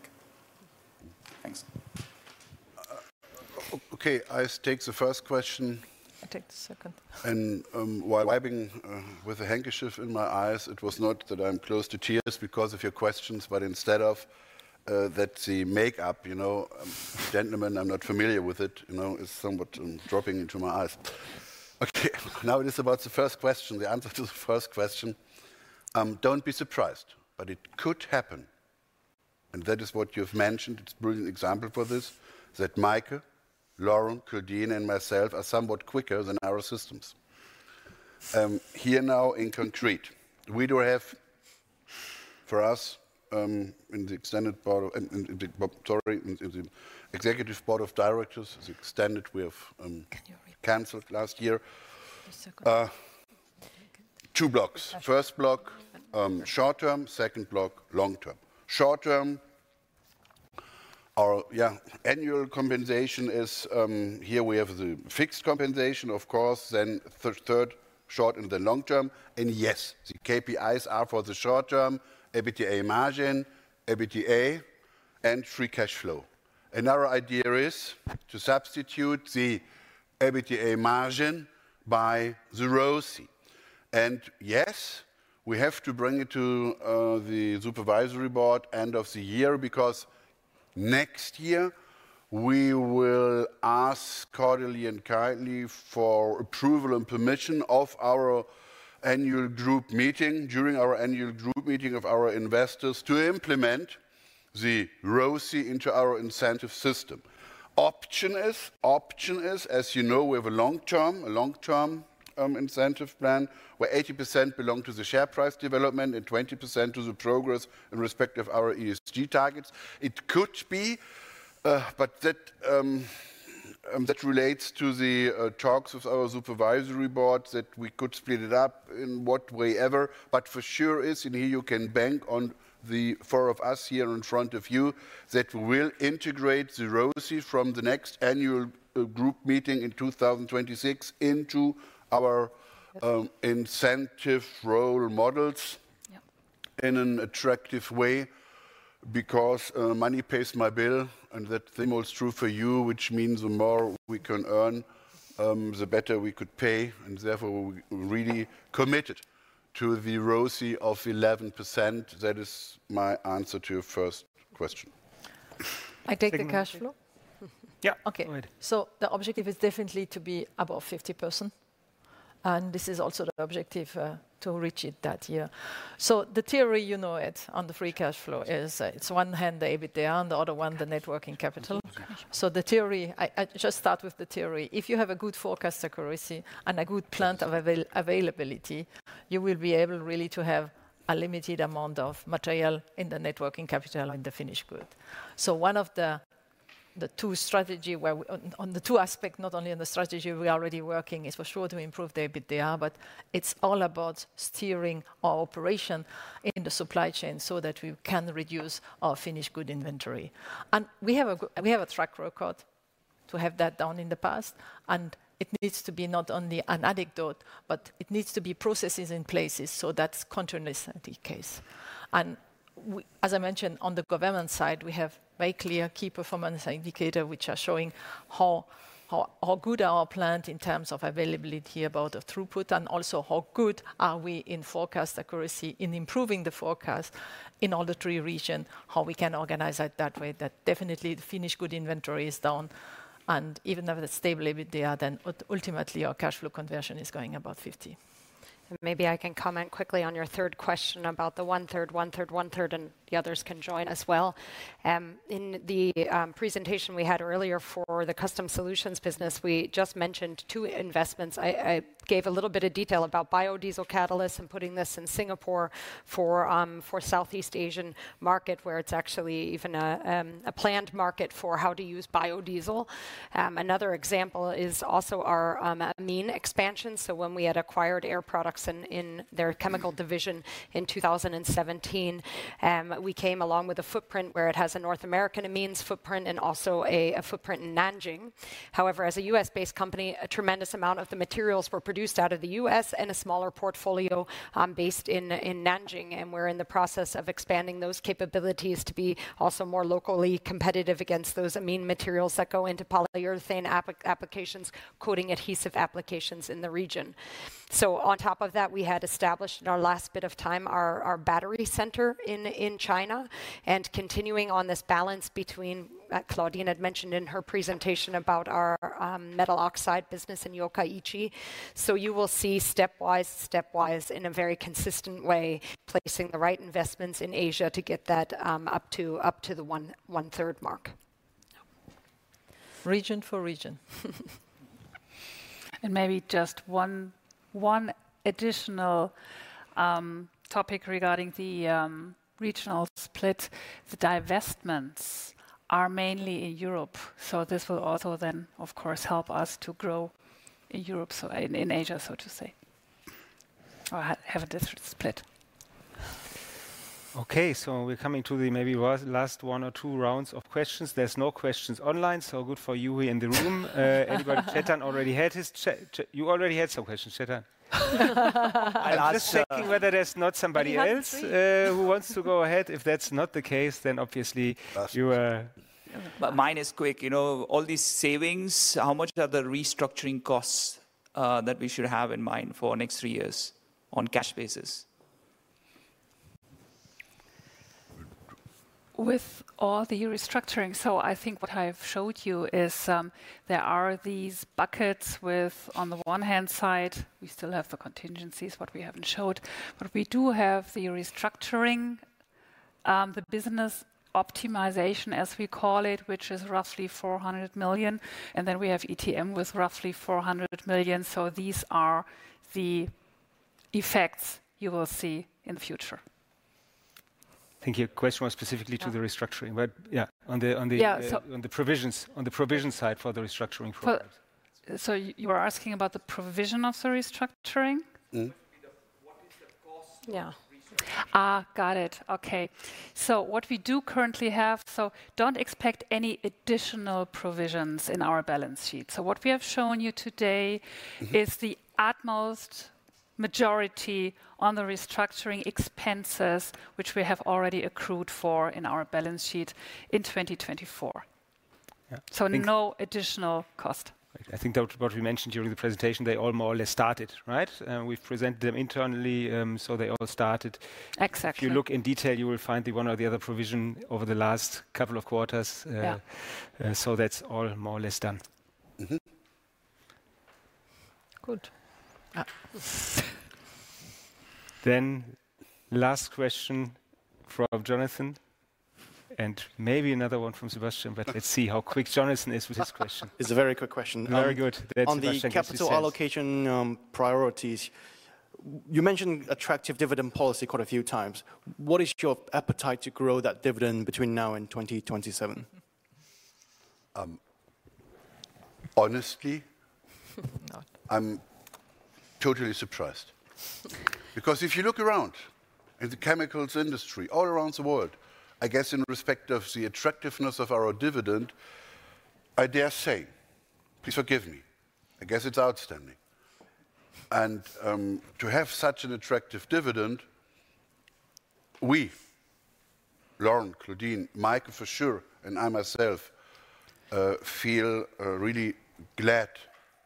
Thanks. Okay, I take the first question. I take the second. While wiping with a handkerchief in my eyes, it was not that I am close to tears because of your questions, but instead of that the makeup, you know, gentlemen, I am not familiar with it, you know, is somewhat dropping into my eyes. Okay, now it is about the first question, the answer to the first question. Do not be surprised, but it could happen. That is what you have mentioned. It is a brilliant example for this that Maike, Lauren, Claudine, and myself are somewhat quicker than our systems. Here now in concrete, we do have for us in the executive board of directors, the extended we have canceled last year. Two blocks. First block, short term, second block, long term. Short term, our annual compensation is here we have the fixed compensation, of course, then third, short and then long term. Yes, the KPIs are for the short term, EBITDA margin, EBITDA, and free cash flow. Another idea is to substitute the EBITDA margin by the ROCE. Yes, we have to bring it to the supervisory board end of the year because next year we will ask cordially and kindly for approval and permission of our annual group meeting during our annual group meeting of our investors to implement the ROCE into our incentive system. Option is, as you know, we have a long-term incentive plan where 80% belong to the share price development and 20% to the progress in respect of our ESG targets. It could be, but that relates to the talks with our supervisory board that we could split it up in what way ever. For sure is, and here you can bank on the four of us here in front of you that we will integrate the ROCE from the next annual group meeting in 2026 into our incentive role models in an attractive way because money pays my bill and that's the most true for you, which means the more we can earn, the better we could pay. Therefore, we're really committed to the ROCE of 11%. That is my answer to your first question. I take the cash flow. Yeah, okay. The objective is definitely to be above 50%. This is also the objective to reach it that year. The theory, you know it on the free cash flow is it's one hand, the EBITDA, and the other one, the networking capital. The theory, I just start with the theory. If you have a good forecast accuracy and a good plant availability, you will be able really to have a limited amount of material in the net working capital and the finished good. One of the two strategies where on the two aspects, not only on the strategy we are already working is for sure to improve the EBITDA, but it is all about steering our operation in the supply chain so that we can reduce our finished good inventory. We have a track record to have that done in the past. It needs to be not only an anecdote, but it needs to be processes in place so that is continuously the case. As I mentioned, on the government side, we have very clear key performance indicators, which are showing how good our plant is in terms of availability, about the throughput, and also how good we are in forecast accuracy in improving the forecast in all the three regions, how we can organize that way. That definitely the finished good inventory is done. Even if it is stable EBITDA, then ultimately our cash flow conversion is going about 50%. Maybe I can comment quickly on your third question about the one-third, one-third, one-third, and the others can join as well. In the presentation we had earlier for the Custom Solutions business, we just mentioned two investments. I gave a little bit of detail about biodiesel catalysts and putting this in Singapore for the Southeast Asian market, where it is actually even a planned market for how to use biodiesel. Another example is also our amine expansion. When we had acquired Air Products in their chemical division in 2017, we came along with a footprint where it has a North American amines footprint and also a footprint in Nanjing. However, as a U.S.-based company, a tremendous amount of the materials were produced out of the U.S. and a smaller portfolio based in Nanjing. We are in the process of expanding those capabilities to be also more locally competitive against those amine materials that go into polyurethane applications, coating adhesive applications in the region. On top of that, we had established in our last bit of time our battery center in China and continuing on this balance between what Claudine had mentioned in her presentation about our metal oxide business in Yokaichi. You will see step-wise, step-wise in a very consistent way placing the right investments in Asia to get that up to the one-third mark. Region for region. Maybe just one additional topic regarding the regional split. The divestments are mainly in Europe. This will also then, of course, help us to grow in Europe, in Asia, so to say, or have a different split. Okay, we are coming to the maybe last one or two rounds of questions. There are no questions online, so good for you here in the room. Anybody? Chetan already had his chat. You already had some questions, Chetan. I am just checking whether there is not somebody else who wants to go ahead. If that is not the case, then obviously you are. Mine is quick. You know, all these savings, how much are the restructuring costs that we should have in mind for next three years on cash basis? With all the restructuring, I think what I've showed you is there are these buckets with, on the one hand side, we still have the contingencies, what we haven't showed. We do have the restructuring, the business optimization, as we call it, which is roughly 400 million. Then we have ETM with roughly 400 million. These are the effects you will see in the future. Thank you. Question was specifically to the restructuring, but yeah, on the provisions, on the provision side for the restructuring program. You were asking about the provision of the restructuring? What is the cost of restructuring? Got it. Okay. What we do currently have, do not expect any additional provisions in our balance sheet. What we have shown you today is the utmost majority on the restructuring expenses, which we have already accrued for in our balance sheet in 2024. No additional cost. I think what we mentioned during the presentation, they all more or less started, right? We have presented them internally, so they all started. If you look in detail, you will find the one or the other provision over the last couple of quarters. That is all more or less done. Good. Last question from Jonathan and maybe another one from Sebastian, but let's see how quick Jonathan is with his question. It is a very quick question. Very good. On the capital allocation priorities, you mentioned attractive dividend policy quite a few times. What is your appetite to grow that dividend between now and 2027? Honestly, I am totally surprised. Because if you look around in the chemicals industry all around the world, I guess in respect of the attractiveness of our dividend, I dare say, please forgive me, I guess it's outstanding. To have such an attractive dividend, we, Lauren, Claudine, Maike for sure, and I myself feel really glad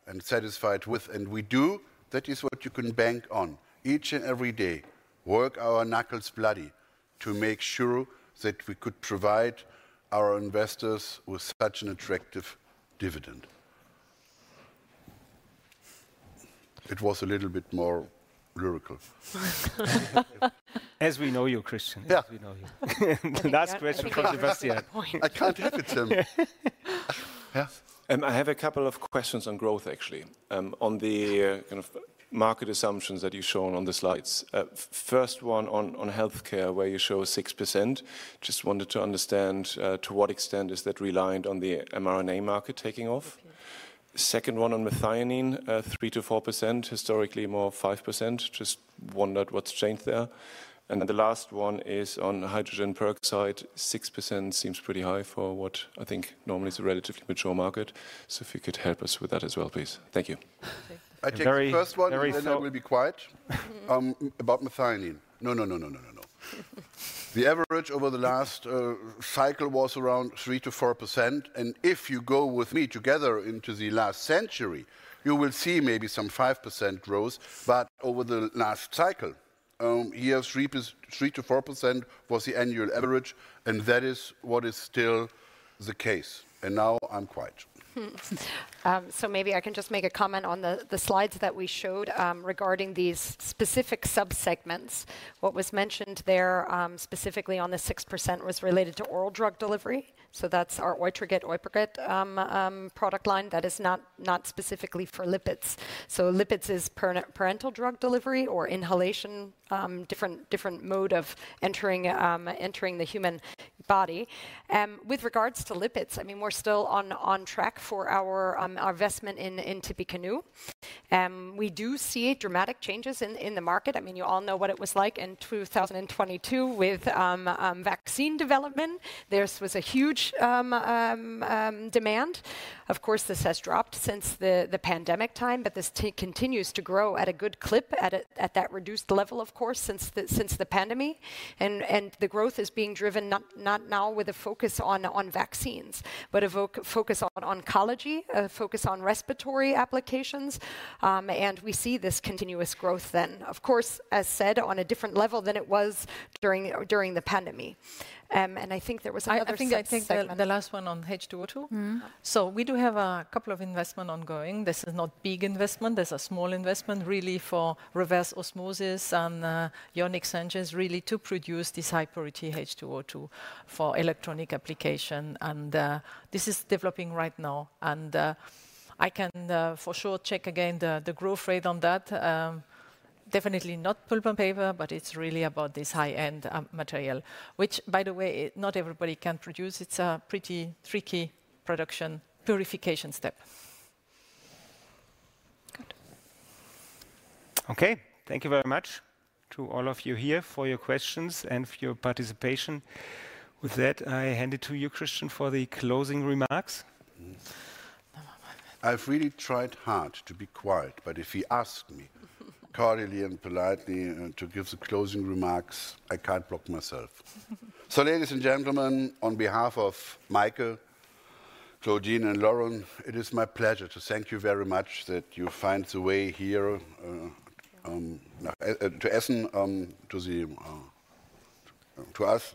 and satisfied with, and we do, that is what you can bank on. Each and every day, work our knuckles bloody to make sure that we could provide our investors with such an attractive dividend. It was a little bit more lyrical. As we know you, Christian, as we know you. Last question from Sebastian. I can't help it, Tim. I have a couple of questions on growth, actually, on the kind of market assumptions that you've shown on the slides. First one on healthcare, where you show 6%. Just wanted to understand to what extent is that reliant on the mRNA market taking off? Second one on methionine, 3-4%, historically more 5%. Just wondered what's changed there. The last one is on hydrogen peroxide, 6% seems pretty high for what I think normally is a relatively mature market. If you could help us with that as well, please. Thank you. Very short. Very short. I think the first one, then I will be quiet about methionine. No, no, no, no, no. The average over the last cycle was around 3-4%. If you go with me together into the last century, you will see maybe some 5% growth, but over the last cycle, year 3-4% was the annual average, and that is what is still the case. Now I'm quiet. Maybe I can just make a comment on the slides that we showed regarding these specific subsegments. What was mentioned there specifically on the 6% was related to oral drug delivery. That is our [EUDRAGIT/EUDRATEC] product line that is not specifically for lipids. Lipids is parenteral drug delivery or inhalation, different mode of entering the human body. With regards to lipids, I mean, we're still on track for our investment in Tippecanoe. We do see dramatic changes in the market. I mean, you all know what it was like in 2022 with vaccine development. This was a huge demand. Of course, this has dropped since the pandemic time, but this continues to grow at a good clip at that reduced level, of course, since the pandemic. The growth is being driven not now with a focus on vaccines, but a focus on oncology, a focus on respiratory applications. We see this continuous growth then, of course, as said, on a different level than it was during the pandemic. I think there was another thing. I think the last one on H2O2. We do have a couple of investments ongoing. This is not a big investment. There is a small investment really for reverse osmosis and ionic surges really to produce this high-purity H2O2 for electronic application. This is developing right now. I can for sure check again the growth rate on that. Definitely not pulp and paper, but it is really about this high-end material, which, by the way, not everybody can produce. It is a pretty tricky production purification step. Okay. Thank you very much to all of you here for your questions and for your participation. With that, I hand it to you, Christian, for the closing remarks. I've really tried hard to be quiet, but if you ask me cordially and politely to give the closing remarks, I can't block myself. Ladies and gentlemen, on behalf of Maike, Claudine, and Lauren, it is my pleasure to thank you very much that you find the way here to Essen, to us,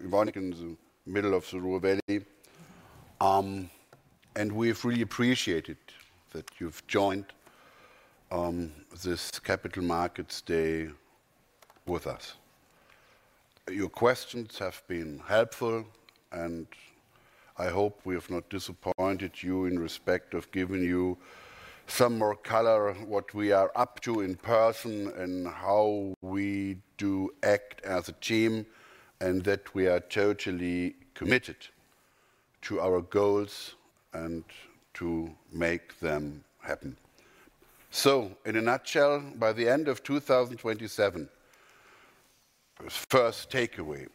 in the middle of the Ruhr Valley. We have really appreciated that you have joined this Capital Markets Day with us. Your questions have been helpful, and I hope we have not disappointed you in respect of giving you some more color on what we are up to in person and how we do act as a team and that we are totally committed to our goals and to make them happen. In a nutshell, by the end of 2027, first takeaway,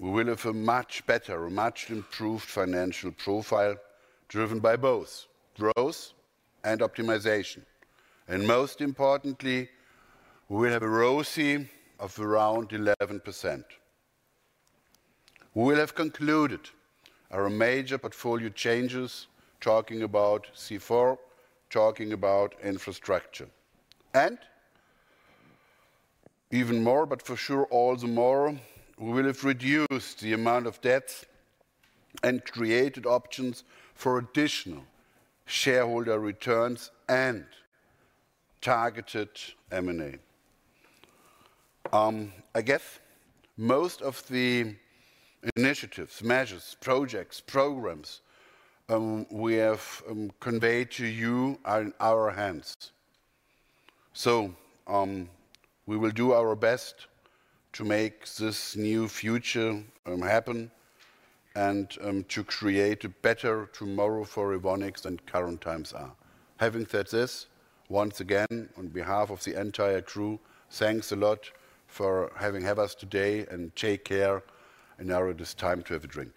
we will have a much better, much improved financial profile driven by both growth and optimization. Most importantly, we will have a ROCE of around 11%. We will have concluded our major portfolio changes, talking about C4, talking about infrastructure. Even more, but for sure all the more, we will have reduced the amount of debts and created options for additional shareholder returns and targeted M&A. I guess most of the initiatives, measures, projects, programs we have conveyed to you are in our hands. We will do our best to make this new future happen and to create a better tomorrow for Evonik than current times are. Having said this, once again, on behalf of the entire crew, thanks a lot for having had us today and take care in our this time to have a drink.